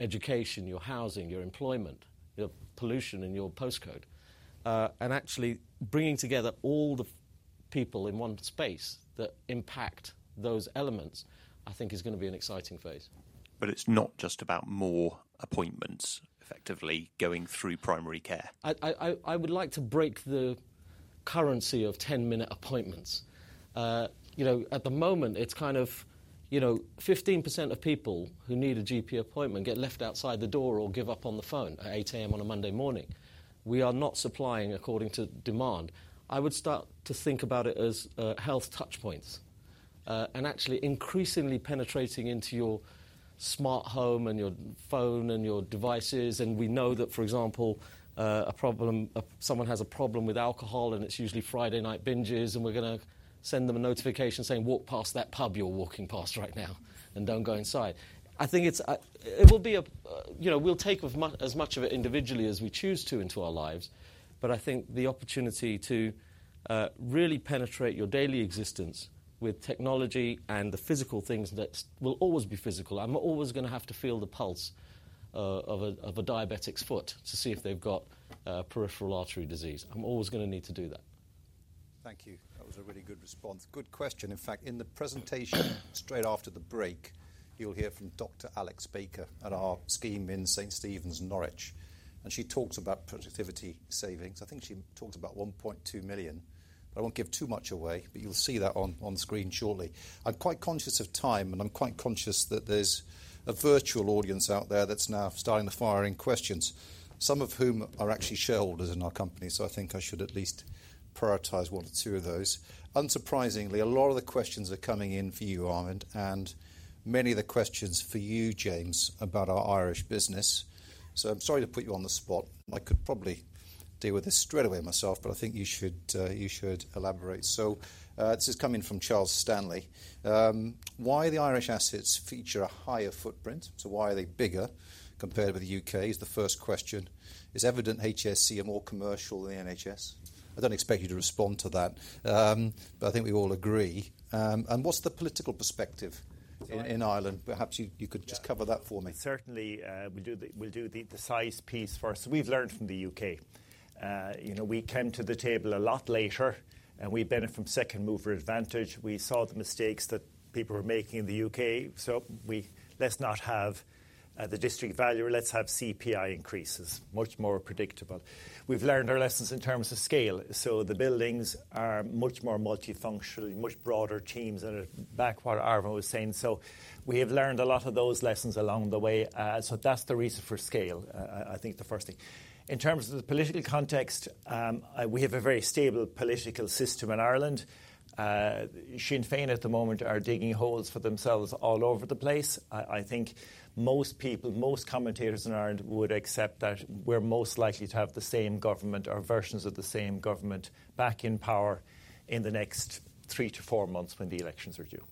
education, your housing, your employment, your pollution, and your postcode. And actually bringing together all the people in one space that impact those elements, I think is gonna be an exciting phase. But it's not just about more appointments effectively going through primary care? I would like to break the currency of ten-minute appointments. You know, at the moment, it's kind of, you know, 15% of people who need a GP appointment get left outside the door or give up on the phone at 8:00 A.M. on a Monday morning. We are not supplying according to demand. I would start to think about it as health touchpoints, and actually increasingly penetrating into your smart home and your phone and your devices. We know that, for example, someone has a problem with alcohol, and it's usually Friday night binges, and we're gonna send them a notification saying, "Walk past that pub you're walking past right now, and don't go inside." I think it's, it will be a, you know, we'll take as much of it individually as we choose to into our lives, but I think the opportunity to really penetrate your daily existence with technology and the physical things that will always be physical. I'm always gonna have to feel the pulse of a diabetic's foot to see if they've got peripheral artery disease. I'm always gonna need to do that. Thank you. That was a really good response. Good question. In fact, in the presentation straight after the break, you'll hear from Dr. Alex Baker at our scheme in St. Stephen's, Norwich, and she talks about productivity savings. I think she talks about 1.2 million, but I won't give too much away, but you'll see that on screen shortly. I'm quite conscious of time, and I'm quite conscious that there's a virtual audience out there that's now starting to fire questions, some of whom are actually shareholders in our company, so I think I should at least prioritize one or two of those. Unsurprisingly, a lot of the questions are coming in for you, Mark. And many of the questions for you, James, about our Irish business. So I'm sorry to put you on the spot. I could probably deal with this straight away myself, but I think you should elaborate. So, this is coming from Charles Stanley. Why the Irish assets feature a higher footprint? So why are they bigger compared with the UK, is the first question. Is it evident HSE are more commercial than the NHS? I don't expect you to respond to that, but I think we all agree. And what's the political perspective in Ireland? Perhaps you could just cover that for me. Certainly, we'll do the size piece first. We've learned from the UK. You know, we came to the table a lot later, and we benefit from second mover advantage. We saw the mistakes that people were making in the UK, so we. Let's not have the District Valuer, let's have CPI increases, much more predictable. We've learned our lessons in terms of scale, so the buildings are much more multifunctional, much broader teams and back what Arvind was saying. So we have learned a lot of those lessons along the way. So that's the reason for scale, I think the first thing. In terms of the political context, we have a very stable political system in Ireland. Sinn Féin at the moment are digging holes for themselves all over the place. I think most people, most commentators in Ireland would accept that we're most likely to have the same government or versions of the same government back in power in the next three-to-four months when the elections are due.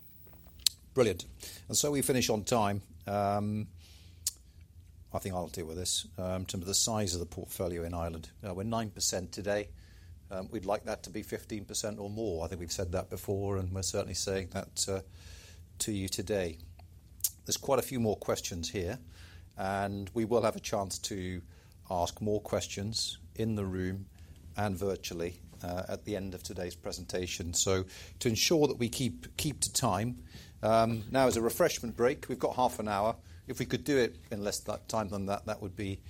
Brilliant. And so we finish on time. I think I'll deal with this. In terms of the size of the portfolio in Ireland, we're 9% today. We'd like that to be 15% or more. I think we've said that before, and we're certainly saying that to you today. There's quite a few more questions here, and we will have a chance to ask more questions in the room and virtually at the end of today's presentation. So to ensure that we keep to time, now is a refreshment break. We've got half an hour. If we could do it in less than that time, that would be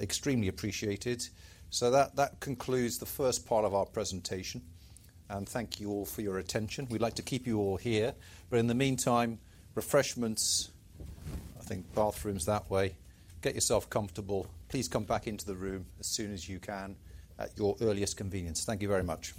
extremely appreciated. So that concludes the first part of our presentation, and thank you all for your attention. We'd like to keep you all here, but in the meantime, refreshments. I think bathrooms that way. Get yourself comfortable. Please come back into the room as soon as you can at your earliest convenience. Thank you very much.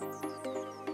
Great!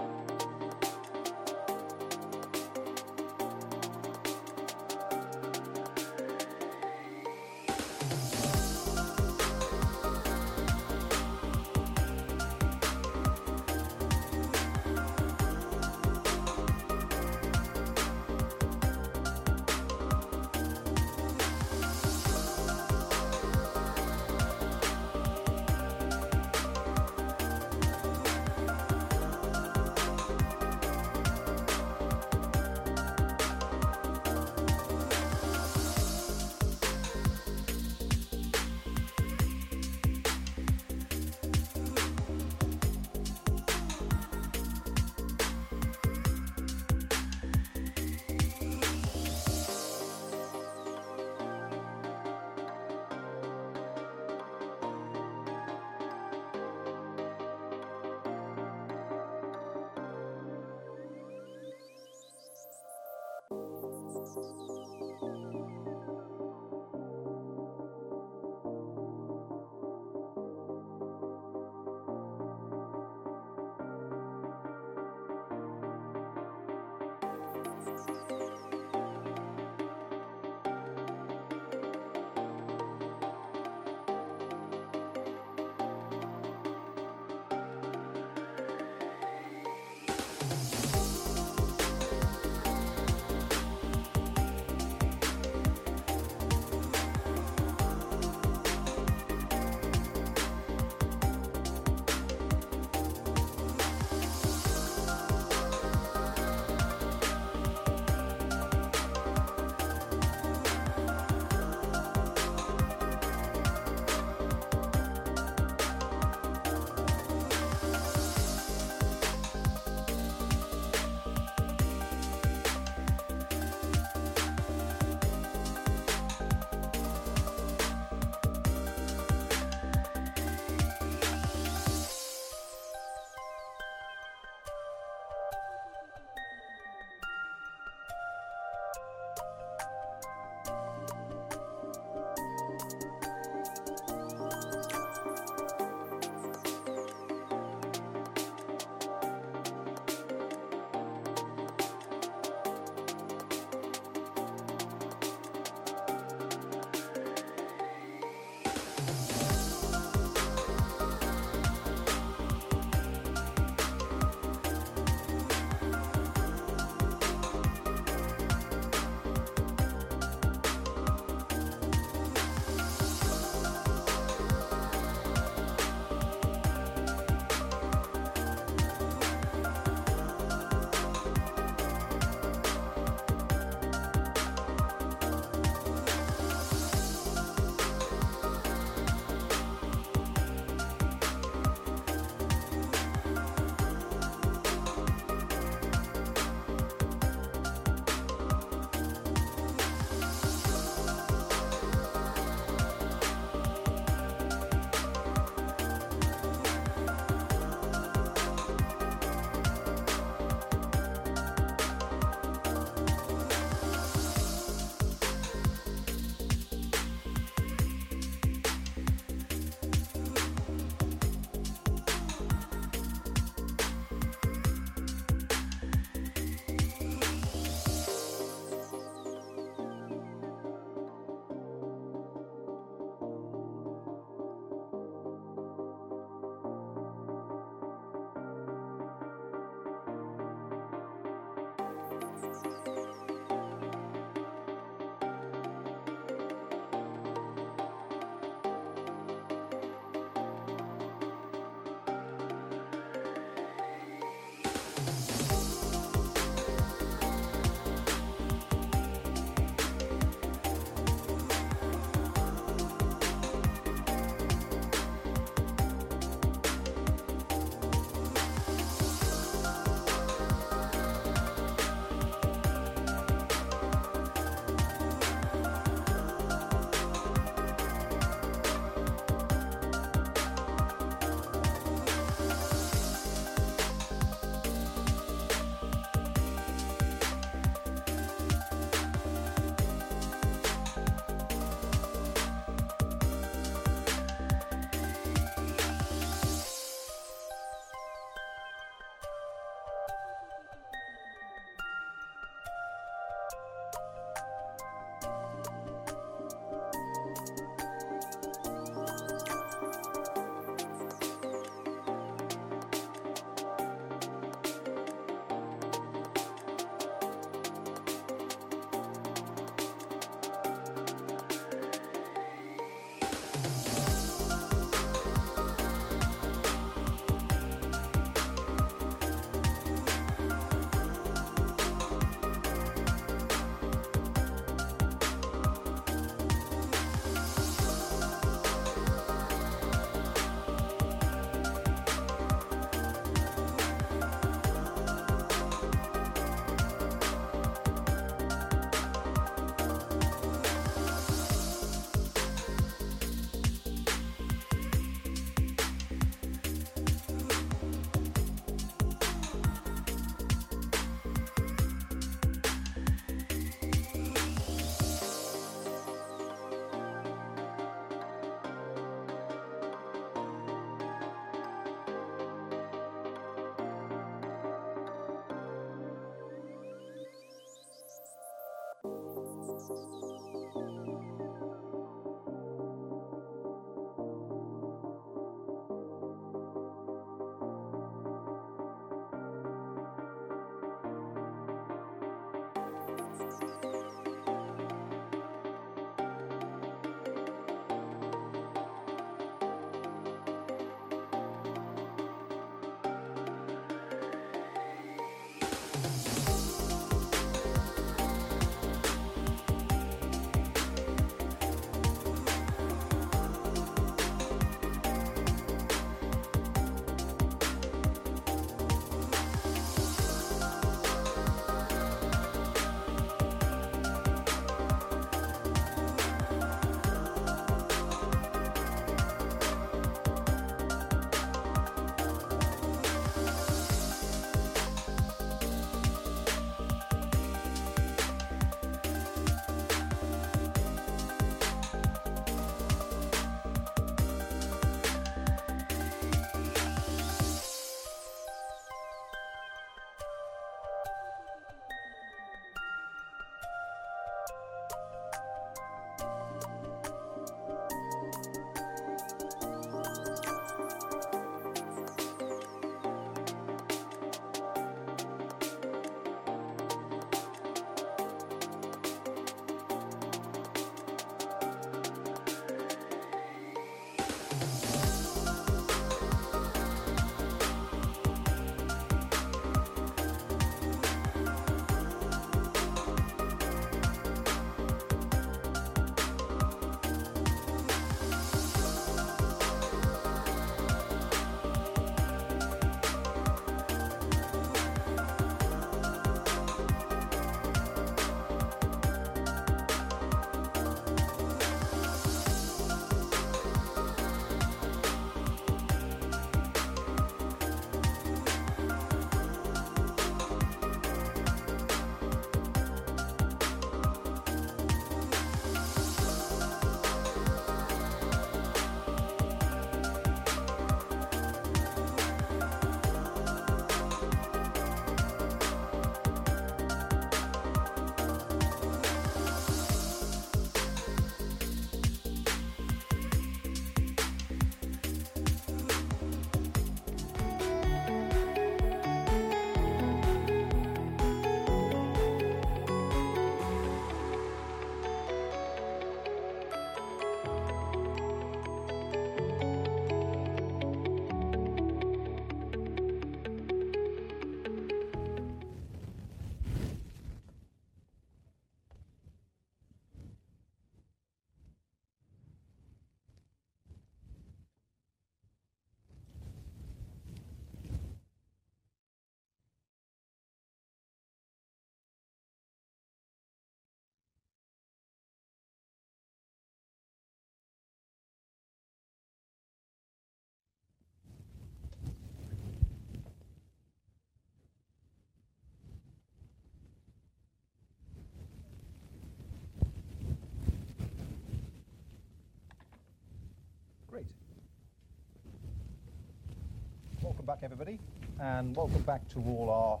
Welcome back, everybody, and welcome back to all our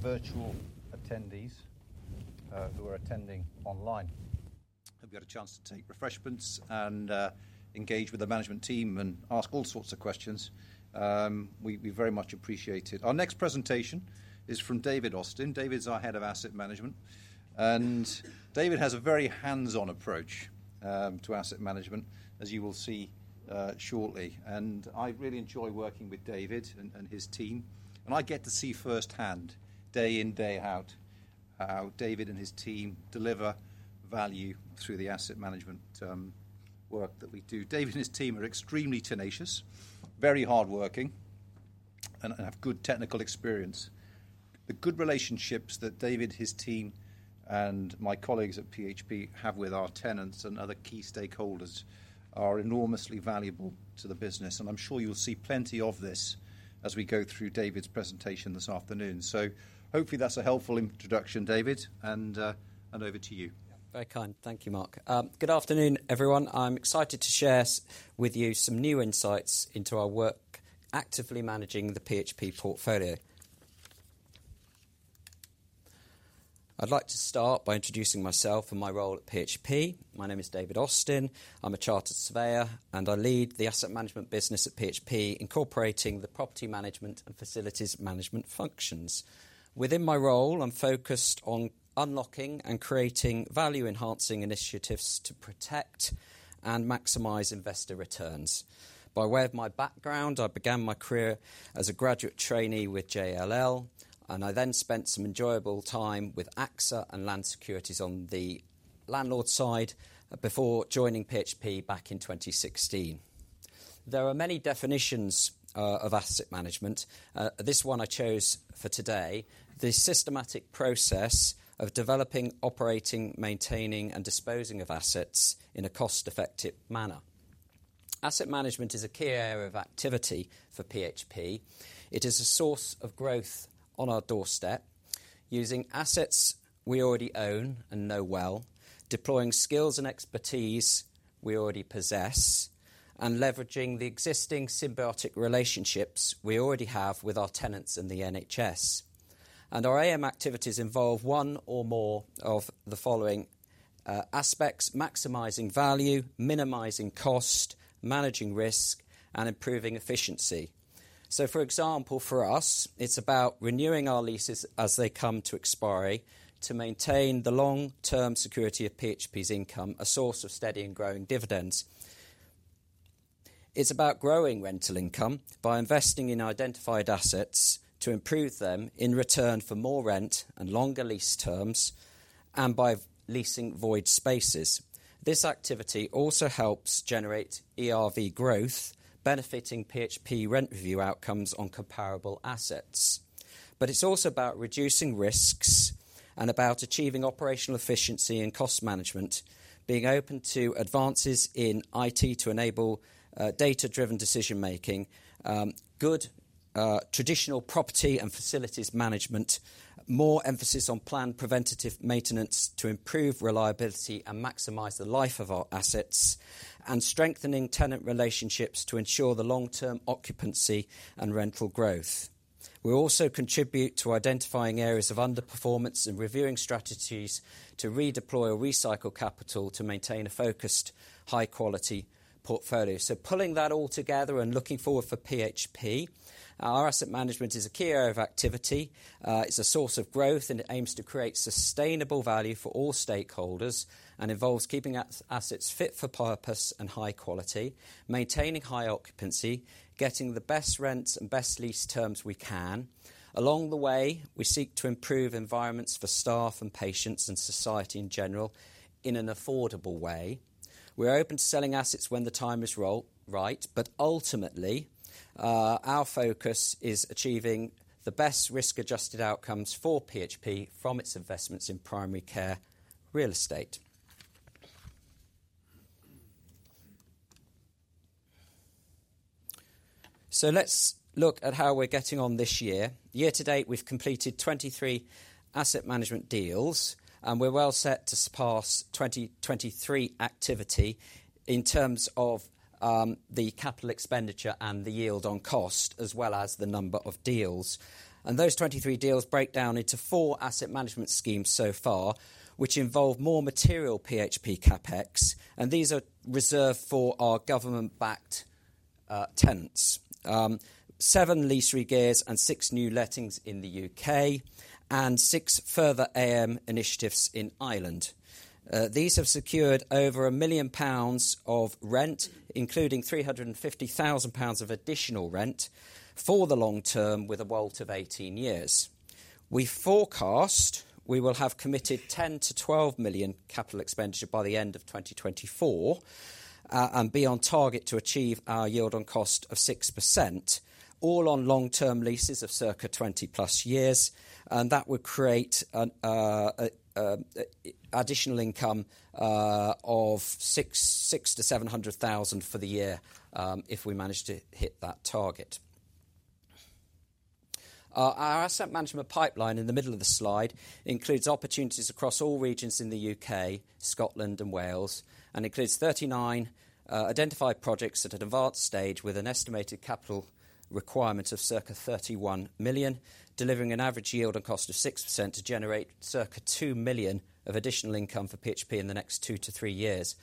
virtual attendees who are attending online. Hope you had a chance to take refreshments and engage with the management team and ask all sorts of questions. We very much appreciate it. Our next presentation is from David Austin. David's our Head of Asset Management, and David has a very hands-on approach to asset management, as you will see shortly. And I really enjoy working with David and his team, and I get to see firsthand, day in, day out, how David and his team deliver value through the asset management work that we do. David and his team are extremely tenacious, very hardworking, and have good technical experience. The good relationships that David, his team, and my colleagues at PHP have with our tenants and other key stakeholders are enormously valuable to the business, and I'm sure you'll see plenty of this as we go through David's presentation this afternoon. So hopefully that's a helpful introduction, David, and over to you. Very kind. Thank you, Mark. Good afternoon, everyone. I'm excited to share with you some new insights into our work, actively managing the PHP portfolio. I'd like to start by introducing myself and my role at PHP. My name is David Austin. I'm a chartered surveyor, and I lead the asset management business at PHP, incorporating the property management and facilities management functions. Within my role, I'm focused on unlocking and creating value-enhancing initiatives to protect and maximize investor returns. By way of my background, I began my career as a graduate trainee with JLL, and I then spent some enjoyable time with AXA and Land Securities on the landlord side before joining PHP back in 2016. There are many definitions of asset management. This one I chose for today, the systematic process of developing, operating, maintaining, and disposing of assets in a cost-effective manner. Asset management is a key area of activity for PHP. It is a source of growth on our doorstep, using assets we already own and know well, deploying skills and expertise we already possess, and leveraging the existing symbiotic relationships we already have with our tenants in the NHS. Our AM activities involve one or more of the following aspects: maximizing value, minimizing cost, managing risk, and improving efficiency. For example, for us, it's about renewing our leases as they come to expiry, to maintain the long-term security of PHP's income, a source of steady and growing dividends. It's about growing rental income by investing in identified assets to improve them in return for more rent and longer lease terms and by leasing void spaces. This activity also helps generate ERV growth, benefiting PHP rent review outcomes on comparable assets. But it's also about reducing risks and about achieving operational efficiency and cost management, being open to advances in IT to enable data-driven decision making, good traditional property and facilities management, more emphasis on planned preventive maintenance to improve reliability and maximize the life of our assets, and strengthening tenant relationships to ensure the long-term occupancy and rental growth. We also contribute to identifying areas of underperformance and reviewing strategies to redeploy or recycle capital to maintain a focused, high-quality portfolio. So pulling that all together and looking forward for PHP, our asset management is a key area of activity. It's a source of growth, and it aims to create sustainable value for all stakeholders and involves keeping assets fit for purpose and high-quality, maintaining high occupancy, getting the best rents and best lease terms we can. Along the way, we seek to improve environments for staff and patients and society in general in an affordable way. We're open to selling assets when the time is right, but ultimately, our focus is achieving the best risk-adjusted outcomes for PHP from its investments in primary care real estate. So let's look at how we're getting on this year. Year to date, we've completed 23 asset management deals, and we're well set to surpass 2023 activity in terms of the capital expenditure and the yield on cost, as well as the number of deals. And those 23 deals break down into four asset management schemes so far, which involve more material PHP CapEx, and these are reserved for our government-backed tenants. Seven lease regears and six new lettings in the UK, and six further AM initiatives in Ireland. These have secured over 1 million pounds of rent, including 350,000 pounds of additional rent for the long term, with a WALT of 18 years. We forecast we will have committed 10-12 million capital expenditure by the end of 2024, and be on target to achieve our yield on cost of 6%, all on long-term leases of circa 20-plus years, and that would create an additional income of 600,000-700,000 for the year, if we manage to hit that target. Our asset management pipeline in the middle of the slide includes opportunities across all regions in the UK, Scotland, and Wales, and includes 39 identified projects at an advanced stage with an estimated capital requirement of circa 31 million, delivering an average yield on cost of 6% to generate circa 2 million of additional income for PHP in the next two to three years.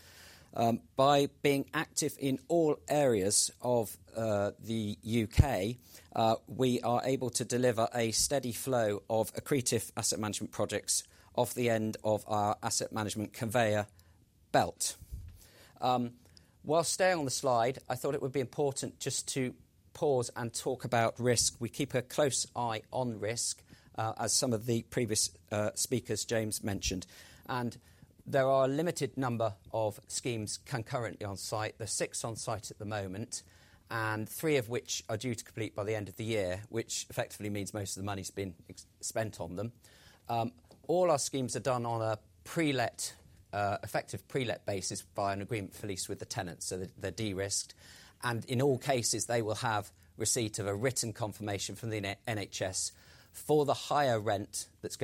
By being active in all areas of the UK, we are able to deliver a steady flow of accretive asset management projects off the end of our asset management conveyor belt. While staying on the slide, I thought it would be important just to pause and talk about risk. We keep a close eye on risk, as some of the previous speakers, James mentioned, and there are a limited number of schemes concurrently on site. There are six on site at the moment, and three of which are due to complete by the end of the year, which effectively means most of the money's been spent on them. All our schemes are done on a pre-let, effective pre-let basis by an agreement for lease with the tenants, so they're de-risked, and in all cases, they will have receipt of a written confirmation from the NHS for the higher rent that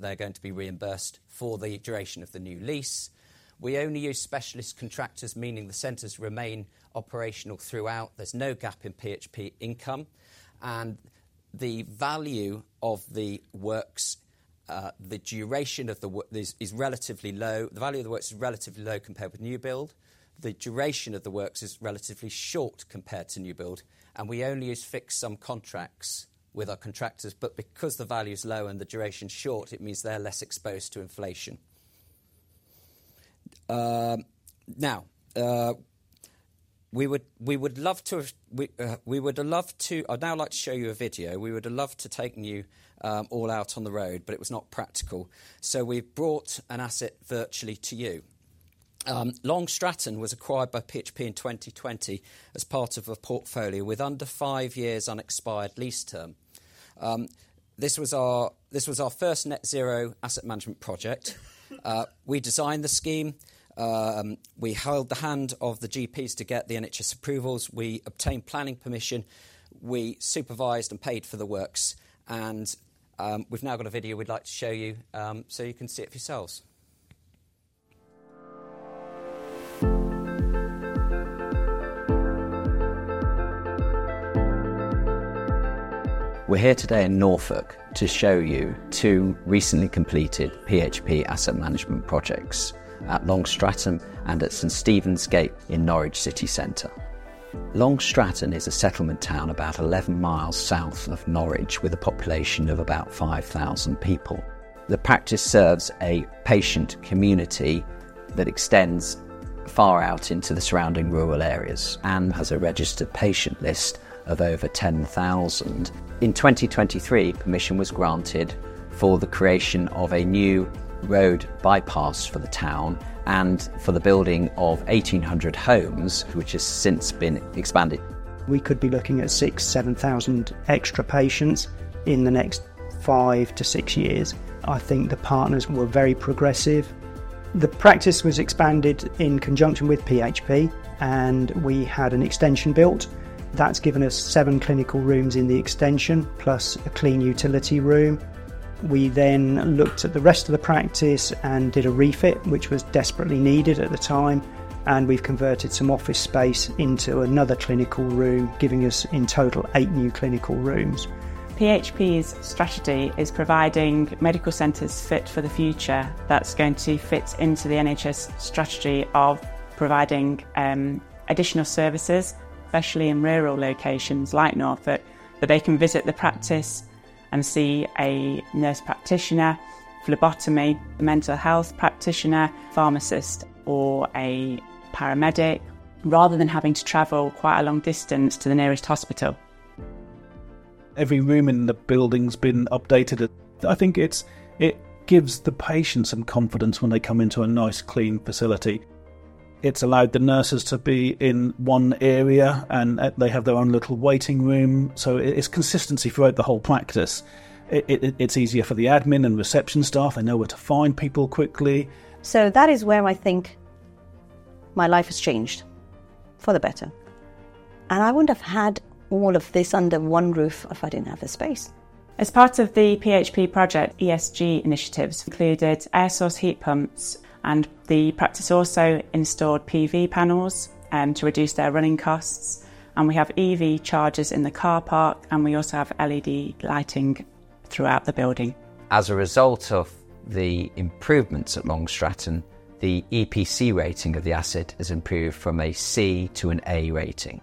they're going to be reimbursed for the duration of the new lease. We only use specialist contractors, meaning the centers remain operational throughout. There's no gap in PHP income, and the value of the works, the duration of the work is relatively low. The value of the works is relatively low compared with new build. The duration of the works is relatively short compared to new build, and we only use fixed sum contracts with our contractors, but because the value's low and the duration short, it means they're less exposed to inflation. Now, we would have loved to-- I'd now like to show you a video. We would have loved to take you all out on the road, but it was not practical, so we've brought an asset virtually to you. Long Stratton was acquired by PHP in 2020 as part of a portfolio with under five years unexpired lease term. This was our first net-zero asset management project. We designed the scheme, we held the hand of the GPs to get the NHS approvals, we obtained planning permission, we supervised and paid for the works, and we've now got a video we'd like to show you, so you can see it for yourselves. We're here today in Norfolk to show you two recently completed PHP asset management projects at Long Stratton and at St Stephen's Gate in Norwich City Centre. Long Stratton is a settlement town about 11 miles south of Norwich, with a population of about 5,000 people. The practice serves a patient community that extends far out into the surrounding rural areas and has a registered patient list of over 10,000. In 2023, permission was granted for the creation of a new road bypass for the town and for the building of 1,800 homes, which has since been expanded. We could be looking at six, seven thousand extra patients in the next five to six years. I think the partners were very progressive. The practice was expanded in conjunction with PHP, and we had an extension built. That's given us seven clinical rooms in the extension, plus a clean utility room. We then looked at the rest of the practice and did a refit, which was desperately needed at the time, and we've converted some office space into another clinical room, giving us, in total, eight new clinical rooms. PHP's strategy is providing medical centers fit for the future. That's going to fit into the NHS strategy of providing additional services, especially in rural locations like Norfolk, where they can visit the practice and see a nurse practitioner, phlebotomy, a mental health practitioner, pharmacist, or a paramedic, rather than having to travel quite a long distance to the nearest hospital. Every room in the building's been updated. I think it's... It gives the patient some confidence when they come into a nice, clean facility. It's allowed the nurses to be in one area, and they have their own little waiting room, so it's consistency throughout the whole practice. It's easier for the admin and reception staff. They know where to find people quickly. So that is where I think my life has changed, for the better, and I wouldn't have had all of this under one roof if I didn't have the space. As part of the PHP project, ESG initiatives included air source heat pumps, and the practice also installed PV panels, to reduce their running costs, and we have EV chargers in the car park, and we also have LED lighting throughout the building. As a result of the improvements at Long Stratton, the EPC rating of the asset has improved from a C to an A rating.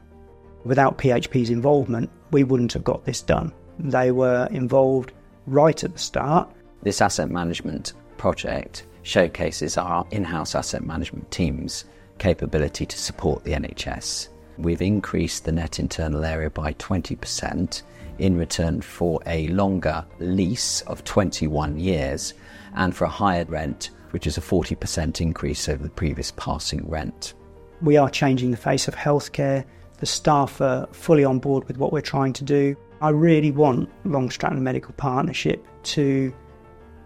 Without PHP's involvement, we wouldn't have got this done. They were involved right at the start. This asset management project showcases our in-house asset management team's capability to support the NHS. We've increased the net internal area by 20% in return for a longer lease of 21 years and for a higher rent, which is a 40% increase over the previous passing rent. We are changing the face of healthcare. The staff are fully on board with what we're trying to do. I really want Long Stratton Medical Partnership to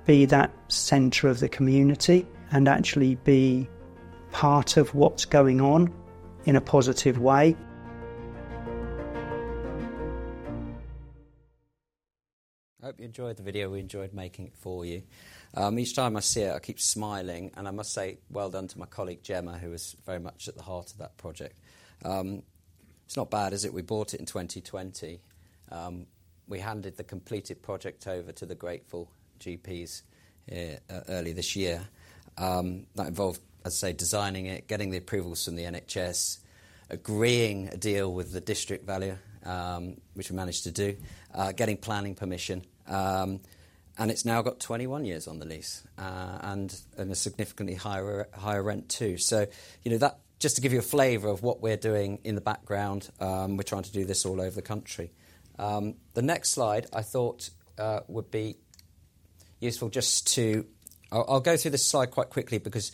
be that center of the community and actually be part of what's going on in a positive way. I hope you enjoyed the video. We enjoyed making it for you. Each time I see it, I keep smiling, and I must say well done to my colleague, Gemma, who was very much at the heart of that project. It's not bad, is it? We bought it in 2020. We handed the completed project over to the grateful GPs, early this year. That involved, let's say, designing it, getting the approvals from the NHS, agreeing a deal with the District Valuer, which we managed to do, getting planning permission, and it's now got 21 years on the lease, and a significantly higher rent, too. So, you know, that just to give you a flavor of what we're doing in the background. We're trying to do this all over the country. The next slide I thought would be useful just to... I'll go through this slide quite quickly because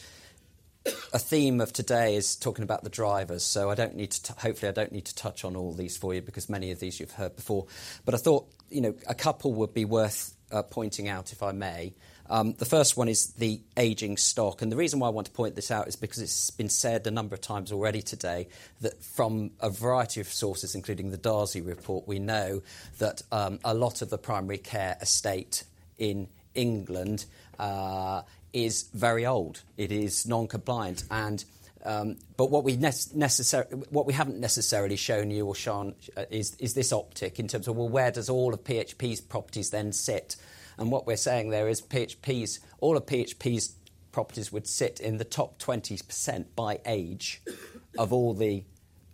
a theme of today is talking about the drivers, so I don't need to, hopefully, I don't need to touch on all these for you, because many of these you've heard before. But I thought, you know, a couple would be worth pointing out, if I may. The first one is the aging stock, and the reason why I want to point this out is because it's been said a number of times already today that from a variety of sources, including the Darzi Report, we know that a lot of the primary care estate in England is very old. It is non-compliant, and... But what we necessarily what we haven't necessarily shown you or shown is this optic in terms of well where does all of PHP's properties then sit? And what we're saying there is all of PHP's properties would sit in the top 20% by age of all the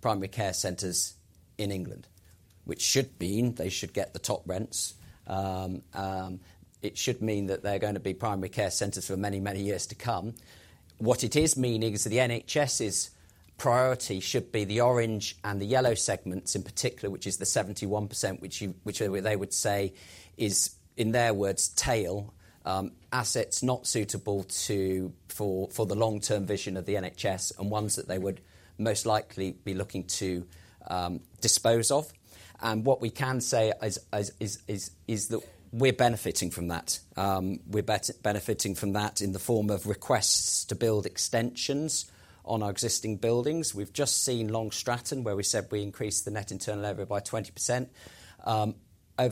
primary care centers in England, which should mean they should get the top rents. It should mean that they're going to be primary care centers for many, many years to come. What it is meaning is that the NHS's priority should be the orange and the yellow segments in particular, which is the 71%, which they would say is, in their words, tail assets not suitable for the long-term vision of the NHS and ones that they would most likely be looking to dispose of. And what we can say is that we're benefiting from that. We're benefiting from that in the form of requests to build extensions on our existing buildings. We've just seen Long Stratton, where we said we increased the net internal area by 20%. Over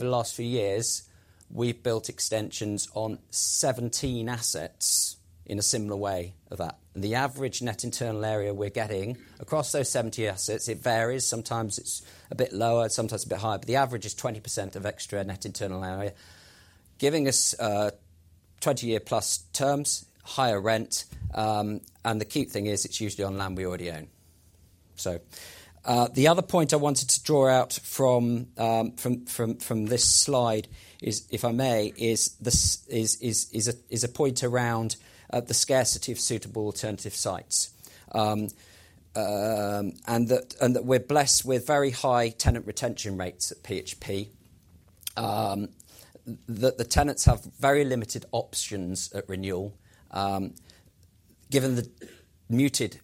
the last few years, we've built extensions on 17 assets in a similar way of that. The average net internal area we're getting across those 17 assets, it varies. Sometimes it's a bit lower, sometimes a bit higher, but the average is 20% of extra net internal area, giving us twenty-year plus terms, higher rent, and the key thing is it's usually on land we already own. So, the other point I wanted to draw out from this slide is, if I may, this is a point around the scarcity of suitable alternative sites. And that we're blessed with very high tenant retention rates at PHP. The tenants have very limited options at renewal, given the muted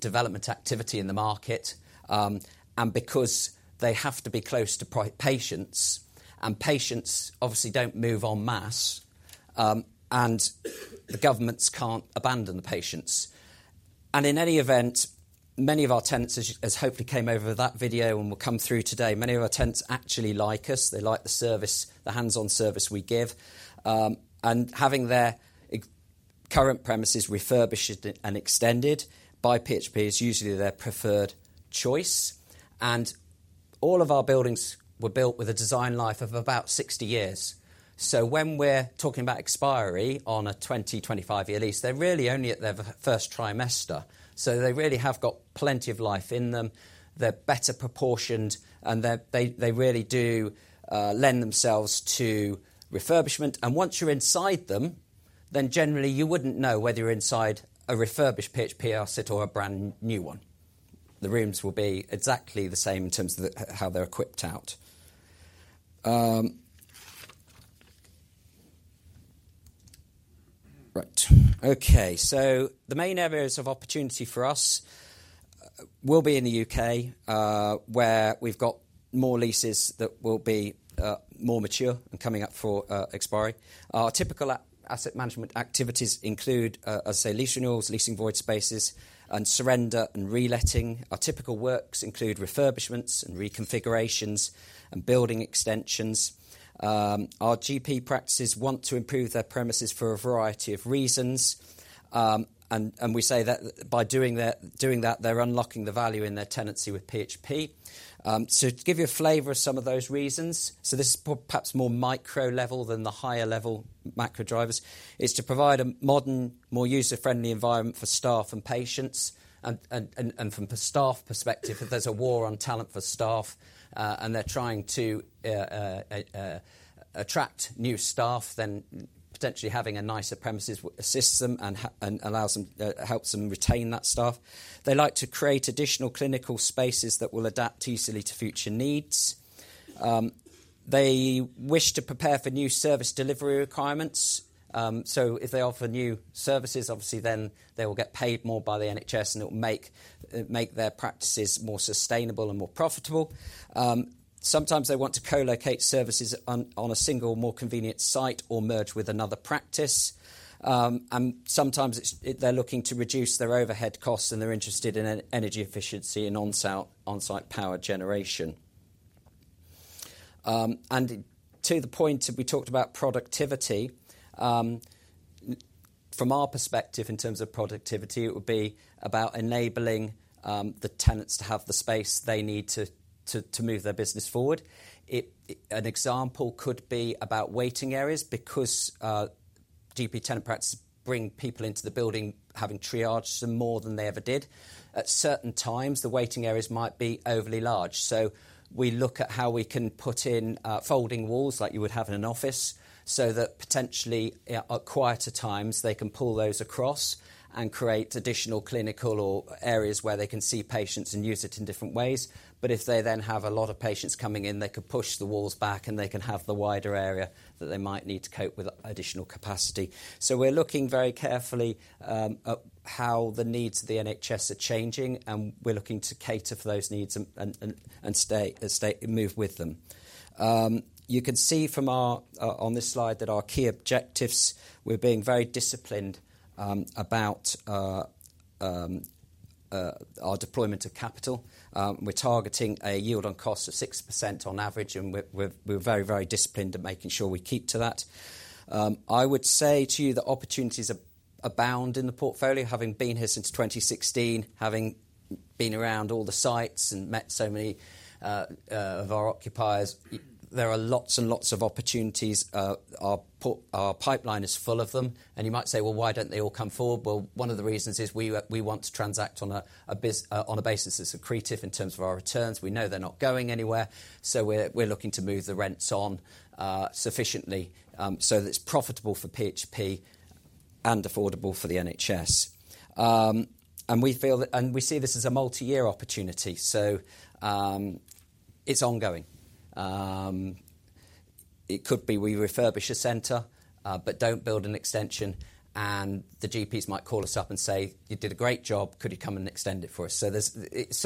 development activity in the market, and because they have to be close to patients, and patients obviously don't move en masse, and the governments can't abandon the patients. And in any event, many of our tenants, as hopefully came over that video and will come through today, many of our tenants actually like us. They like the service, the hands-on service we give, and having their current premises refurbished and extended by PHP is usually their preferred choice. And all of our buildings were built with a design life of about 60 years. So when we're talking about expiry on a 20- to 25-year lease, they're really only at their first trimester, so they really have got plenty of life in them. They're better proportioned, and they really do lend themselves to refurbishment. And once you're inside them, then generally you wouldn't know whether you're inside a refurbished PHP asset or a brand-new one. The rooms will be exactly the same in terms of how they're equipped out. Right. Okay, so the main areas of opportunity for us will be in the UK, where we've got more leases that will be more mature and coming up for expiry. Our typical asset management activities include lease renewals, leasing void spaces, and surrender and reletting. Our typical works include refurbishments and reconfigurations and building extensions. Our GP practices want to improve their premises for a variety of reasons, and we say that by doing that, they're unlocking the value in their tenancy with PHP. To give you a flavor of some of those reasons, this is perhaps more micro level than the higher level macro drivers, is to provide a modern, more user-friendly environment for staff and patients. From a staff perspective, there's a war on talent for staff, and they're trying to attract new staff. Then potentially having a nicer premises will assist them and helps them retain that staff. They like to create additional clinical spaces that will adapt easily to future needs. They wish to prepare for new service delivery requirements, so if they offer new services, obviously, then they will get paid more by the NHS, and it will make their practices more sustainable and more profitable. Sometimes they want to co-locate services on a single, more convenient site or merge with another practice. And sometimes it's, they're looking to reduce their overhead costs, and they're interested in energy efficiency and on-site power generation. And to the point, we talked about productivity. From our perspective, in terms of productivity, it would be about enabling the tenants to have the space they need to move their business forward. An example could be about waiting areas, because GP tenant practice bring people into the building, having triaged them more than they ever did. At certain times, the waiting areas might be overly large. So we look at how we can put in folding walls, like you would have in an office, so that potentially, at quieter times, they can pull those across and create additional clinical or areas where they can see patients and use it in different ways. But if they then have a lot of patients coming in, they can push the walls back, and they can have the wider area that they might need to cope with additional capacity. So we're looking very carefully at how the needs of the NHS are changing, and we're looking to cater for those needs and stay and move with them. You can see from our on this slide that our key objectives. We're being very disciplined about our deployment of capital. We're targeting a yield on cost of 6% on average, and we're very, very disciplined in making sure we keep to that. I would say to you that opportunities abound in the portfolio, having been here since 2016, having been around all the sites and met so many of our occupiers. There are lots and lots of opportunities. Our pipeline is full of them, and you might say, "Well, why don't they all come forward?" Well, one of the reasons is we want to transact on a business basis that's accretive in terms of our returns. We know they're not going anywhere, so we're looking to move the rents on sufficiently, so that it's profitable for PHP and affordable for the NHS. And we feel that, and we see this as a multi-year opportunity. So, it's ongoing. It could be we refurbish a center, but don't build an extension, and the GPs might call us up and say, "You did a great job. Could you come and extend it for us?" So there's, it's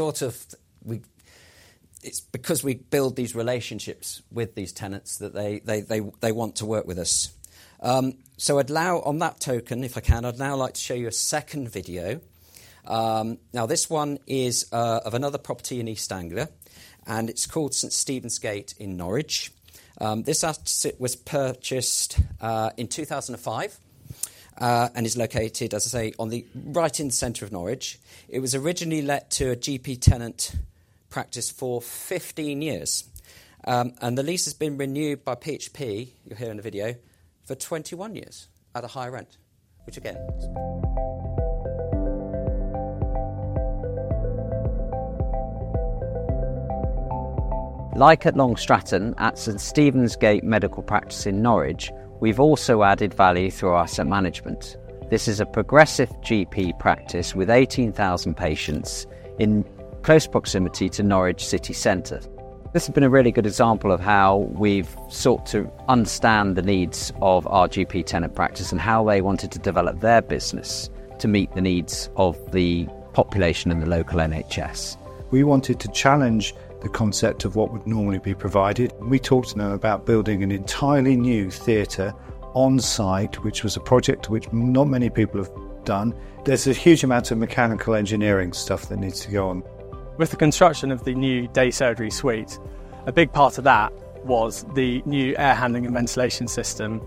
because we build these relationships with these tenants that they want to work with us. So I'd now like to show you a second video on that note, if I can. Now, this one is of another property in East Anglia, and it's called St Stephen's Gate in Norwich. This asset was purchased in two thousand and five and is located, as I say, right in the center of Norwich. It was originally let to a GP tenant practice for fifteen years. And the lease has been renewed by PHP, you'll hear in the video, for twenty-one years at a higher rent, which again... Like at Long Stratton, at St Stephen's Gate Medical Practice in Norwich, we've also added value through asset management. This is a progressive GP practice with eighteen thousand patients in close proximity to Norwich City Centre. This has been a really good example of how we've sought to understand the needs of our GP tenant practice and how they wanted to develop their business to meet the needs of the population and the local NHS. We wanted to challenge the concept of what would normally be provided. We talked to them about building an entirely new theater on-site, which was a project which not many people have done. There's a huge amount of mechanical engineering stuff that needs to go on. With the construction of the new day surgery suite, a big part of that was the new air handling and ventilation system,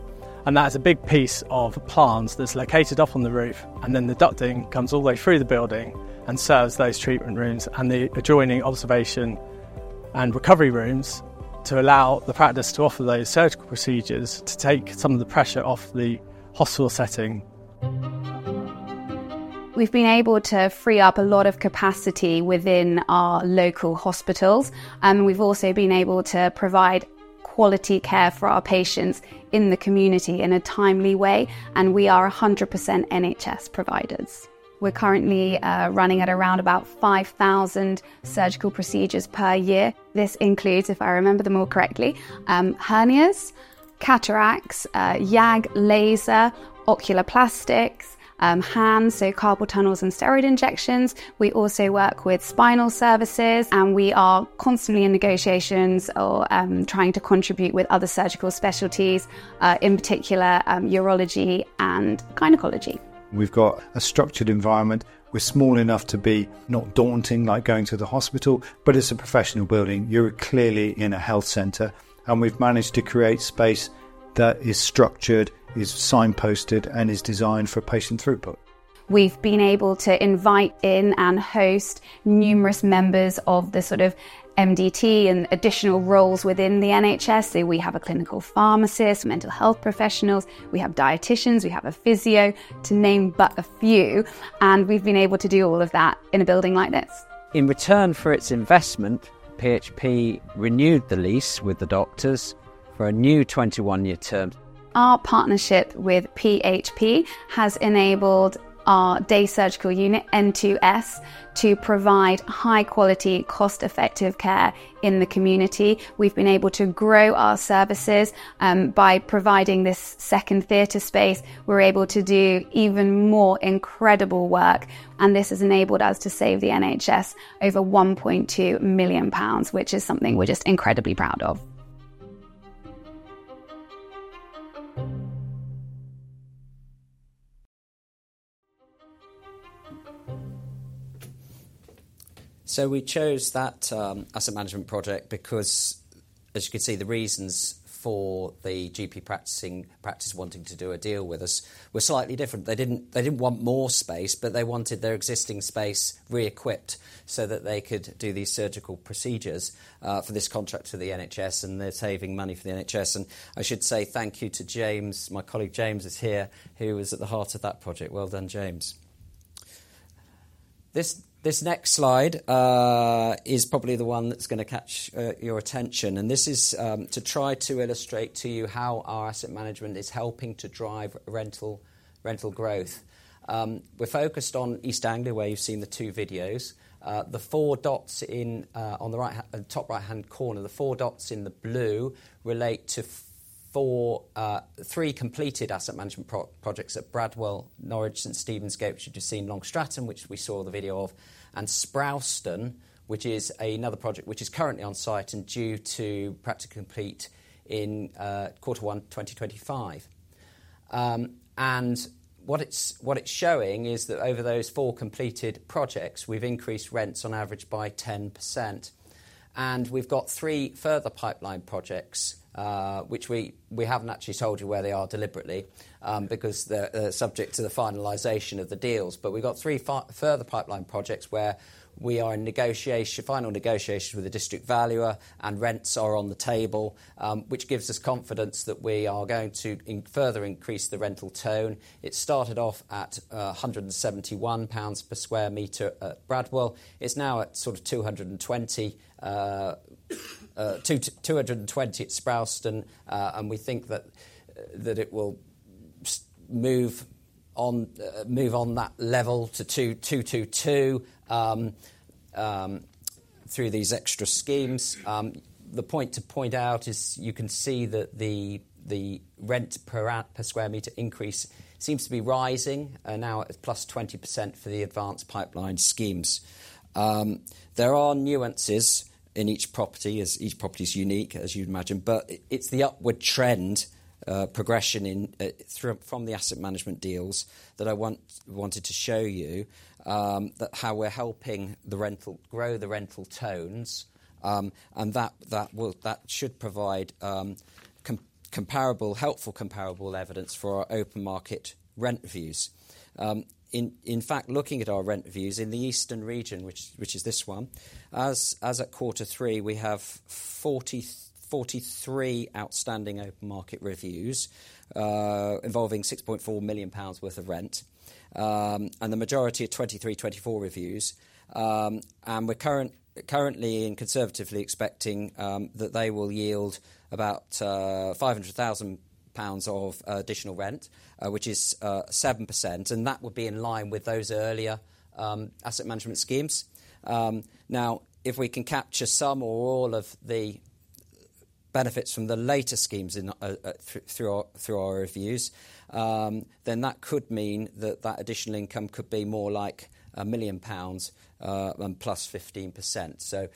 and that is a big piece of plant that's located up on the roof, and then the ducting comes all the way through the building and serves those treatment rooms and the adjoining observation and recovery rooms to allow the practice to offer those surgical procedures to take some of the pressure off the hospital setting. We've been able to free up a lot of capacity within our local hospitals, and we've also been able to provide quality care for our patients in the community in a timely way, and we are 100% NHS providers. We're currently running at around about 5,000 surgical procedures per year. This includes, if I remember them all correctly, hernias, cataracts, YAG laser, oculoplastics, hands, so carpal tunnels and steroid injections. We also work with spinal services, and we are constantly in negotiations or trying to contribute with other surgical specialties, in particular, urology and gynecology. We've got a structured environment. We're small enough to be not daunting, like going to the hospital, but it's a professional building. You're clearly in a health center, and we've managed to create space that is structured, is signposted, and is designed for patient throughput. We've been able to invite in and host numerous members of the sort of MDT and additional roles within the NHS. So we have a clinical pharmacist, mental health professionals, we have dietitians, we have a physio, to name but a few, and we've been able to do all of that in a building like this. In return for its investment, PHP renewed the lease with the doctors for a new twenty-one-year term. Our partnership with PHP has enabled our day surgical unit, Intus, to provide high-quality, cost-effective care in the community. We've been able to grow our services. By providing this second theater space, we're able to do even more incredible work, and this has enabled us to save the NHS over 1.2 million pounds, which is something we're just incredibly proud of. So we chose that asset management project because, as you can see, the reasons for the GP practice wanting to do a deal with us were slightly different. They didn't want more space, but they wanted their existing space reequipped so that they could do these surgical procedures for this contract to the NHS, and they're saving money for the NHS. And I should say thank you to James. My colleague, James, is here, who was at the heart of that project. Well done, James. This next slide is probably the one that's gonna catch your attention, and this is to try to illustrate to you how our asset management is helping to drive rental growth. We're focused on East Anglia, where you've seen the two videos. The four dots in the top right-hand corner, the four dots in the blue, relate to three completed asset management projects at Bradwell, Norwich, St Stephen's Gate, which you've just seen, Long Stratton, which we saw the video of, and Sprowston, which is another project which is currently on site and due to practically complete in quarter one, 2025. What it's showing is that over those four completed projects, we've increased rents on average by 10%, and we've got three further pipeline projects, which we haven't actually told you where they are deliberately, because they're subject to the finalization of the deals. But we've got three further pipeline projects where we are in negotiation, final negotiation with the District Valuer, and rents are on the table, which gives us confidence that we are going to further increase the rental tone. It started off at £171 per sq m at Bradwell. It's now at sort of 220 to 220 at Sprowston, and we think that it will move on that level to 222 through these extra schemes. The point to point out is you can see that the rent per sq m increase seems to be rising, and now it's +20% for the advanced pipeline schemes. There are nuances in each property, as each property is unique, as you'd imagine, but it's the upward trend, progression in, through, from the asset management deals that I wanted to show you, that's how we're helping the rental grow the rental growth. That should provide comparable, helpful comparable evidence for our open market rent reviews. In fact, looking at our rent reviews in the eastern region, which is this one, as at quarter three, we have 43 outstanding open market reviews, involving 6.4 million pounds worth of rent, and the majority of 2023-2024 reviews. And we're currently and conservatively expecting that they will yield about 500,000 pounds of additional rent, which is 7%, and that would be in line with those earlier asset management schemes. Now, if we can capture some or all of the benefits from the later schemes through our reviews, then that could mean that additional income could be more like 1 million pounds and +15%. So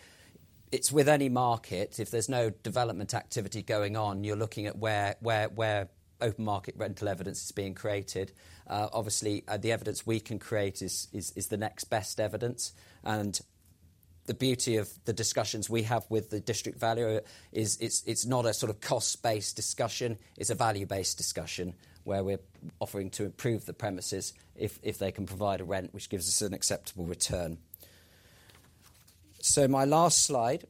it's with any market, if there's no development activity going on, you're looking at where open market rental evidence is being created. Obviously, the evidence we can create is the next best evidence, and the beauty of the discussions we have with the District Valuer is it's not a sort of cost-based discussion, it's a value-based discussion, where we're offering to improve the premises if they can provide a rent, which gives us an acceptable return. So my last slide,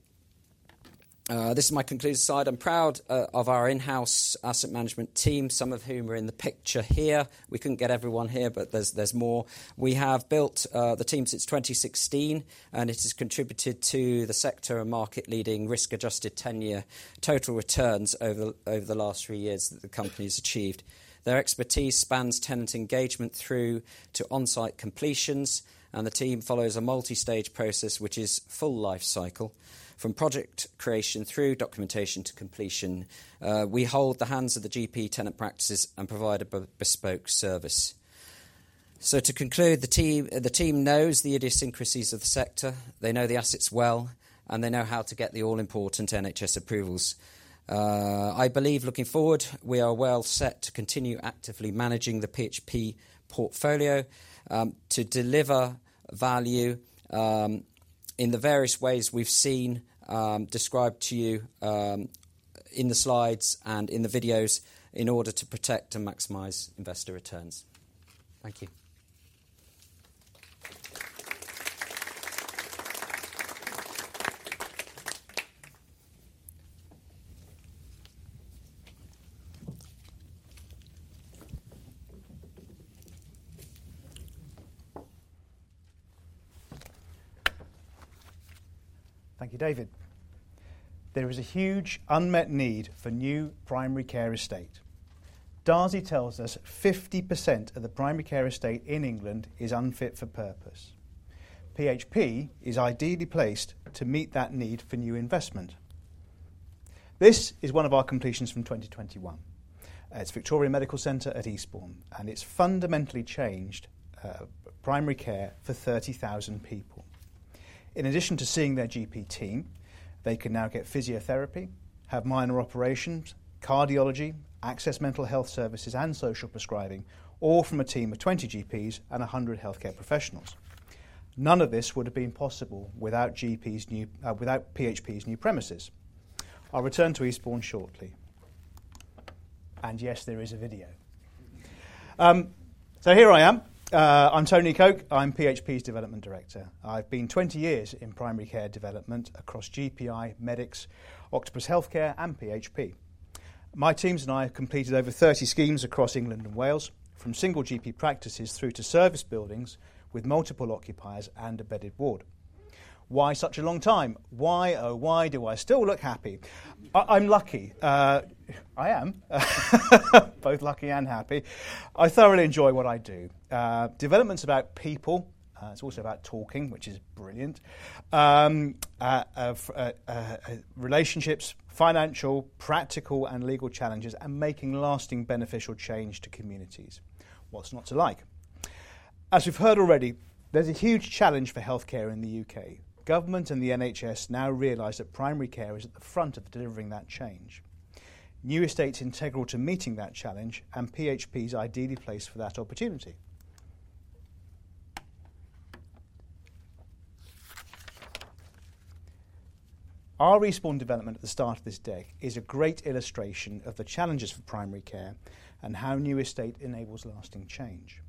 this is my concluding slide. I'm proud of our in-house asset management team, some of whom are in the picture here. We couldn't get everyone here, but there's more. We have built the team since 2016, and it has contributed to the sector- and market-leading risk-adjusted ten-year total returns over the last three years that the company's achieved. Their expertise spans tenant engagement through to on-site completions, and the team follows a multi-stage process, which is full life cycle. From project creation through documentation to completion, we hold the hands of the GP tenant practices and provide a bespoke service. To conclude, the team knows the idiosyncrasies of the sector, they know the assets well, and they know how to get the all-important NHS approvals. I believe looking forward, we are well set to continue actively managing the PHP portfolio to deliver value in the various ways we've seen described to you in the slides and in the videos, in order to protect and maximize investor returns. Thank you. Thank you, David. There is a huge unmet need for new primary care estate. Darzi tells us 50% of the primary care estate in England is unfit for purpose. PHP is ideally placed to meet that need for new investment. This is one of our completions from 2021. It's Victoria Medical Centre at Eastbourne, and it's fundamentally changed primary care for 30,000 people. In addition to seeing their GP team, they can now get physiotherapy, have minor operations, cardiology, access mental health services, and social prescribing, all from a team of 20 GPs and 100 healthcare professionals. None of this would have been possible without PHP's new premises. I'll return to Eastbourne shortly. And yes, there is a video. So here I am. I'm Tony Cooke. I'm PHP's development director. I've been twenty years in primary care development across GPI, MedicX, Octopus Healthcare, and PHP. My teams and I have completed over thirty schemes across England and Wales, from single GP practices through to service buildings with multiple occupiers and a bedded ward. Why such a long time? Why, oh, why do I still look happy? I, I'm lucky. I am both lucky and happy. I thoroughly enjoy what I do. Development's about people, it's also about talking, which is brilliant, relationships, financial, practical, and legal challenges, and making lasting, beneficial change to communities. What's not to like? As we've heard already, there's a huge challenge for healthcare in the U.K. Government and the NHS now realize that primary care is at the front of delivering that change. New estate's integral to meeting that challenge, and PHP is ideally placed for that opportunity. Our Eastbourne development at the start of this deck is a great illustration of the challenges for primary care and how new estate enables lasting change.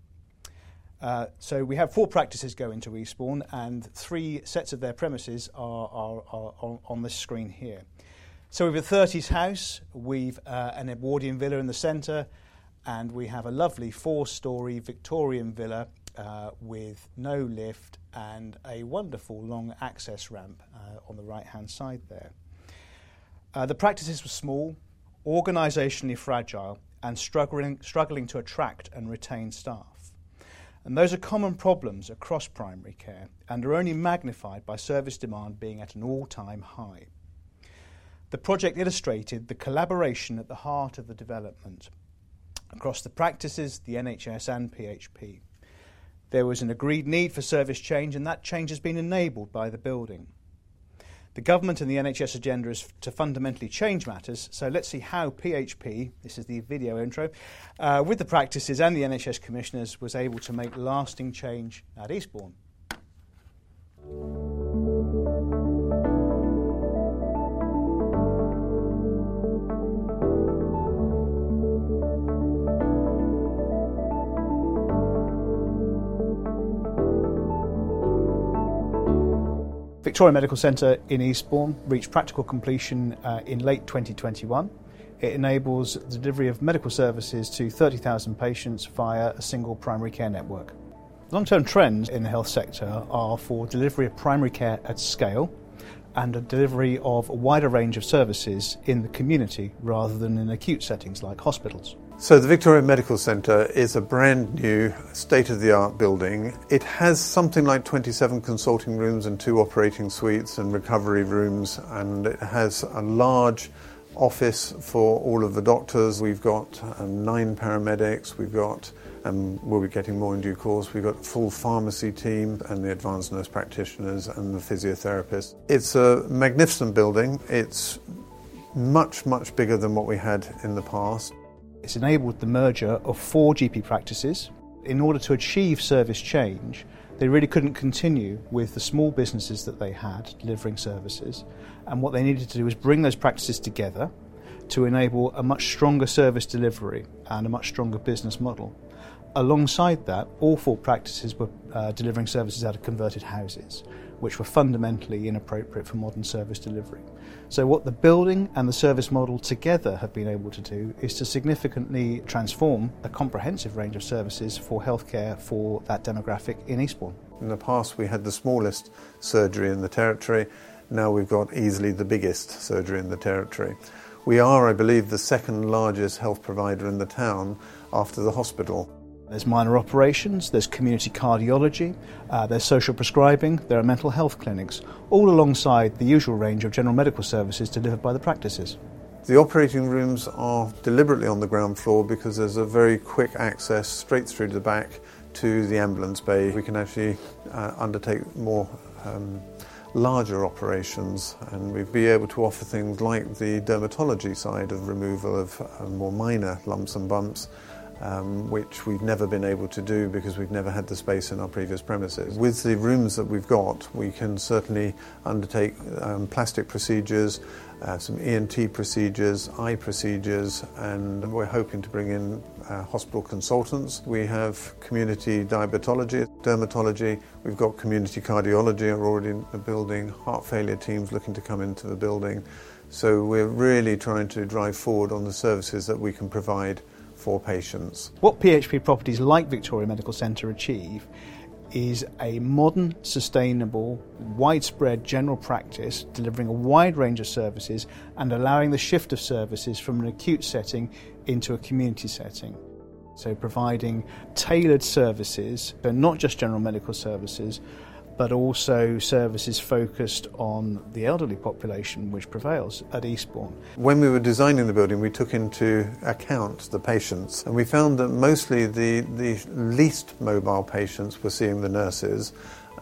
So we have four practices going to Eastbourne, and three sets of their premises are on the screen here. So we have a thirties house, we've an Edwardian villa in the center, and we have a lovely four-story Victorian villa with no lift and a wonderful long access ramp on the right-hand side there. The practices were small, organizationally fragile, and struggling to attract and retain staff. Those are common problems across primary care and are only magnified by service demand being at an all-time high. The project illustrated the collaboration at the heart of the development across the practices, the NHS, and PHP. There was an agreed need for service change, and that change has been enabled by the building. The government and the NHS agenda is to fundamentally change matters, so let's see how PHP, this is the video intro, with the practices and the NHS commissioners, was able to make lasting change at Eastbourne. Victoria Medical Centre in Eastbourne reached practical completion in late 2021. It enables the delivery of medical services to 30,000 patients via a single primary care network. Long-term trends in the health sector are for delivery of primary care at scale and the delivery of a wider range of services in the community rather than in acute settings like hospitals. So the Victoria Medical Centre is a brand-new, state-of-the-art building. It has something like twenty-seven consulting rooms and two operating suites and recovery rooms, and it has a large office for all of the doctors. We've got nine paramedics. We'll be getting more in due course. We've got the full pharmacy team, and the advanced nurse practitioners, and the physiotherapists. It's a magnificent building. It's much, much bigger than what we had in the past. It's enabled the merger of four GP practices. In order to achieve service change, they really couldn't continue with the small businesses that they had delivering services, and what they needed to do was bring those practices together to enable a much stronger service delivery and a much stronger business model. Alongside that, all four practices were delivering services out of converted houses, which were fundamentally inappropriate for modern service delivery. So what the building and the service model together have been able to do is to significantly transform a comprehensive range of services for healthcare for that demographic in Eastbourne. In the past, we had the smallest surgery in the territory. Now we've got easily the biggest surgery in the territory. We are, I believe, the second-largest health provider in the town after the hospital. There's minor operations. There's community cardiology. There's social prescribing. There are mental health clinics, all alongside the usual range of general medical services delivered by the practices. The operating rooms are deliberately on the ground floor because there's a very quick access straight through to the back to the ambulance bay. We can actually undertake more larger operations, and we'd be able to offer things like the dermatology side of removal of more minor lumps and bumps, which we've never been able to do because we've never had the space in our previous premises. With the rooms that we've got, we can certainly undertake plastic procedures, some ENT procedures, eye procedures, and we're hoping to bring in hospital consultants. We have community diabetology, dermatology. We've got community cardiology are already in the building, heart failure teams looking to come into the building, so we're really trying to drive forward on the services that we can provide for patients. What PHP properties like Victoria Medical Centre achieve is a modern, sustainable, widespread general practice, delivering a wide range of services and allowing the shift of services from an acute setting into a community setting, so providing tailored services, but not just general medical services, but also services focused on the elderly population, which prevails at Eastbourne. When we were designing the building, we took into account the patients, and we found that mostly the least mobile patients were seeing the nurses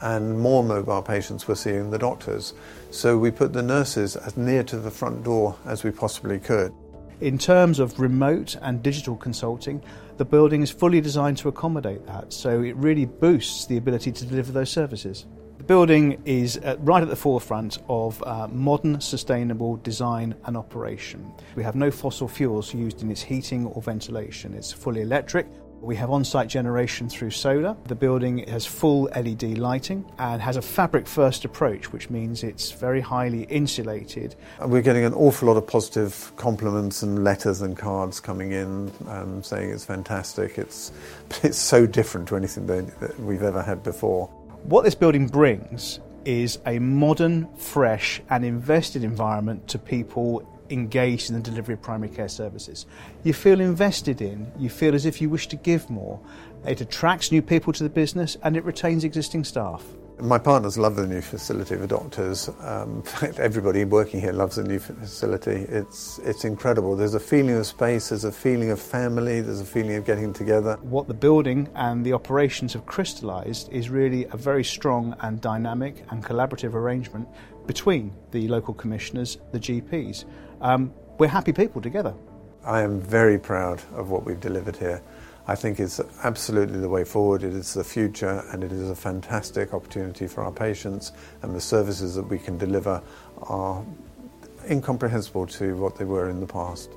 and more mobile patients were seeing the doctors, so we put the nurses as near to the front door as we possibly could. In terms of remote and digital consulting, the building is fully designed to accommodate that, so it really boosts the ability to deliver those services. The building is at, right at the forefront of modern, sustainable design and operation. We have no fossil fuels used in its heating or ventilation. It's fully electric. We have on-site generation through solar. The building has full LED lighting and has a fabric-first approach, which means it's very highly insulated. We're getting an awful lot of positive compliments and letters and cards coming in, saying it's fantastic. It's so different to anything that we've ever had before. What this building brings is a modern, fresh, and invested environment to people engaged in the delivery of primary care services. You feel invested in. You feel as if you wish to give more. It attracts new people to the business, and it retains existing staff. My partners love the new facility, the doctors. Everybody working here loves the new facility. It's, it's incredible. There's a feeling of space. There's a feeling of family. There's a feeling of getting together. What the building and the operations have crystallized is really a very strong, and dynamic, and collaborative arrangement between the local commissioners, the GPs. We're happy people together. I am very proud of what we've delivered here. I think it's absolutely the way forward, it is the future, and it is a fantastic opportunity for our patients, and the services that we can deliver are incomprehensible to what they were in the past.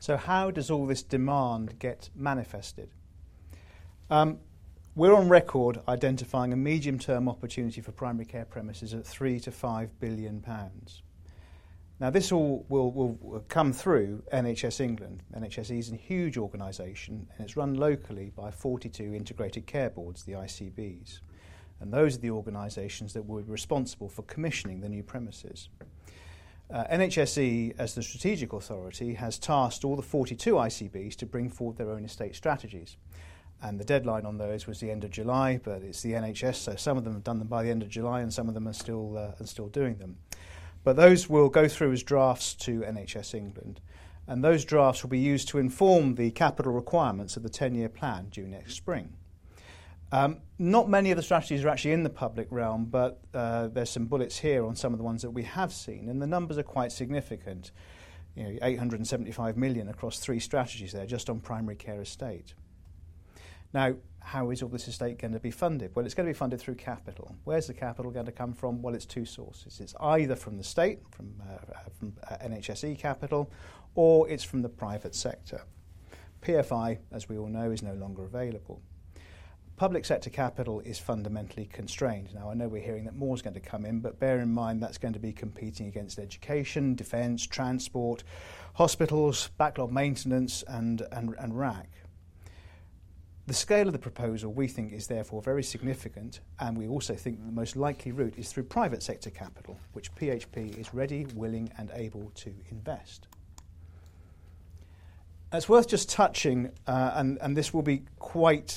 So how does all this demand get manifested? We're on record identifying a medium-term opportunity for primary care premises at £3 billion-£5 billion. Now, this all will come through NHS England. NHSE is a huge organization, and it's run locally by 42 integrated care boards, the ICBs, and those are the organizations that will be responsible for commissioning the new premises. NHSE, as the strategic authority, has tasked all the 42 ICBs to bring forward their own estate strategies, and the deadline on those was the end of July. But it's the NHS, so some of them have done them by the end of July, and some of them are still doing them. But those will go through as drafts to NHS England, and those drafts will be used to inform the capital requirements of the ten-year plan due next spring. Not many of the strategies are actually in the public realm, but there's some bullets here on some of the ones that we have seen, and the numbers are quite significant. You know, 875 million across three strategies there, just on primary care estate. Now, how is all this estate going to be funded? Well, it's going to be funded through capital. Where's the capital going to come from? Well, it's two sources. It's either from the state, from NHSE capital, or it's from the private sector. PFI, as we all know, is no longer available. Public sector capital is fundamentally constrained. Now, I know we're hearing that more is going to come in, but bear in mind, that's going to be competing against education, defence, transport, hospitals, backlog maintenance, and RAAC. The scale of the proposal, we think, is therefore very significant, and we also think that the most likely route is through private sector capital, which PHP is ready, willing, and able to invest. It's worth just touching, and this will be quite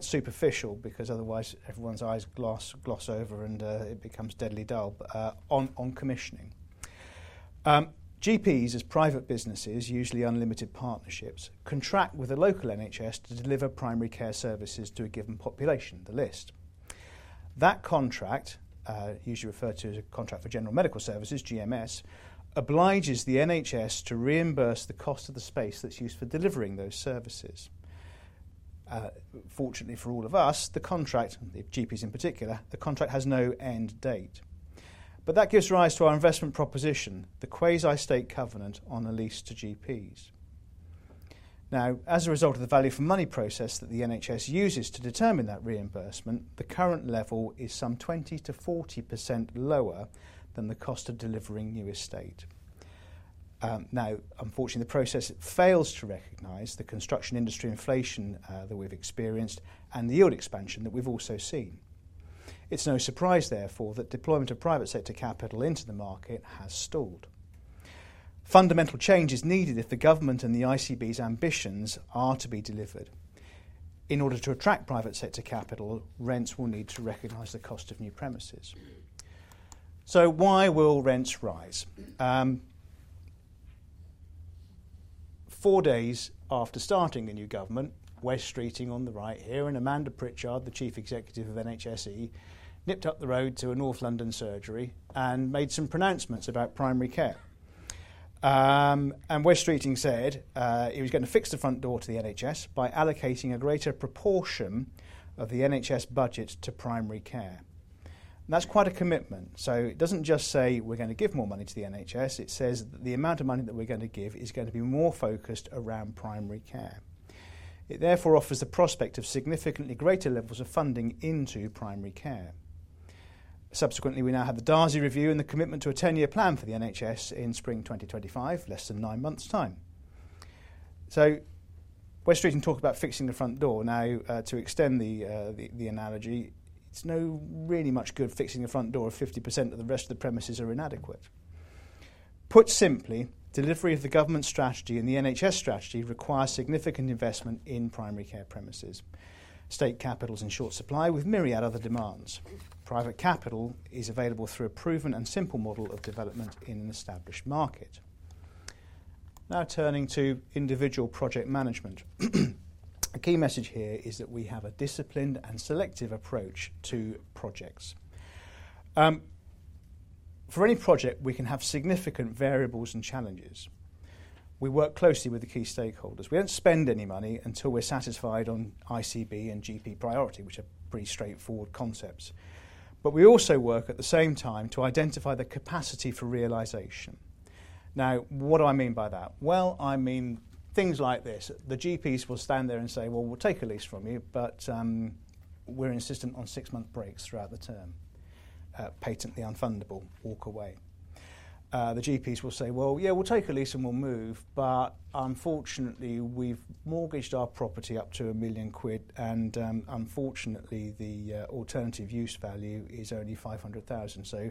superficial because otherwise everyone's eyes gloss over and it becomes deadly dull, but on commissioning. GPs as private businesses, usually unlimited partnerships, contract with the local NHS to deliver primary care services to a given population, the list. That contract, usually referred to as a contract for general medical services, GMS, obliges the NHS to reimburse the cost of the space that's used for delivering those services. Fortunately for all of us, the contract, the GPs in particular, the contract has no end date. But that gives rise to our investment proposition, the quasi-state covenant on a lease to GPs. Now, as a result of the value for money process that the NHS uses to determine that reimbursement, the current level is some 20%-40% lower than the cost of delivering new estate. Now, unfortunately, the process fails to recognize the construction industry inflation, that we've experienced and the yield expansion that we've also seen. It's no surprise, therefore, that deployment of private sector capital into the market has stalled. Fundamental change is needed if the government and the ICB's ambitions are to be delivered. In order to attract private sector capital, rents will need to recognize the cost of new premises. So why will rents rise? Four days after starting the new government, Wes Streeting, on the right here, and Amanda Pritchard, the Chief Executive of NHSE, nipped up the road to a North London surgery and made some pronouncements about primary care. Wes Streeting said, he was going to fix the front door to the NHS by allocating a greater proportion of the NHS budget to primary care. That's quite a commitment. So it doesn't just say, "We're going to give more money to the NHS," it says, "The amount of money that we're going to give is going to be more focused around primary care." It therefore offers the prospect of significantly greater levels of funding into primary care. Subsequently, we now have the Darzi review and the commitment to a ten-year plan for the NHS in spring 2025, less than nine months' time. So Wes Streeting talked about fixing the front door. Now, to extend the analogy, it's not really much good fixing the front door if 50% of the rest of the premises are inadequate. Put simply, delivery of the government strategy and the NHS strategy requires significant investment in primary care premises. State capital is in short supply, with myriad other demands. Private capital is available through a proven and simple model of development in an established market. Now, turning to individual project management. A key message here is that we have a disciplined and selective approach to projects. For any project, we can have significant variables and challenges. We work closely with the key stakeholders. We don't spend any money until we're satisfied on ICB and GP priority, which are pretty straightforward concepts. But we also work at the same time to identify the capacity for realisation. Now, what do I mean by that? Well, I mean things like this: the GPs will stand there and say, "Well, we'll take a lease from you, but, we're insistent on six-month breaks throughout the term." Patently unfundable. Walk away. The GPs will say, "Well, yeah, we'll take a lease and we'll move, but unfortunately, we've mortgaged our property up to 1,000,000 quid, and unfortunately, the alternative use value is only 500,000, so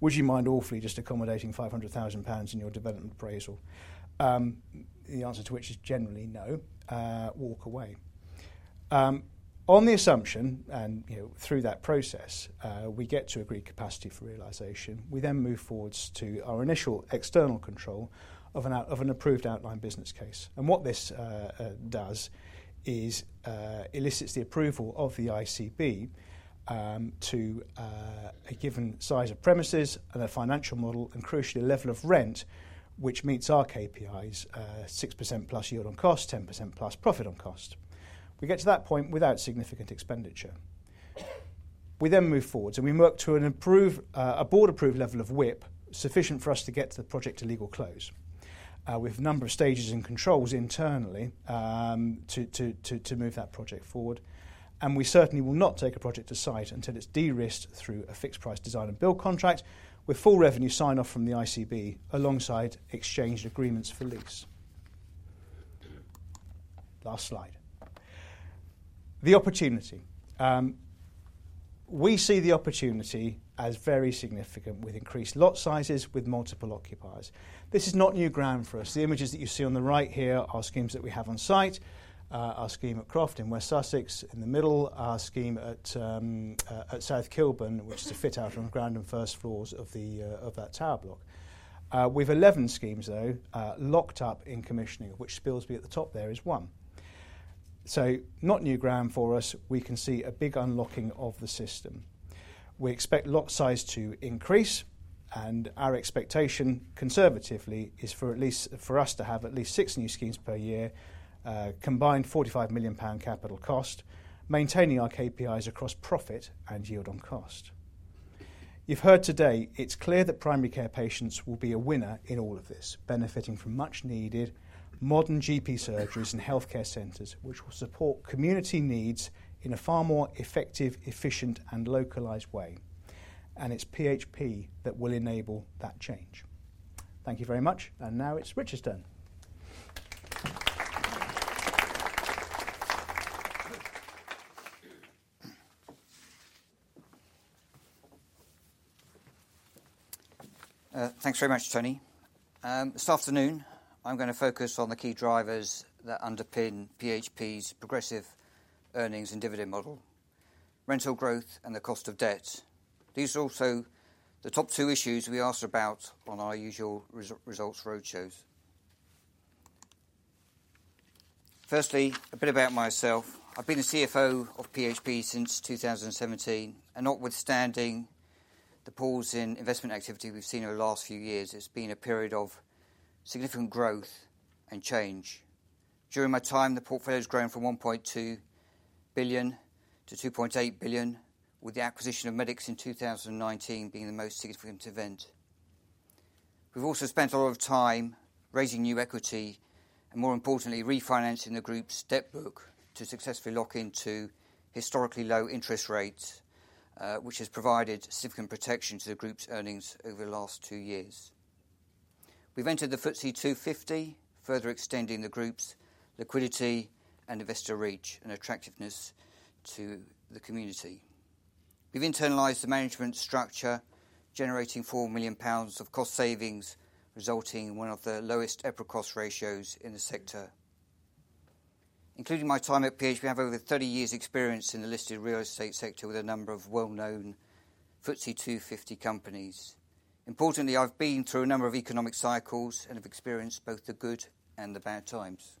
would you mind awfully just accommodating 500,000 pounds in your development appraisal?" The answer to which is generally no. Walk away. On the assumption, and, you know, through that process, we get to agreed capacity for realization, we then move forward to our initial external control of an approved outline business case. And what this does is elicits the approval of the ICB to a given size of premises and a financial model, and crucially, a level of rent which meets our KPIs, 6% plus yield on cost, 10% plus profit on cost. We get to that point without significant expenditure. We then move forward, and we work to a board-approved level of WIP, sufficient for us to get the project to legal close with a number of stages and controls internally to move that project forward. And we certainly will not take a project to site until it's de-risked through a fixed price design and build contract, with full revenue sign-off from the ICB, alongside exchanged agreements for lease. Last slide. The opportunity. We see the opportunity as very significant, with increased lot sizes, with multiple occupiers. This is not new ground for us. The images that you see on the right here are schemes that we have on site. Our scheme at Croft in West Sussex, in the middle, our scheme at South Kilburn, which is a fit-out on the ground and first floors of that tower block. We've 11 schemes, though, locked up in commissioning, of which Spilsby at the top there is one. So not new ground for us. We can see a big unlocking of the system. We expect lot size to increase, and our expectation, conservatively, is for us to have at least six new schemes per year, combined 45 million pound capital cost, maintaining our KPIs across profit and yield on cost. You've heard today, it's clear that primary care patients will be a winner in all of this, benefiting from much-needed modern GP surgeries and healthcare centers, which will support community needs in a far more effective, efficient, and localized way, and it's PHP that will enable that change. Thank you very much, and now it's Richard's turn. Thanks very much, Tony. This afternoon, I'm gonna focus on the key drivers that underpin PHP's progressive earnings and dividend model, rental growth, and the cost of debt. These are also the top two issues we ask about on our usual results roadshows. Firstly, a bit about myself. I've been the CFO of PHP since 2017, and notwithstanding the pause in investment activity we've seen over the last few years, it's been a period of significant growth and change. During my time, the portfolio's grown from £1.2 billion to £2.8 billion, with the acquisition of MedicX in 2019 being the most significant event. We've also spent a lot of time raising new equity and, more importantly, refinancing the group's debt book to successfully lock into historically low interest rates, which has provided significant protection to the group's earnings over the last two years. We've entered the FTSE 250, further extending the group's liquidity and investor reach and attractiveness to the community. We've internalized the management structure, generating 4 million pounds of cost savings, resulting in one of the lowest EPRA cost ratios in the sector. Including my time at PHP, I have over thirty years' experience in the listed real estate sector with a number of well-known FTSE 250 companies. Importantly, I've been through a number of economic cycles and have experienced both the good and the bad times.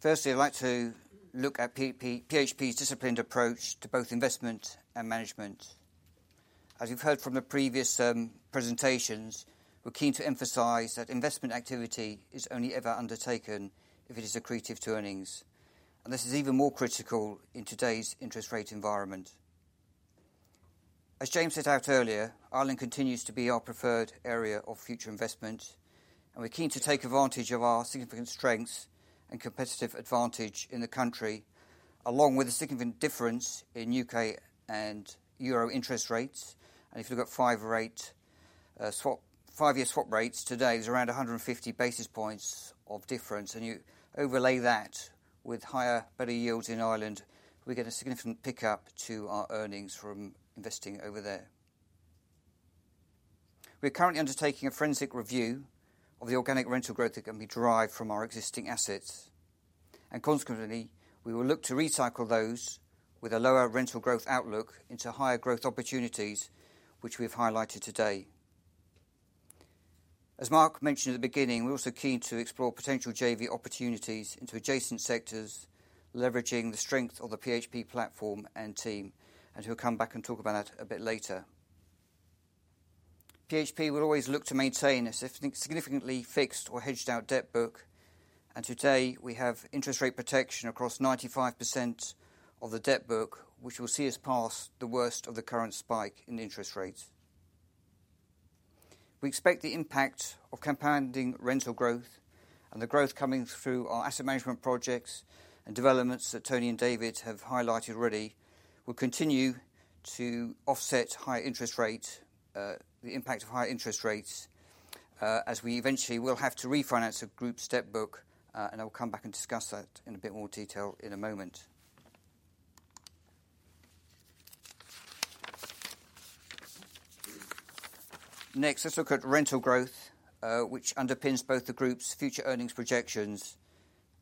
Firstly, I'd like to look at PHP's disciplined approach to both investment and management. As you've heard from the previous presentations, we're keen to emphasize that investment activity is only ever undertaken if it is accretive to earnings, and this is even more critical in today's interest rate environment. As James set out earlier, Ireland continues to be our preferred area of future investment, and we're keen to take advantage of our significant strengths and competitive advantage in the country, along with a significant difference in UK and euro interest rates, and if you look at five-year swap rates today, there's around 150 basis points of difference, and you overlay that with higher, better yields in Ireland, we get a significant pickup to our earnings from investing over there. We're currently undertaking a forensic review of the organic rental growth that can be derived from our existing assets, and consequently, we will look to recycle those with a lower rental growth outlook into higher growth opportunities, which we've highlighted today. As Mark mentioned at the beginning, we're also keen to explore potential JV opportunities into adjacent sectors, leveraging the strength of the PHP platform and team, and he'll come back and talk about that a bit later. PHP will always look to maintain a significantly fixed or hedged-out debt book, and today we have interest rate protection across 95% of the debt book, which will see us past the worst of the current spike in interest rates. We expect the impact of compounding rental growth and the growth coming through our asset management projects and developments that Tony and David have highlighted already will continue to offset high interest rates, the impact of higher interest rates, as we eventually will have to refinance the group's debt book, and I will come back and discuss that in a bit more detail in a moment. Next, let's look at rental growth, which underpins both the group's future earnings projections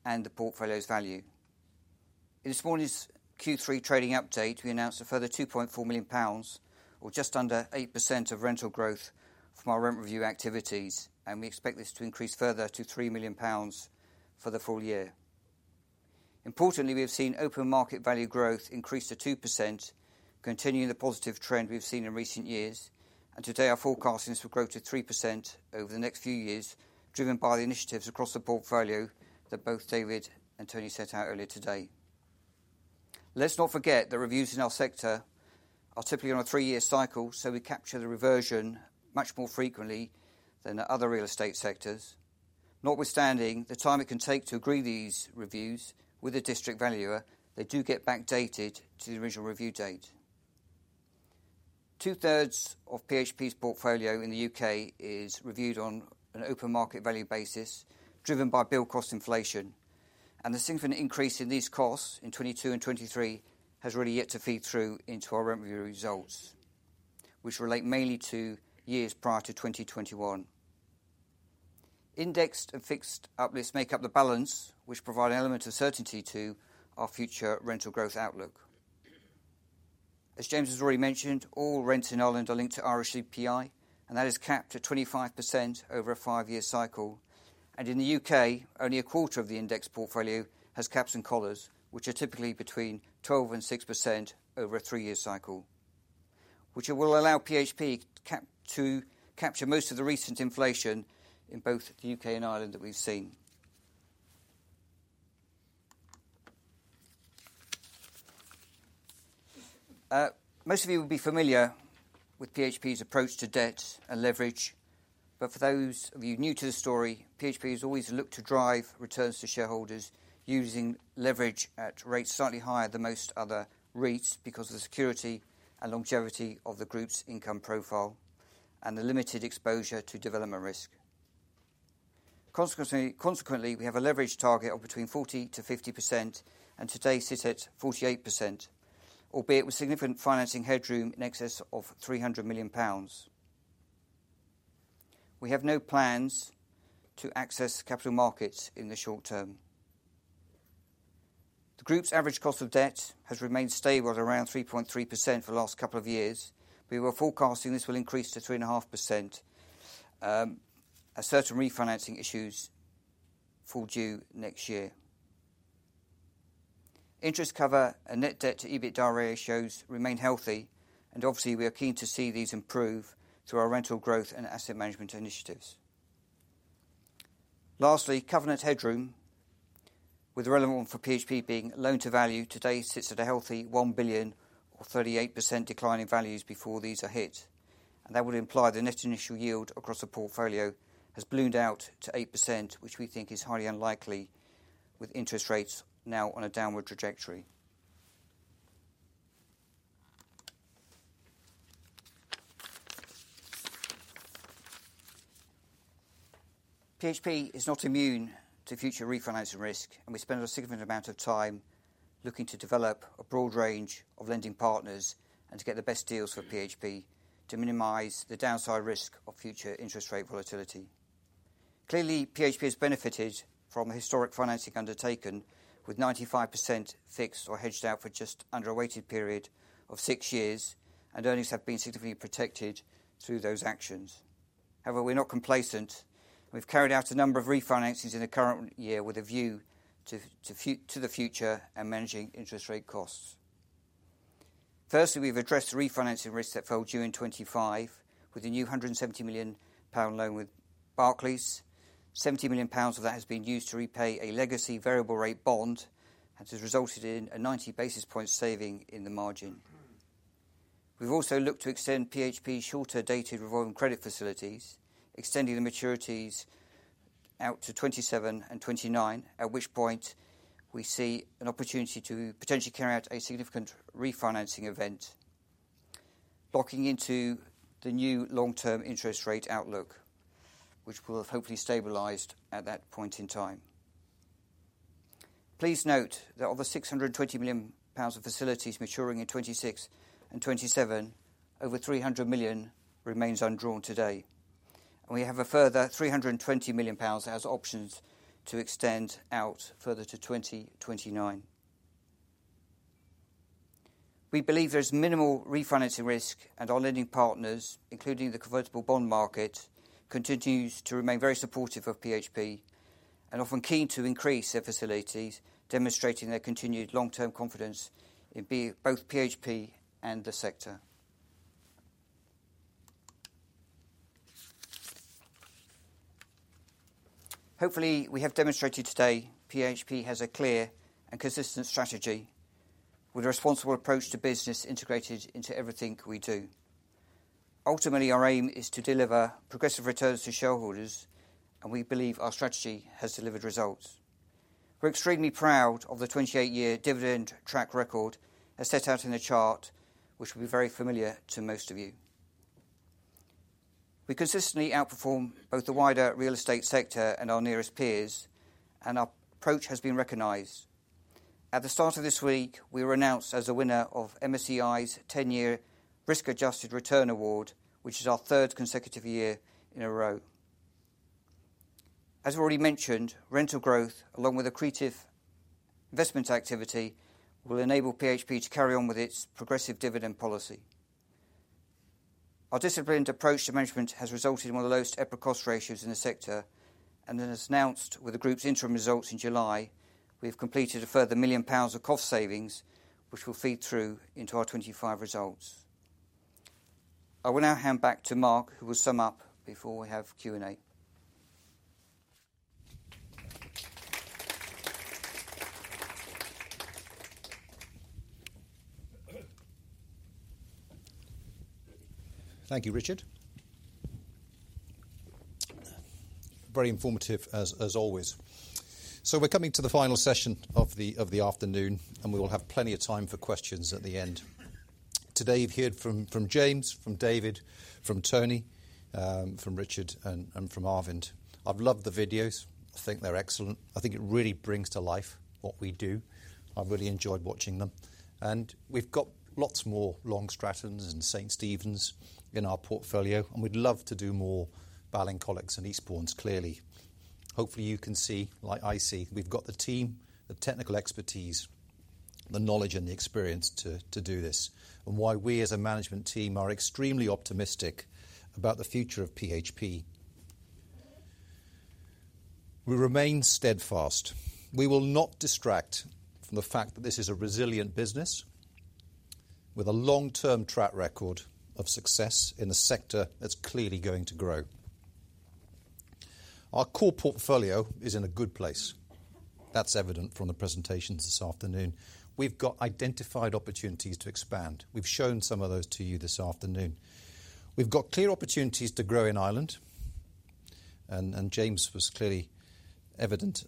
and the portfolio's value. In this morning's Q3 trading update, we announced a further 2.4 million pounds, or just under 8% of rental growth from our rent review activities, and we expect this to increase further to 3 million pounds for the full year. Importantly, we have seen open market value growth increase to 2%, continuing the positive trend we've seen in recent years, and today our forecasting is for growth to 3% over the next few years, driven by the initiatives across the portfolio that both David and Tony set out earlier today. Let's not forget that reviews in our sector are typically on a three-year cycle, so we capture the reversion much more frequently than the other real estate sectors, notwithstanding the time it can take to agree these reviews with the District Valuer; they do get backdated to the original review date. Two-thirds of PHP's portfolio in the UK is reviewed on an open market value basis, driven by build cost inflation, and the significant increase in these costs in 2022 and 2023 has really yet to feed through into our rent review results, which relate mainly to years prior to 2021. Indexed and fixed uplifts make up the balance, which provide an element of certainty to our future rental growth outlook. As James has already mentioned, all rents in Ireland are linked to Irish CPI, and that is capped at 25% over a five-year cycle, and in the UK, only a quarter of the index portfolio has caps and collars, which are typically between 12% and 6% over a three-year cycle, which will allow PHP to capture most of the recent inflation in both the UK and Ireland that we've seen. Most of you will be familiar with PHP's approach to debt and leverage, but for those of you new to the story, PHP has always looked to drive returns to shareholders using leverage at rates slightly higher than most other REITs, because of the security and longevity of the group's income profile and the limited exposure to development risk. Consequently, we have a leverage target of between 40%-50%, and today sit at 48%, albeit with significant financing headroom in excess of 300 million pounds. We have no plans to access capital markets in the short term. The group's average cost of debt has remained stable at around 3.3% for the last couple of years. We were forecasting this will increase to 3.5%, as certain refinancing issues fall due next year. Interest cover and net debt to EBITDA ratios remain healthy, and obviously, we are keen to see these improve through our rental growth and asset management initiatives. Lastly, covenant headroom, with the relevant one for PHP being loan-to-value, today sits at a healthy one billion or 38% decline in values before these are hit, and that would imply the net initial yield across the portfolio has ballooned out to 8%, which we think is highly unlikely with interest rates now on a downward trajectory. PHP is not immune to future refinancing risk, and we spend a significant amount of time looking to develop a broad range of lending partners and to get the best deals for PHP to minimize the downside risk of future interest rate volatility. Clearly, PHP has benefited from historic financing undertaken, with 95% fixed or hedged out for just under a weighted period of six years, and earnings have been significantly protected through those actions. However, we're not complacent. We've carried out a number of refinances in the current year with a view to the future and managing interest rate costs. Firstly, we've addressed refinancing risks that fall due in 2025, with a new 170 million pound loan with Barclays. 70 million pounds of that has been used to repay a legacy variable rate bond, and this resulted in a 90 basis point saving in the margin. We've also looked to extend PHP's shorter dated revolving credit facilities, extending the maturities out to 2027 and 2029, at which point we see an opportunity to potentially carry out a significant refinancing event, locking into the new long-term interest rate outlook, which will have hopefully stabilized at that point in time. Please note that of the 620 million pounds of facilities maturing in 2026 and 2027, over 300 million remains undrawn today, and we have a further 320 million pounds as options to extend out further to 2029. We believe there's minimal refinancing risk, and our lending partners, including the convertible bond market, continues to remain very supportive of PHP and often keen to increase their facilities, demonstrating their continued long-term confidence in both PHP and the sector. Hopefully, we have demonstrated today PHP has a clear and consistent strategy with a responsible approach to business integrated into everything we do. Ultimately, our aim is to deliver progressive returns to shareholders, and we believe our strategy has delivered results. We're extremely proud of the twenty-eight-year dividend track record, as set out in the chart, which will be very familiar to most of you. We consistently outperform both the wider real estate sector and our nearest peers, and our approach has been recognized. At the start of this week, we were announced as the winner of MSCI's ten-year Risk Adjusted Return Award, which is our third consecutive year in a row. As already mentioned, rental growth, along with accretive investment activity, will enable PHP to carry on with its progressive dividend policy. Our disciplined approach to management has resulted in one of the lowest EPRA Cost Ratio in the sector, and then, as announced with the group's interim results in July, we've completed a further 1 million pounds of cost savings, which will feed through into our 2025 results. I will now hand back to Mark, who will sum up before we have Q&A.... Thank you, Richard. Very informative as always. So we're coming to the final session of the afternoon, and we will have plenty of time for questions at the end. Today, you've heard from James, from David, from Tony, from Richard, and from Arvind. I've loved the videos. I think they're excellent. I think it really brings to life what we do. I've really enjoyed watching them, and we've got lots more Long Strattons and St Stephen's in our portfolio, and we'd love to do more Ballincolligs and Eastbournes, clearly. Hopefully, you can see, like I see, we've got the team, the technical expertise, the knowledge and the experience to do this, and why we, as a management team, are extremely optimistic about the future of PHP. We remain steadfast. We will not distract from the fact that this is a resilient business with a long-term track record of success in a sector that's clearly going to grow. Our core portfolio is in a good place. That's evident from the presentations this afternoon. We've got identified opportunities to expand. We've shown some of those to you this afternoon. We've got clear opportunities to grow in Ireland, and James was clearly evident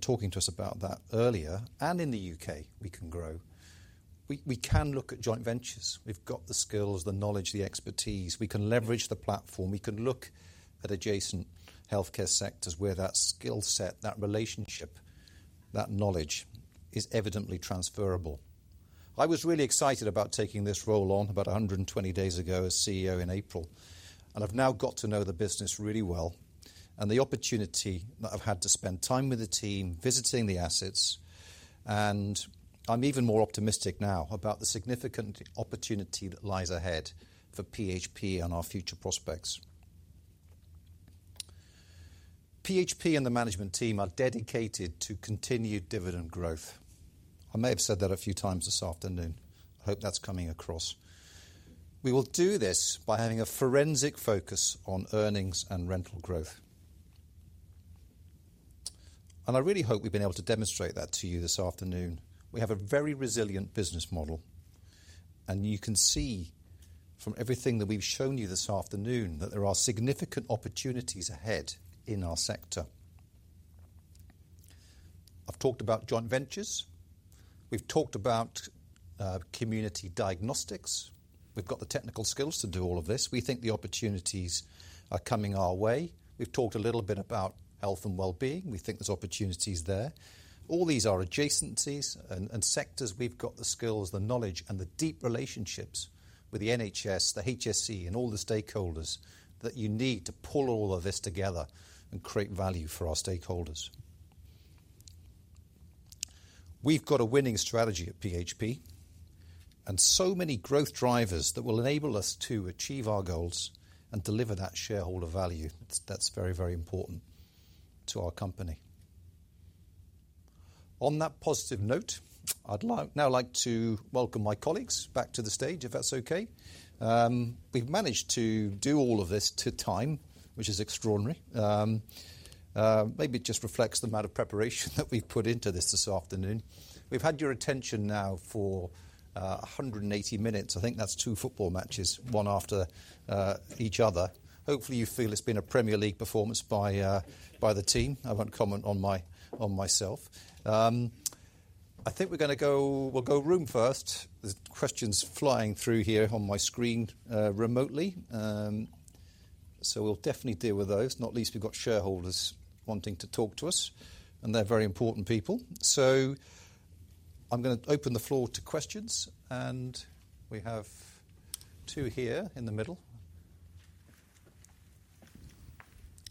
talking to us about that earlier. And in the UK, we can grow. We can look at joint ventures. We've got the skills, the knowledge, the expertise. We can leverage the platform. We can look at adjacent healthcare sectors where that skill set, that relationship, that knowledge is evidently transferable. I was really excited about taking this role on about a hundred and twenty days ago as CEO in April, and I've now got to know the business really well and the opportunity that I've had to spend time with the team, visiting the assets, and I'm even more optimistic now about the significant opportunity that lies ahead for PHP and our future prospects. PHP and the management team are dedicated to continued dividend growth. I may have said that a few times this afternoon. I hope that's coming across. We will do this by having a forensic focus on earnings and rental growth, and I really hope we've been able to demonstrate that to you this afternoon. We have a very resilient business model, and you can see from everything that we've shown you this afternoon that there are significant opportunities ahead in our sector. I've talked about joint ventures. We've talked about community diagnostics. We've got the technical skills to do all of this. We think the opportunities are coming our way. We've talked a little bit about health and wellbeing. We think there's opportunities there. All these are adjacencies and sectors. We've got the skills, the knowledge, and the deep relationships with the NHS, the HSE, and all the stakeholders that you need to pull all of this together and create value for our stakeholders. We've got a winning strategy at PHP, and so many growth drivers that will enable us to achieve our goals and deliver that shareholder value. That's very, very important to our company. On that positive note, I'd like to welcome my colleagues back to the stage, if that's okay. We've managed to do all of this to time, which is extraordinary. Maybe it just reflects the amount of preparation that we've put into this afternoon. We've had your attention now for a hundred and eighty minutes. I think that's two football matches, one after each other. Hopefully, you feel it's been a Premier League performance by the team. I won't comment on myself. I think we're gonna go... We'll go room first. There's questions flying through here on my screen remotely. So we'll definitely deal with those. Not least, we've got shareholders wanting to talk to us, and they're very important people. So I'm gonna open the floor to questions, and we have two here in the middle.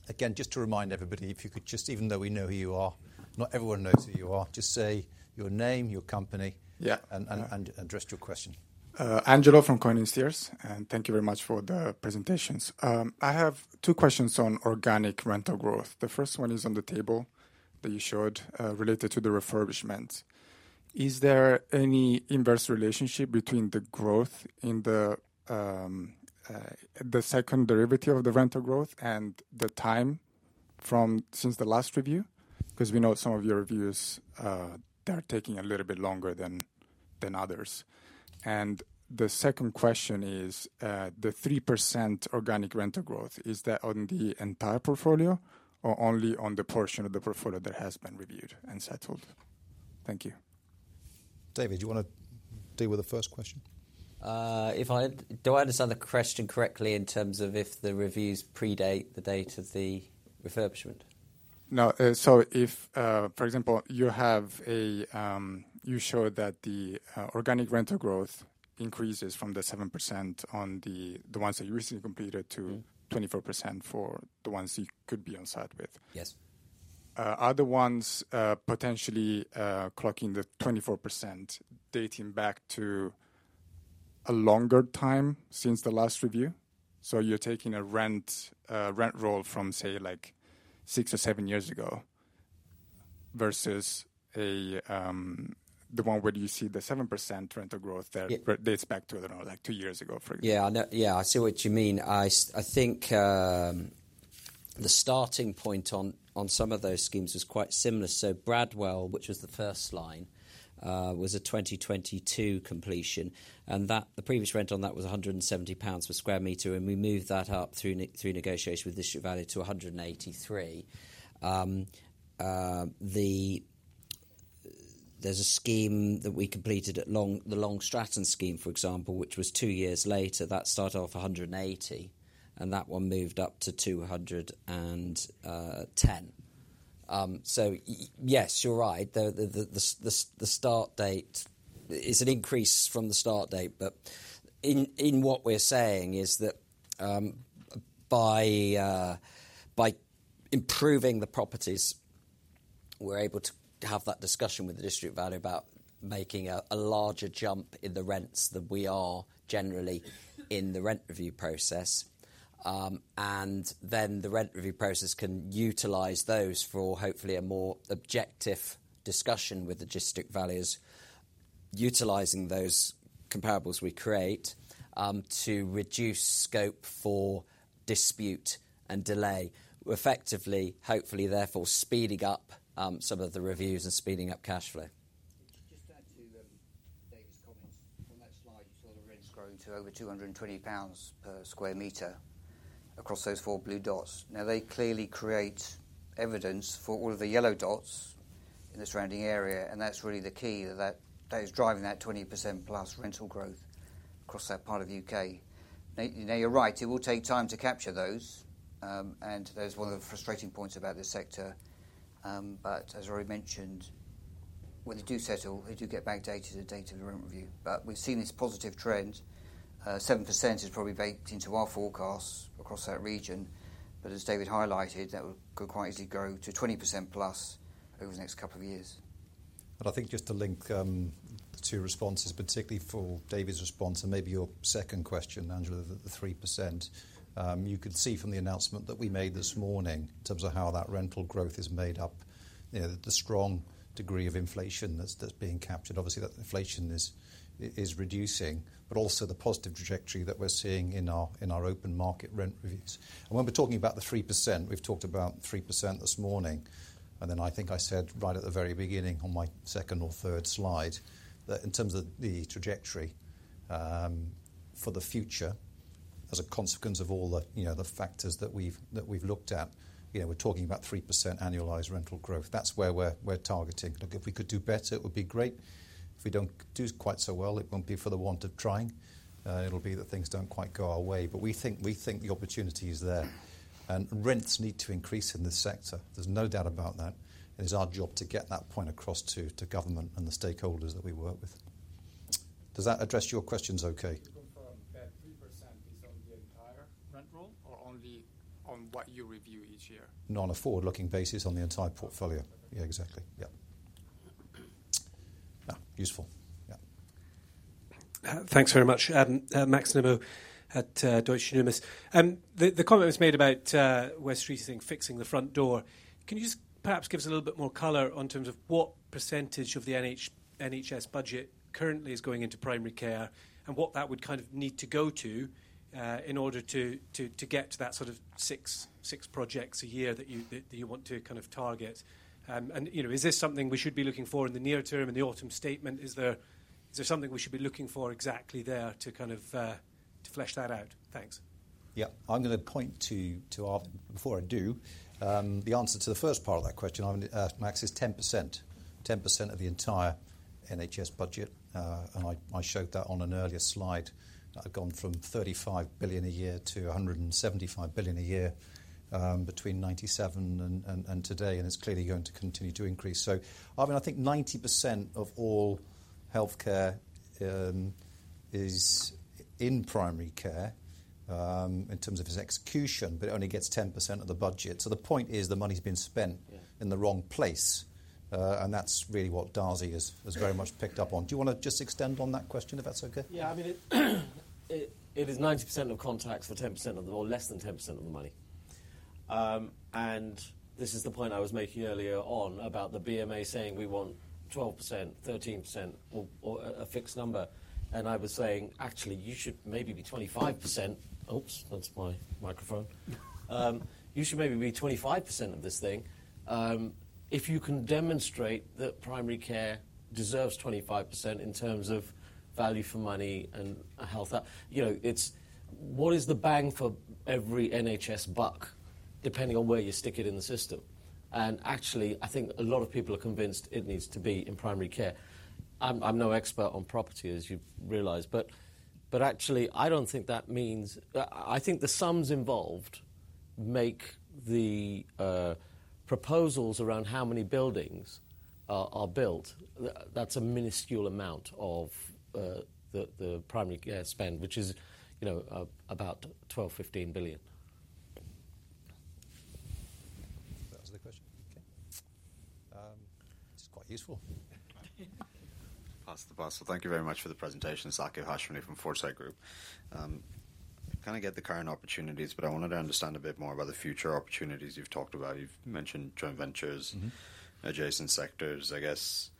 Again, just to remind everybody, if you could just, even though we know who you are, not everyone knows who you are, just say your name, your company- Yeah. and rest your question. Angelo from Cohen & Steers, and thank you very much for the presentations. I have two questions on organic rental growth. The first one is on the table that you showed, related to the refurbishment. Is there any inverse relationship between the growth in the second derivative of the rental growth and the time from since the last review? Because we know some of your reviews, they are taking a little bit longer than others. And the second question is, the 3% organic rental growth, is that on the entire portfolio or only on the portion of the portfolio that has been reviewed and settled? Thank you. David, do you want to deal with the first question? Do I understand the question correctly in terms of if the reviews predate the date of the refurbishment? No. So if, for example, you have a, you showed that the organic rental growth increases from the 7% on the ones that you recently completed to- Mm-hmm. -24% for the ones you could be on site with. Yes. Are the ones potentially clocking the 24%, dating back to a longer time since the last review? So you're taking a rent roll from, say, like six or seven years ago, versus the one where you see the 7% rental growth there- Yeah. But dates back to, I don't know, like two years ago, for example. Yeah, I know. Yeah, I see what you mean. I think,... The starting point on some of those schemes was quite similar. So Bradwell, which was the first one, was a 2022 completion, and that, the previous rent on that was 170 pounds per sq m, and we moved that up through negotiation with District Valuer to 183. There's a scheme that we completed at Long Stratton, the Long Stratton scheme, for example, which was two years later. That started off 180, and that one moved up to 210. Yes, you're right, the start date, it's an increase from the start date, but what we're saying is that by improving the properties, we're able to have that discussion with the District Valuer about making a larger jump in the rents than we are generally in the rent review process. And then the rent review process can utilize those for, hopefully, a more objective discussion with the District Valuers, utilizing those comparables we create to reduce scope for dispute and delay, effectively, hopefully, therefore, speeding up some of the reviews and speeding up cash flow. Just to add to David's comments. On that slide, you saw the rent's grown to over 220 pounds per sq m across those four blue dots. Now, they clearly create evidence for all of the yellow dots in the surrounding area, and that's really the key, that is driving that 20% plus rental growth across that part of the UK. Now, you're right, it will take time to capture those, and that is one of the frustrating points about this sector. But as already mentioned, when they do settle, they do get backdated, the date of the rent review. But we've seen this positive trend. 7% is probably baked into our forecast across that region, but as David highlighted, that could quite easily grow to 20% plus over the next couple of years. But I think just to link the two responses, particularly for David's response and maybe your second question, Andrew, the 3%. You could see from the announcement that we made this morning, in terms of how that rental growth is made up, you know, the strong degree of inflation that's being captured. Obviously, that inflation is reducing, but also the positive trajectory that we're seeing in our open market rent reviews. And when we're talking about the 3%, we've talked about 3% this morning, and then I think I said right at the very beginning on my second or third slide, that in terms of the trajectory for the future, as a consequence of all the, you know, factors that we've looked at, you know, we're talking about 3% annualized rental growth. That's where we're targeting. Look, if we could do better, it would be great. If we don't do quite so well, it won't be for the want of trying. It'll be that things don't quite go our way. But we think the opportunity is there, and rents need to increase in this sector. There's no doubt about that. It is our job to get that point across to government and the stakeholders that we work with. Does that address your questions okay? To confirm that 3% is on the entire rent roll or only on what you review each year? No, on a forward-looking basis on the entire portfolio. Yeah, exactly. Yeah. Useful, yeah. Thanks very much. Max Nimmo at Deutsche Numis. The comment was made about Wes Streeting saying, fixing the front door. Can you just perhaps give us a little bit more color in terms of what percentage of the NHS budget currently is going into primary care, and what that would kind of need to go to, in order to get to that sort of six projects a year that you want to kind of target? And, you know, is this something we should be looking for in the near term, in the autumn statement? Is there something we should be looking for exactly there to kind of flesh that out? Thanks. Yeah. I'm gonna point to our... Before I do, the answer to the first part of that question, Max, is 10%. 10% of the entire NHS budget, and I showed that on an earlier slide. I've gone from 35 billion a year to 175 billion a year, between 97 and today, and it's clearly going to continue to increase. So I mean, I think 90% of all healthcare is in primary care, in terms of its execution, but it only gets 10% of the budget. So the point is, the money's been spent- Yeah... in the wrong place, and that's really what Darzi has very much picked up on. Do you wanna just extend on that question, if that's okay? Yeah, I mean, it is 90% of contacts for 10% of the, or less than 10% of the money, and this is the point I was making earlier on about the BMA saying, we want 12%, 13% or a fixed number, and I was saying, "Actually, you should maybe be 25%." Oops, that's my microphone. You should maybe be 25% of this thing, if you can demonstrate that primary care deserves 25% in terms of value for money and a health out. You know, it's what is the bang for every NHS buck, depending on where you stick it in the system? And actually, I think a lot of people are convinced it needs to be in primary care. I'm no expert on property, as you've realized, but actually, I don't think that means... I think the sums involved make the proposals around how many buildings are built, that's a minuscule amount of the primary care spend, which is, you know, about 12-15 billion. Does that answer the question? Okay. This is quite useful. Pass the parcel. Thank you very much for the presentation. Sakir Hashmi from Foresight Group. I kind of get the current opportunities, but I wanted to understand a bit more about the future opportunities you've talked about. You've mentioned joint ventures- Mm-hmm... adjacent sectors. I guess-...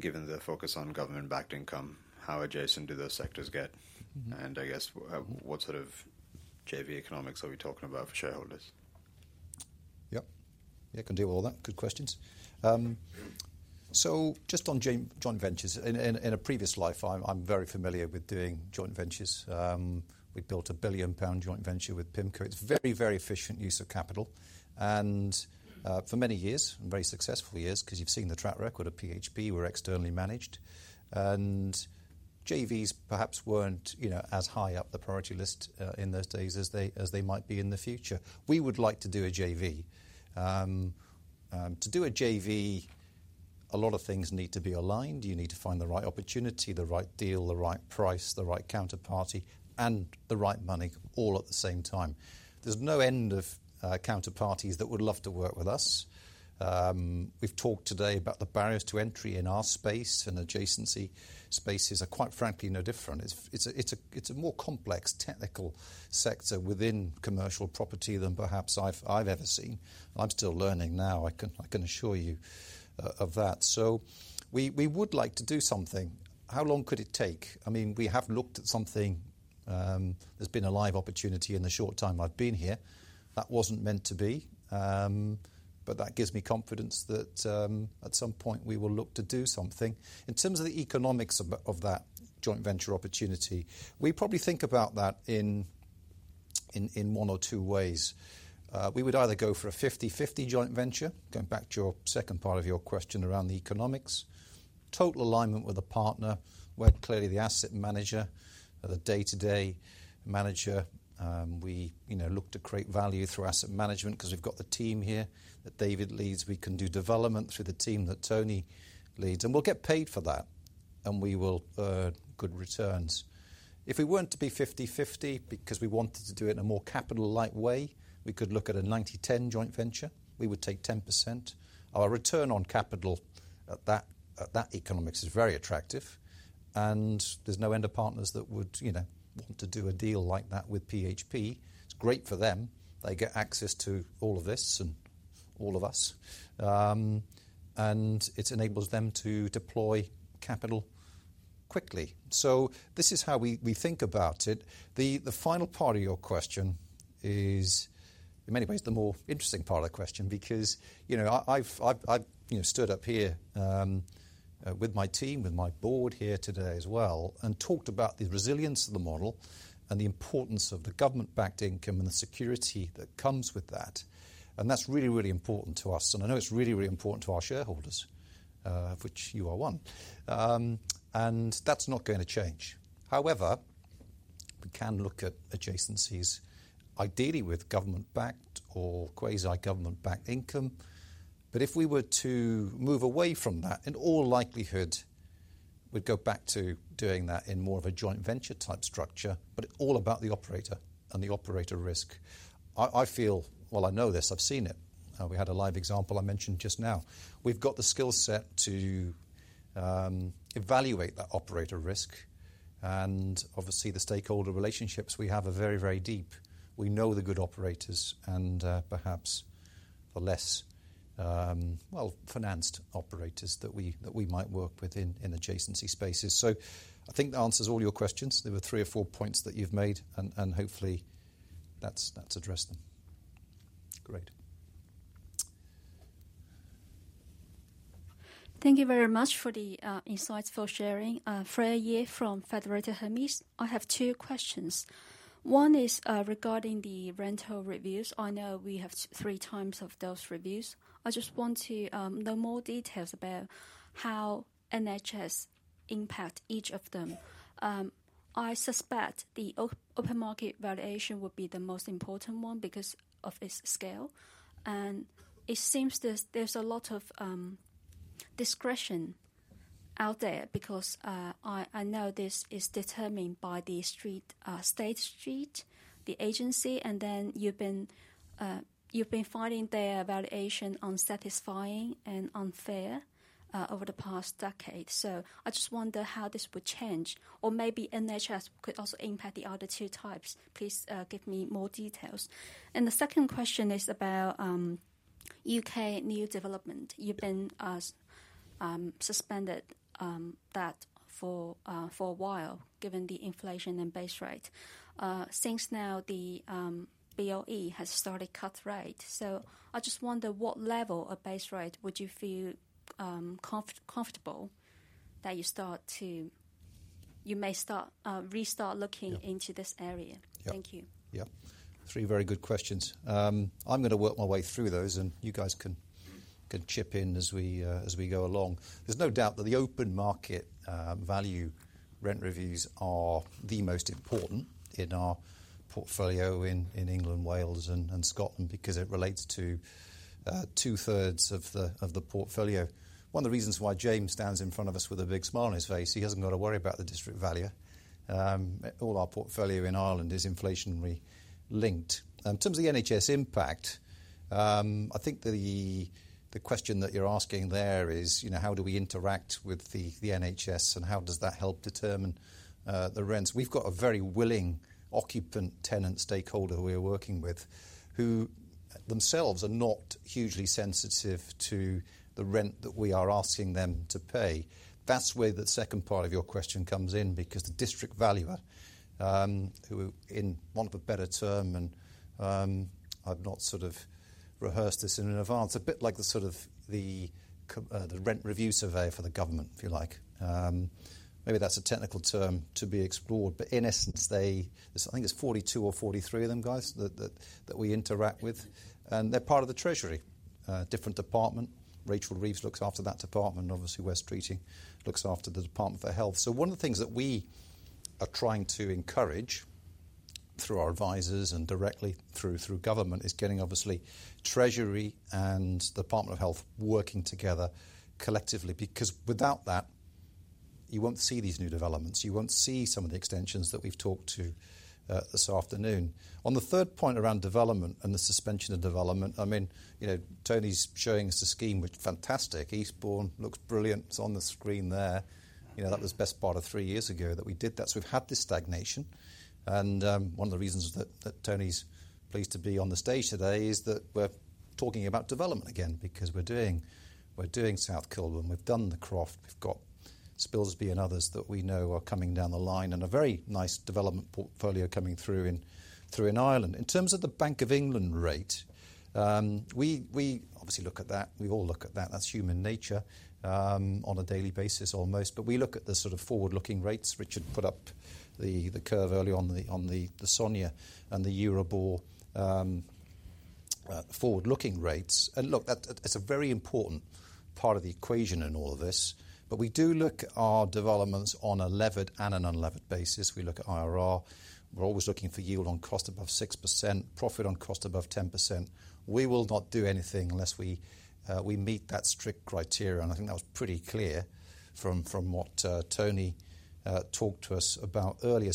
given the focus on government-backed income, how adjacent do those sectors get? Mm-hmm. I guess, what sort of JV economics are we talking about for shareholders? Yep. Yeah, can deal with all that. Good questions. So just on joint ventures. In a previous life, I'm very familiar with doing joint ventures. We built a 1 billion pound joint venture with PIMCO. It's very, very efficient use of capital, and for many years, and very successfully years, 'cause you've seen the track record of PHP, we're externally managed. And JVs perhaps weren't, you know, as high up the priority list, in those days as they might be in the future. We would like to do a JV. To do a JV, a lot of things need to be aligned. You need to find the right opportunity, the right deal, the right price, the right counterparty, and the right money, all at the same time. There's no end of counterparties that would love to work with us. We've talked today about the barriers to entry in our space, and adjacency spaces are, quite frankly, no different. It's a more complex technical sector within commercial property than perhaps I've ever seen. I'm still learning now. I can assure you of that. So we would like to do something. How long could it take? I mean, we have looked at something. There's been a live opportunity in the short time I've been here. That wasn't meant to be, but that gives me confidence that, at some point we will look to do something. In terms of the economics of that joint venture opportunity, we probably think about that in one or two ways. We would either go for a 50-50 joint venture, going back to your second part of your question around the economics. Total alignment with a partner, where clearly the asset manager or the day-to-day manager, we, you know, look to create value through asset management, 'cause we've got the team here that David leads. We can do development through the team that Tony leads, and we'll get paid for that, and we will earn good returns. If we weren't to be 50-50 because we wanted to do it in a more capital-light way, we could look at a 90-10 joint venture. We would take 10%. Our return on capital at that economics is very attractive, and there's no end of partners that would, you know, want to do a deal like that with PHP. It's great for them. They get access to all of this and all of us, and it enables them to deploy capital quickly. So this is how we think about it. The final part of your question is, in many ways, the more interesting part of the question, because you know, I've you know stood up here with my team, with my board here today as well, and talked about the resilience of the model and the importance of the government-backed income and the security that comes with that, and that's really, really important to us, and I know it's really, really important to our shareholders, of which you are one. And that's not gonna change. However, we can look at adjacencies, ideally with government-backed or quasi-government-backed income. But if we were to move away from that, in all likelihood, we'd go back to doing that in more of a joint venture type structure. But it's all about the operator and the operator risk. I feel. Well, I know this. I've seen it. We had a live example I mentioned just now. We've got the skill set to evaluate that operator risk, and obviously, the stakeholder relationships we have are very, very deep. We know the good operators and perhaps the less well-financed operators that we might work with in adjacency spaces. So I think that answers all your questions. There were three or four points that you've made, and hopefully that's addressed them. Great. Thank you very much for the insights, for sharing. Freya Ye from Federated Hermes. I have two questions. One is regarding the rental reviews. I know we have three times of those reviews. I just want to know more details about how NHS impact each of them. I suspect the open market valuation would be the most important one because of its scale, and it seems there's a lot of discretion out there, because I know this is determined by the District Valuer, the agency, and then you've been finding their valuation unsatisfying and unfair over the past decade. So I just wonder how this would change, or maybe NHS could also impact the other two types. Please give me more details. And the second question is about UK new development. Yeah. You've been suspending that for a while, given the inflation and base rate. Now that the BOE has started to cut rates, so I just wonder, what level of base rate would you feel comfortable that you may start to restart looking? Yeah. into this area? Yeah. Thank you. Yeah. Three very good questions. I'm gonna work my way through those, and you guys can chip in as we go along. There's no doubt that the open market value rent reviews are the most important in our portfolio in England, Wales, and Scotland because it relates to two-thirds of the portfolio. One of the reasons why James stands in front of us with a big smile on his face, he hasn't got to worry about the District Valuer. All our portfolio in Ireland is inflation-linked. In terms of the NHS impact, I think the question that you're asking there is, you know, how do we interact with the NHS, and how does that help determine the rents? We've got a very willing-... occupant, tenant, stakeholder we are working with, who themselves are not hugely sensitive to the rent that we are asking them to pay. That's where the second part of your question comes in, because the District Valuer, who in want of a better term, I've not sort of rehearsed this in advance, a bit like the rent review surveyor for the government, if you like. Maybe that's a technical term to be explored, but in essence, they. I think there's 42 or 43 of them guys, that we interact with, and they're part of the treasury, different department. Rachel Reeves looks after that department. Obviously, Wes Streeting looks after the Department for Health. So one of the things that we are trying to encourage, through our advisors and directly through, through government, is getting obviously Treasury and Department of Health working together collectively, because without that, you won't see these new developments, you won't see some of the extensions that we've talked to, this afternoon. On the third point around development and the suspension of development, I mean, you know, Tony's showing us a scheme, which fantastic. Eastbourne looks brilliant. It's on the screen there. You know, that was best part of three years ago that we did that. So we've had this stagnation, and one of the reasons that Tony's pleased to be on the stage today is that we're talking about development again, because we're doing South Kilburn, we've done The Croft, we've got Spilsby and others that we know are coming down the line, and a very nice development portfolio coming through in Ireland. In terms of the Bank of England rate, we obviously look at that. We all look at that. That's human nature on a daily basis, almost. But we look at the sort of forward-looking rates. Richard put up the curve early on the SONIA and the Euribor forward-looking rates. And look, that's a very important part of the equation in all of this, but we do look at our developments on a levered and an unlevered basis. We look at IRR. We're always looking for yield on cost above 6%, profit on cost above 10%. We will not do anything unless we meet that strict criteria, and I think that was pretty clear from what Tony talked to us about earlier.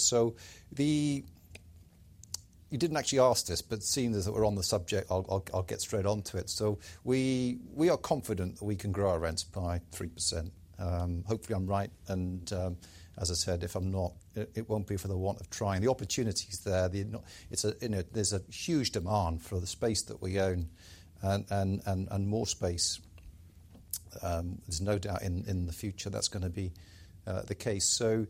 You didn't actually ask this, but seeing as that we're on the subject, I'll get straight onto it. So we are confident that we can grow our rents by 3%. Hopefully, I'm right, and as I said, if I'm not, it won't be for the want of trying. The opportunity's there. You know... It's, you know, there's a huge demand for the space that we own and more space. There's no doubt in the future that's gonna be the case. So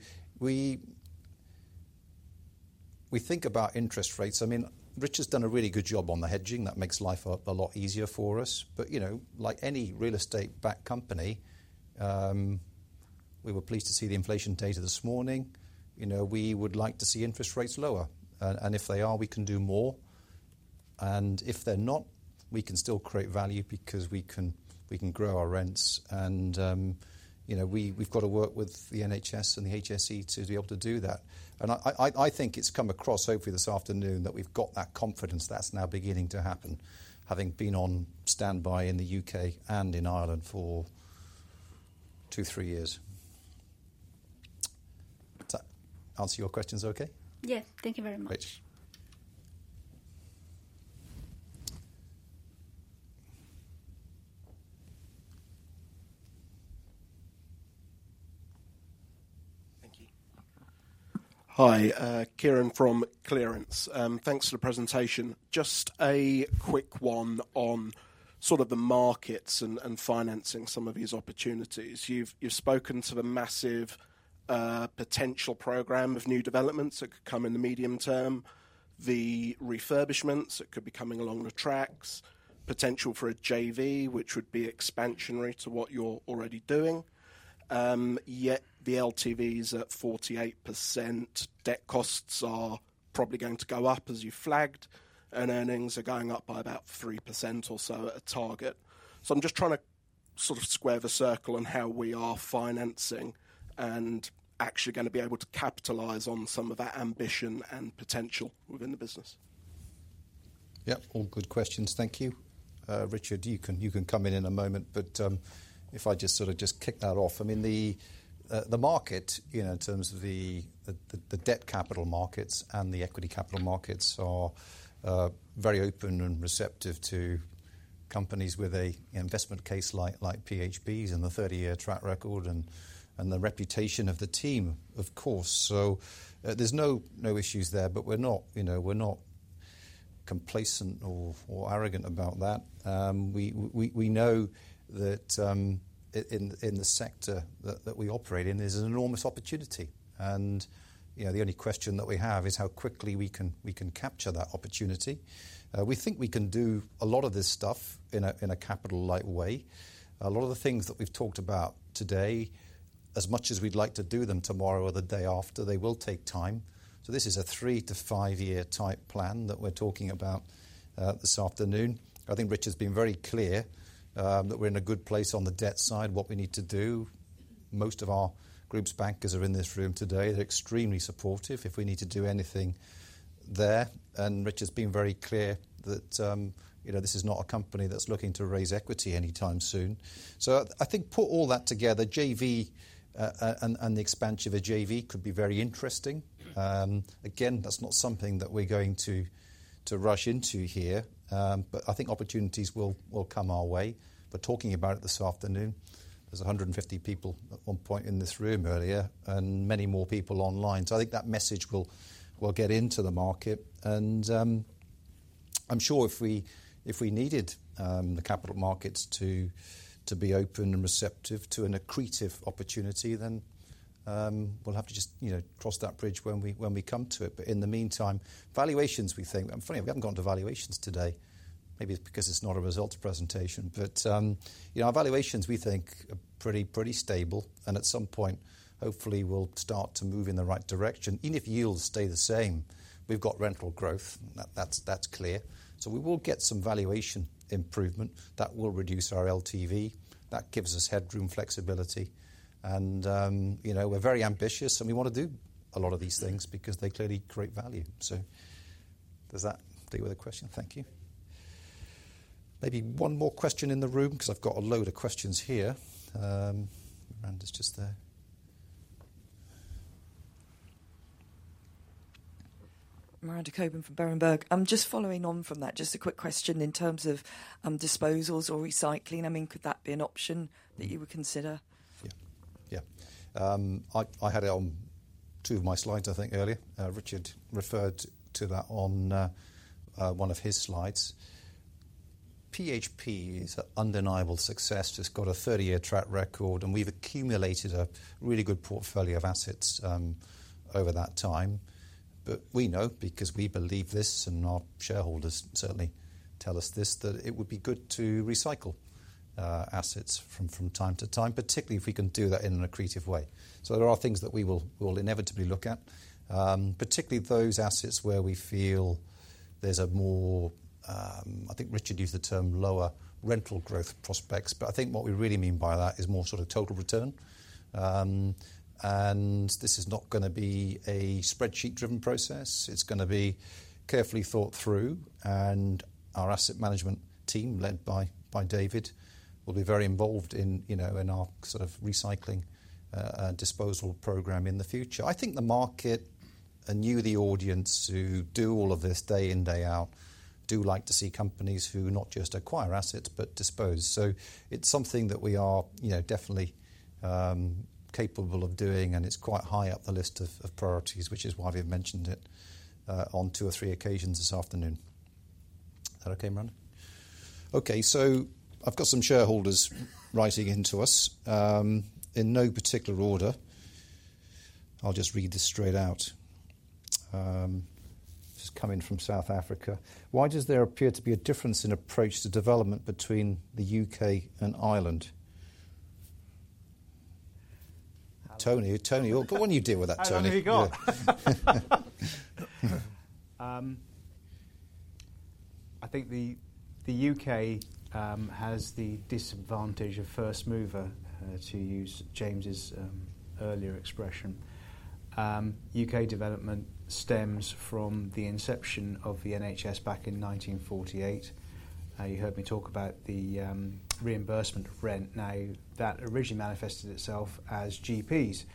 we think about interest rates. I mean, Richard's done a really good job on the hedging. That makes life a lot easier for us. But, you know, like any real estate-backed company, we were pleased to see the inflation data this morning. You know, we would like to see interest rates lower, and if they are, we can do more, and if they're not, we can still create value because we can grow our rents. And, you know, we've got to work with the NHS and the HSE to be able to do that. I think it's come across, hopefully this afternoon, that we've got that confidence that's now beginning to happen, having been on standby in the UK and in Ireland for two, three years. Does that answer your questions okay? Yeah. Thank you very much. Great. Thank you. Hi, Kieran from Clearance. Thanks for the presentation. Just a quick one on sort of the markets and financing some of these opportunities. You've spoken to the massive potential program of new developments that could come in the medium term, the refurbishments that could be coming along the tracks, potential for a JV, which would be expansionary to what you're already doing. Yet the LTV is at 48%, debt costs are probably going to go up as you flagged, and earnings are going up by about 3% or so at a target. So I'm just trying to sort of square the circle on how we are financing and actually gonna be able to capitalize on some of that ambition and potential within the business. Yeah, all good questions. Thank you. Richard, you can come in in a moment, but if I just sort of kick that off. I mean, the market, you know, in terms of the debt capital markets and the equity capital markets are very open and receptive to companies with an investment case like PHP's and the 30-year track record and the reputation of the team, of course. So there's no issues there, but we're not, you know, we're not complacent or arrogant about that. We know that in the sector that we operate in, there's an enormous opportunity. And, you know, the only question that we have is how quickly we can capture that opportunity. We think we can do a lot of this stuff in a capital light way. A lot of the things that we've talked about today, as much as we'd like to do them tomorrow or the day after, they will take time. So this is a three-to-five-year type plan that we're talking about this afternoon. I think Richard's been very clear that we're in a good place on the debt side, what we need to do. Most of our group's bankers are in this room today. They're extremely supportive, if we need to do anything there, and Richard's been very clear that you know, this is not a company that's looking to raise equity anytime soon. So I think put all that together, JV, and the expansion of a JV could be very interesting. Again, that's not something that we're going to rush into here. But I think opportunities will come our way, but talking about it this afternoon, there are 150 people at one point in this room earlier, and many more people online. So I think that message will get into the market, and... I'm sure if we needed the capital markets to be open and receptive to an accretive opportunity, then we'll have to just, you know, cross that bridge when we come to it. But in the meantime, valuations, we think. And funny, we haven't gone to valuations today. Maybe it's because it's not a results presentation. But, you know, our valuations, we think, are pretty stable, and at some point, hopefully, will start to move in the right direction. Even if yields stay the same, we've got rental growth, that's clear. So we will get some valuation improvement that will reduce our LTV. That gives us headroom flexibility and, you know, we're very ambitious, and we want to do a lot of these things because they clearly create value. So does that deal with the question? Thank you. Maybe one more question in the room, because I've got a load of questions here. Miranda's just there. Miranda Cockburn from Berenberg. Just following on from that, just a quick question in terms of, disposals or recycling. I mean, could that be an option that you would consider? Yeah, yeah. I had it on two of my slides, I think earlier. Richard referred to that on one of his slides. PHP is an undeniable success. It's got a thirty-year track record, and we've accumulated a really good portfolio of assets over that time. But we know, because we believe this and our shareholders certainly tell us this, that it would be good to recycle assets from time to time, particularly if we can do that in an accretive way. So there are things that we'll inevitably look at, particularly those assets where we feel there's a more... I think Richard used the term lower rental growth prospects, but I think what we really mean by that is more sort of total return. And this is not gonna be a spreadsheet-driven process. It's gonna be carefully thought through, and our asset management team, led by David, will be very involved in, you know, in our sort of recycling and disposal program in the future. I think the market and you, the audience, who do all of this day in, day out, do like to see companies who not just acquire assets, but dispose. So it's something that we are, you know, definitely capable of doing, and it's quite high up the list of priorities, which is why we've mentioned it on two or three occasions this afternoon. Is that okay, Miranda? Okay, so I've got some shareholders writing into us. In no particular order, I'll just read this straight out. This is coming from South Africa: "Why does there appear to be a difference in approach to development between the UK and Ireland?" Tony, Tony, go on, you deal with that, Tony. I think the UK has the disadvantage of first mover, to use James's earlier expression. UK development stems from the inception of the NHS back in nineteen forty-eight. You heard me talk about the reimbursement of rent. Now, that originally manifested itself as GPs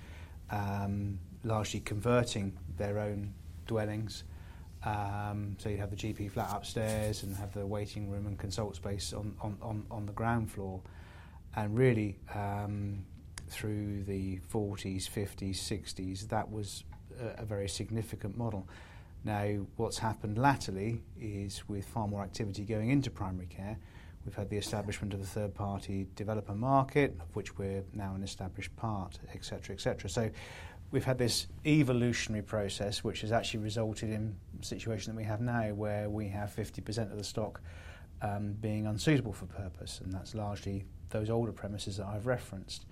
largely converting their own dwellings. So you have the GP flat upstairs and have the waiting room and consult space on the ground floor. And really, through the forties, fifties, sixties, that was a very significant model. Now, what's happened latterly is, with far more activity going into primary care, we've had the establishment of a third-party developer market, of which we're now an established part, et cetera, et cetera. So we've had this evolutionary process, which has actually resulted in the situation that we have now, where we have 50% of the stock being unsuitable for purpose, and that's largely those older premises that I've referenced.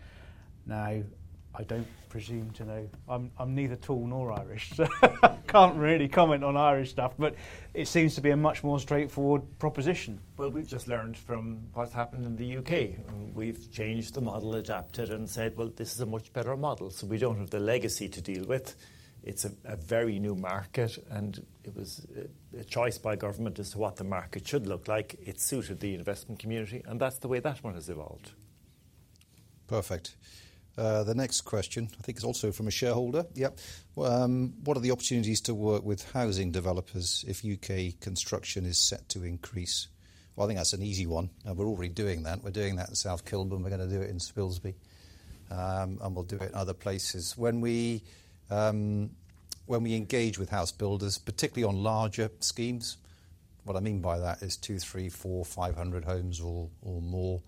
Now, I don't presume to know... I'm neither tall nor Irish, so I can't really comment on Irish stuff, but it seems to be a much more straightforward proposition. We've just learned from what's happened in the UK, and we've changed the model, adapted and said, "Well, this is a much better model," so we don't have the legacy to deal with. It's a very new market, and it was a choice by government as to what the market should look like. It suited the investment community, and that's the way that one has evolved. Perfect. The next question, I think, is also from a shareholder. What are the opportunities to work with housing developers if U.K. construction is set to increase? Well, I think that's an easy one, and we're already doing that. We're doing that in South Kilburn. We're gonna do it in Spilsby, and we'll do it in other places. When we engage with house builders, particularly on larger schemes, what I mean by that is two, three, four, five hundred homes or more,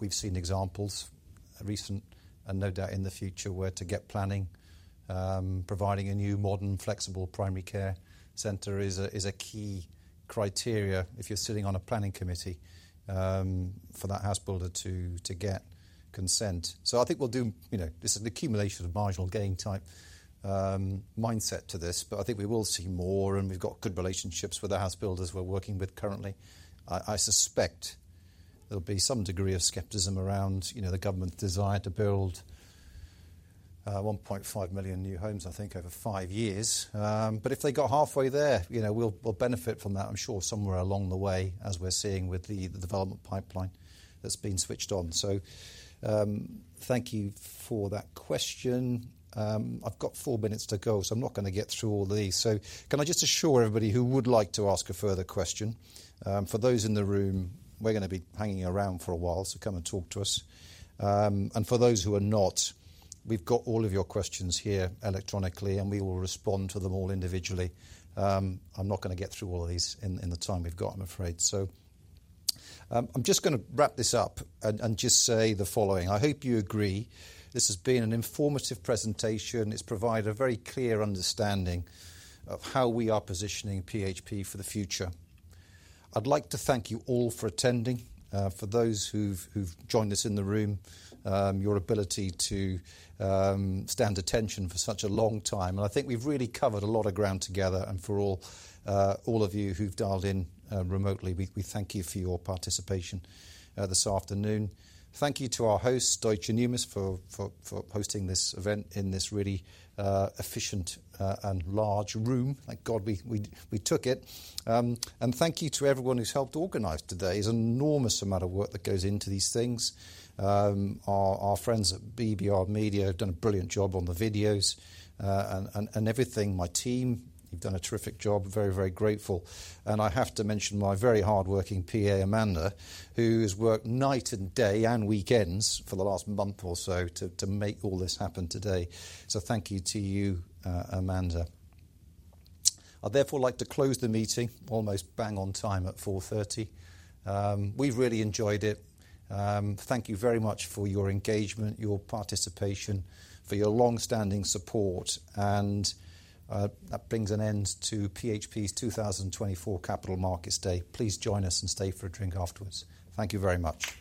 we've seen examples, recent and no doubt in the future, where to get planning, providing a new, modern, flexible primary care center is a key criteria if you're sitting on a planning committee, for that house builder to get consent. So I think we'll do... You know, this is an accumulation of marginal gain type, mindset to this, but I think we will see more, and we've got good relationships with the house builders we're working with currently. I suspect there'll be some degree of skepticism around, you know, the government's desire to build, 1.5 million new homes, I think, over five years. But if they got halfway there, you know, we'll benefit from that, I'm sure, somewhere along the way, as we're seeing with the development pipeline that's been switched on. So, thank you for that question. I've got four minutes to go, so I'm not gonna get through all these. So can I just assure everybody who would like to ask a further question, for those in the room, we're gonna be hanging around for a while, so come and talk to us. And for those who are not, we've got all of your questions here electronically, and we will respond to them all individually. I'm not gonna get through all of these in the time we've got, I'm afraid. So, I'm just gonna wrap this up and just say the following: I hope you agree this has been an informative presentation. It's provided a very clear understanding of how we are positioning PHP for the future. I'd like to thank you all for attending. For those who've joined us in the room, your ability to stand attention for such a long time, and I think we've really covered a lot of ground together, and for all of you who've dialed in remotely, we thank you for your participation this afternoon. Thank you to our host, Deutsche Numis, for hosting this event in this really efficient and large room. Thank God we took it. And thank you to everyone who's helped organize today. It's an enormous amount of work that goes into these things. Our friends at BRR Media have done a brilliant job on the videos and everything. My team, you've done a terrific job. Very, very grateful. And I have to mention my very hardworking PA, Amanda, who has worked night and day and weekends for the last month or so to make all this happen today. So thank you to you, Amanda. I'd therefore like to close the meeting, almost bang on time, at 4:30 P.M. We've really enjoyed it. Thank you very much for your engagement, your participation, for your long-standing support, and that brings an end to PHP's 2024 Capital Markets Day. Please join us and stay for a drink afterwards. Thank you very much.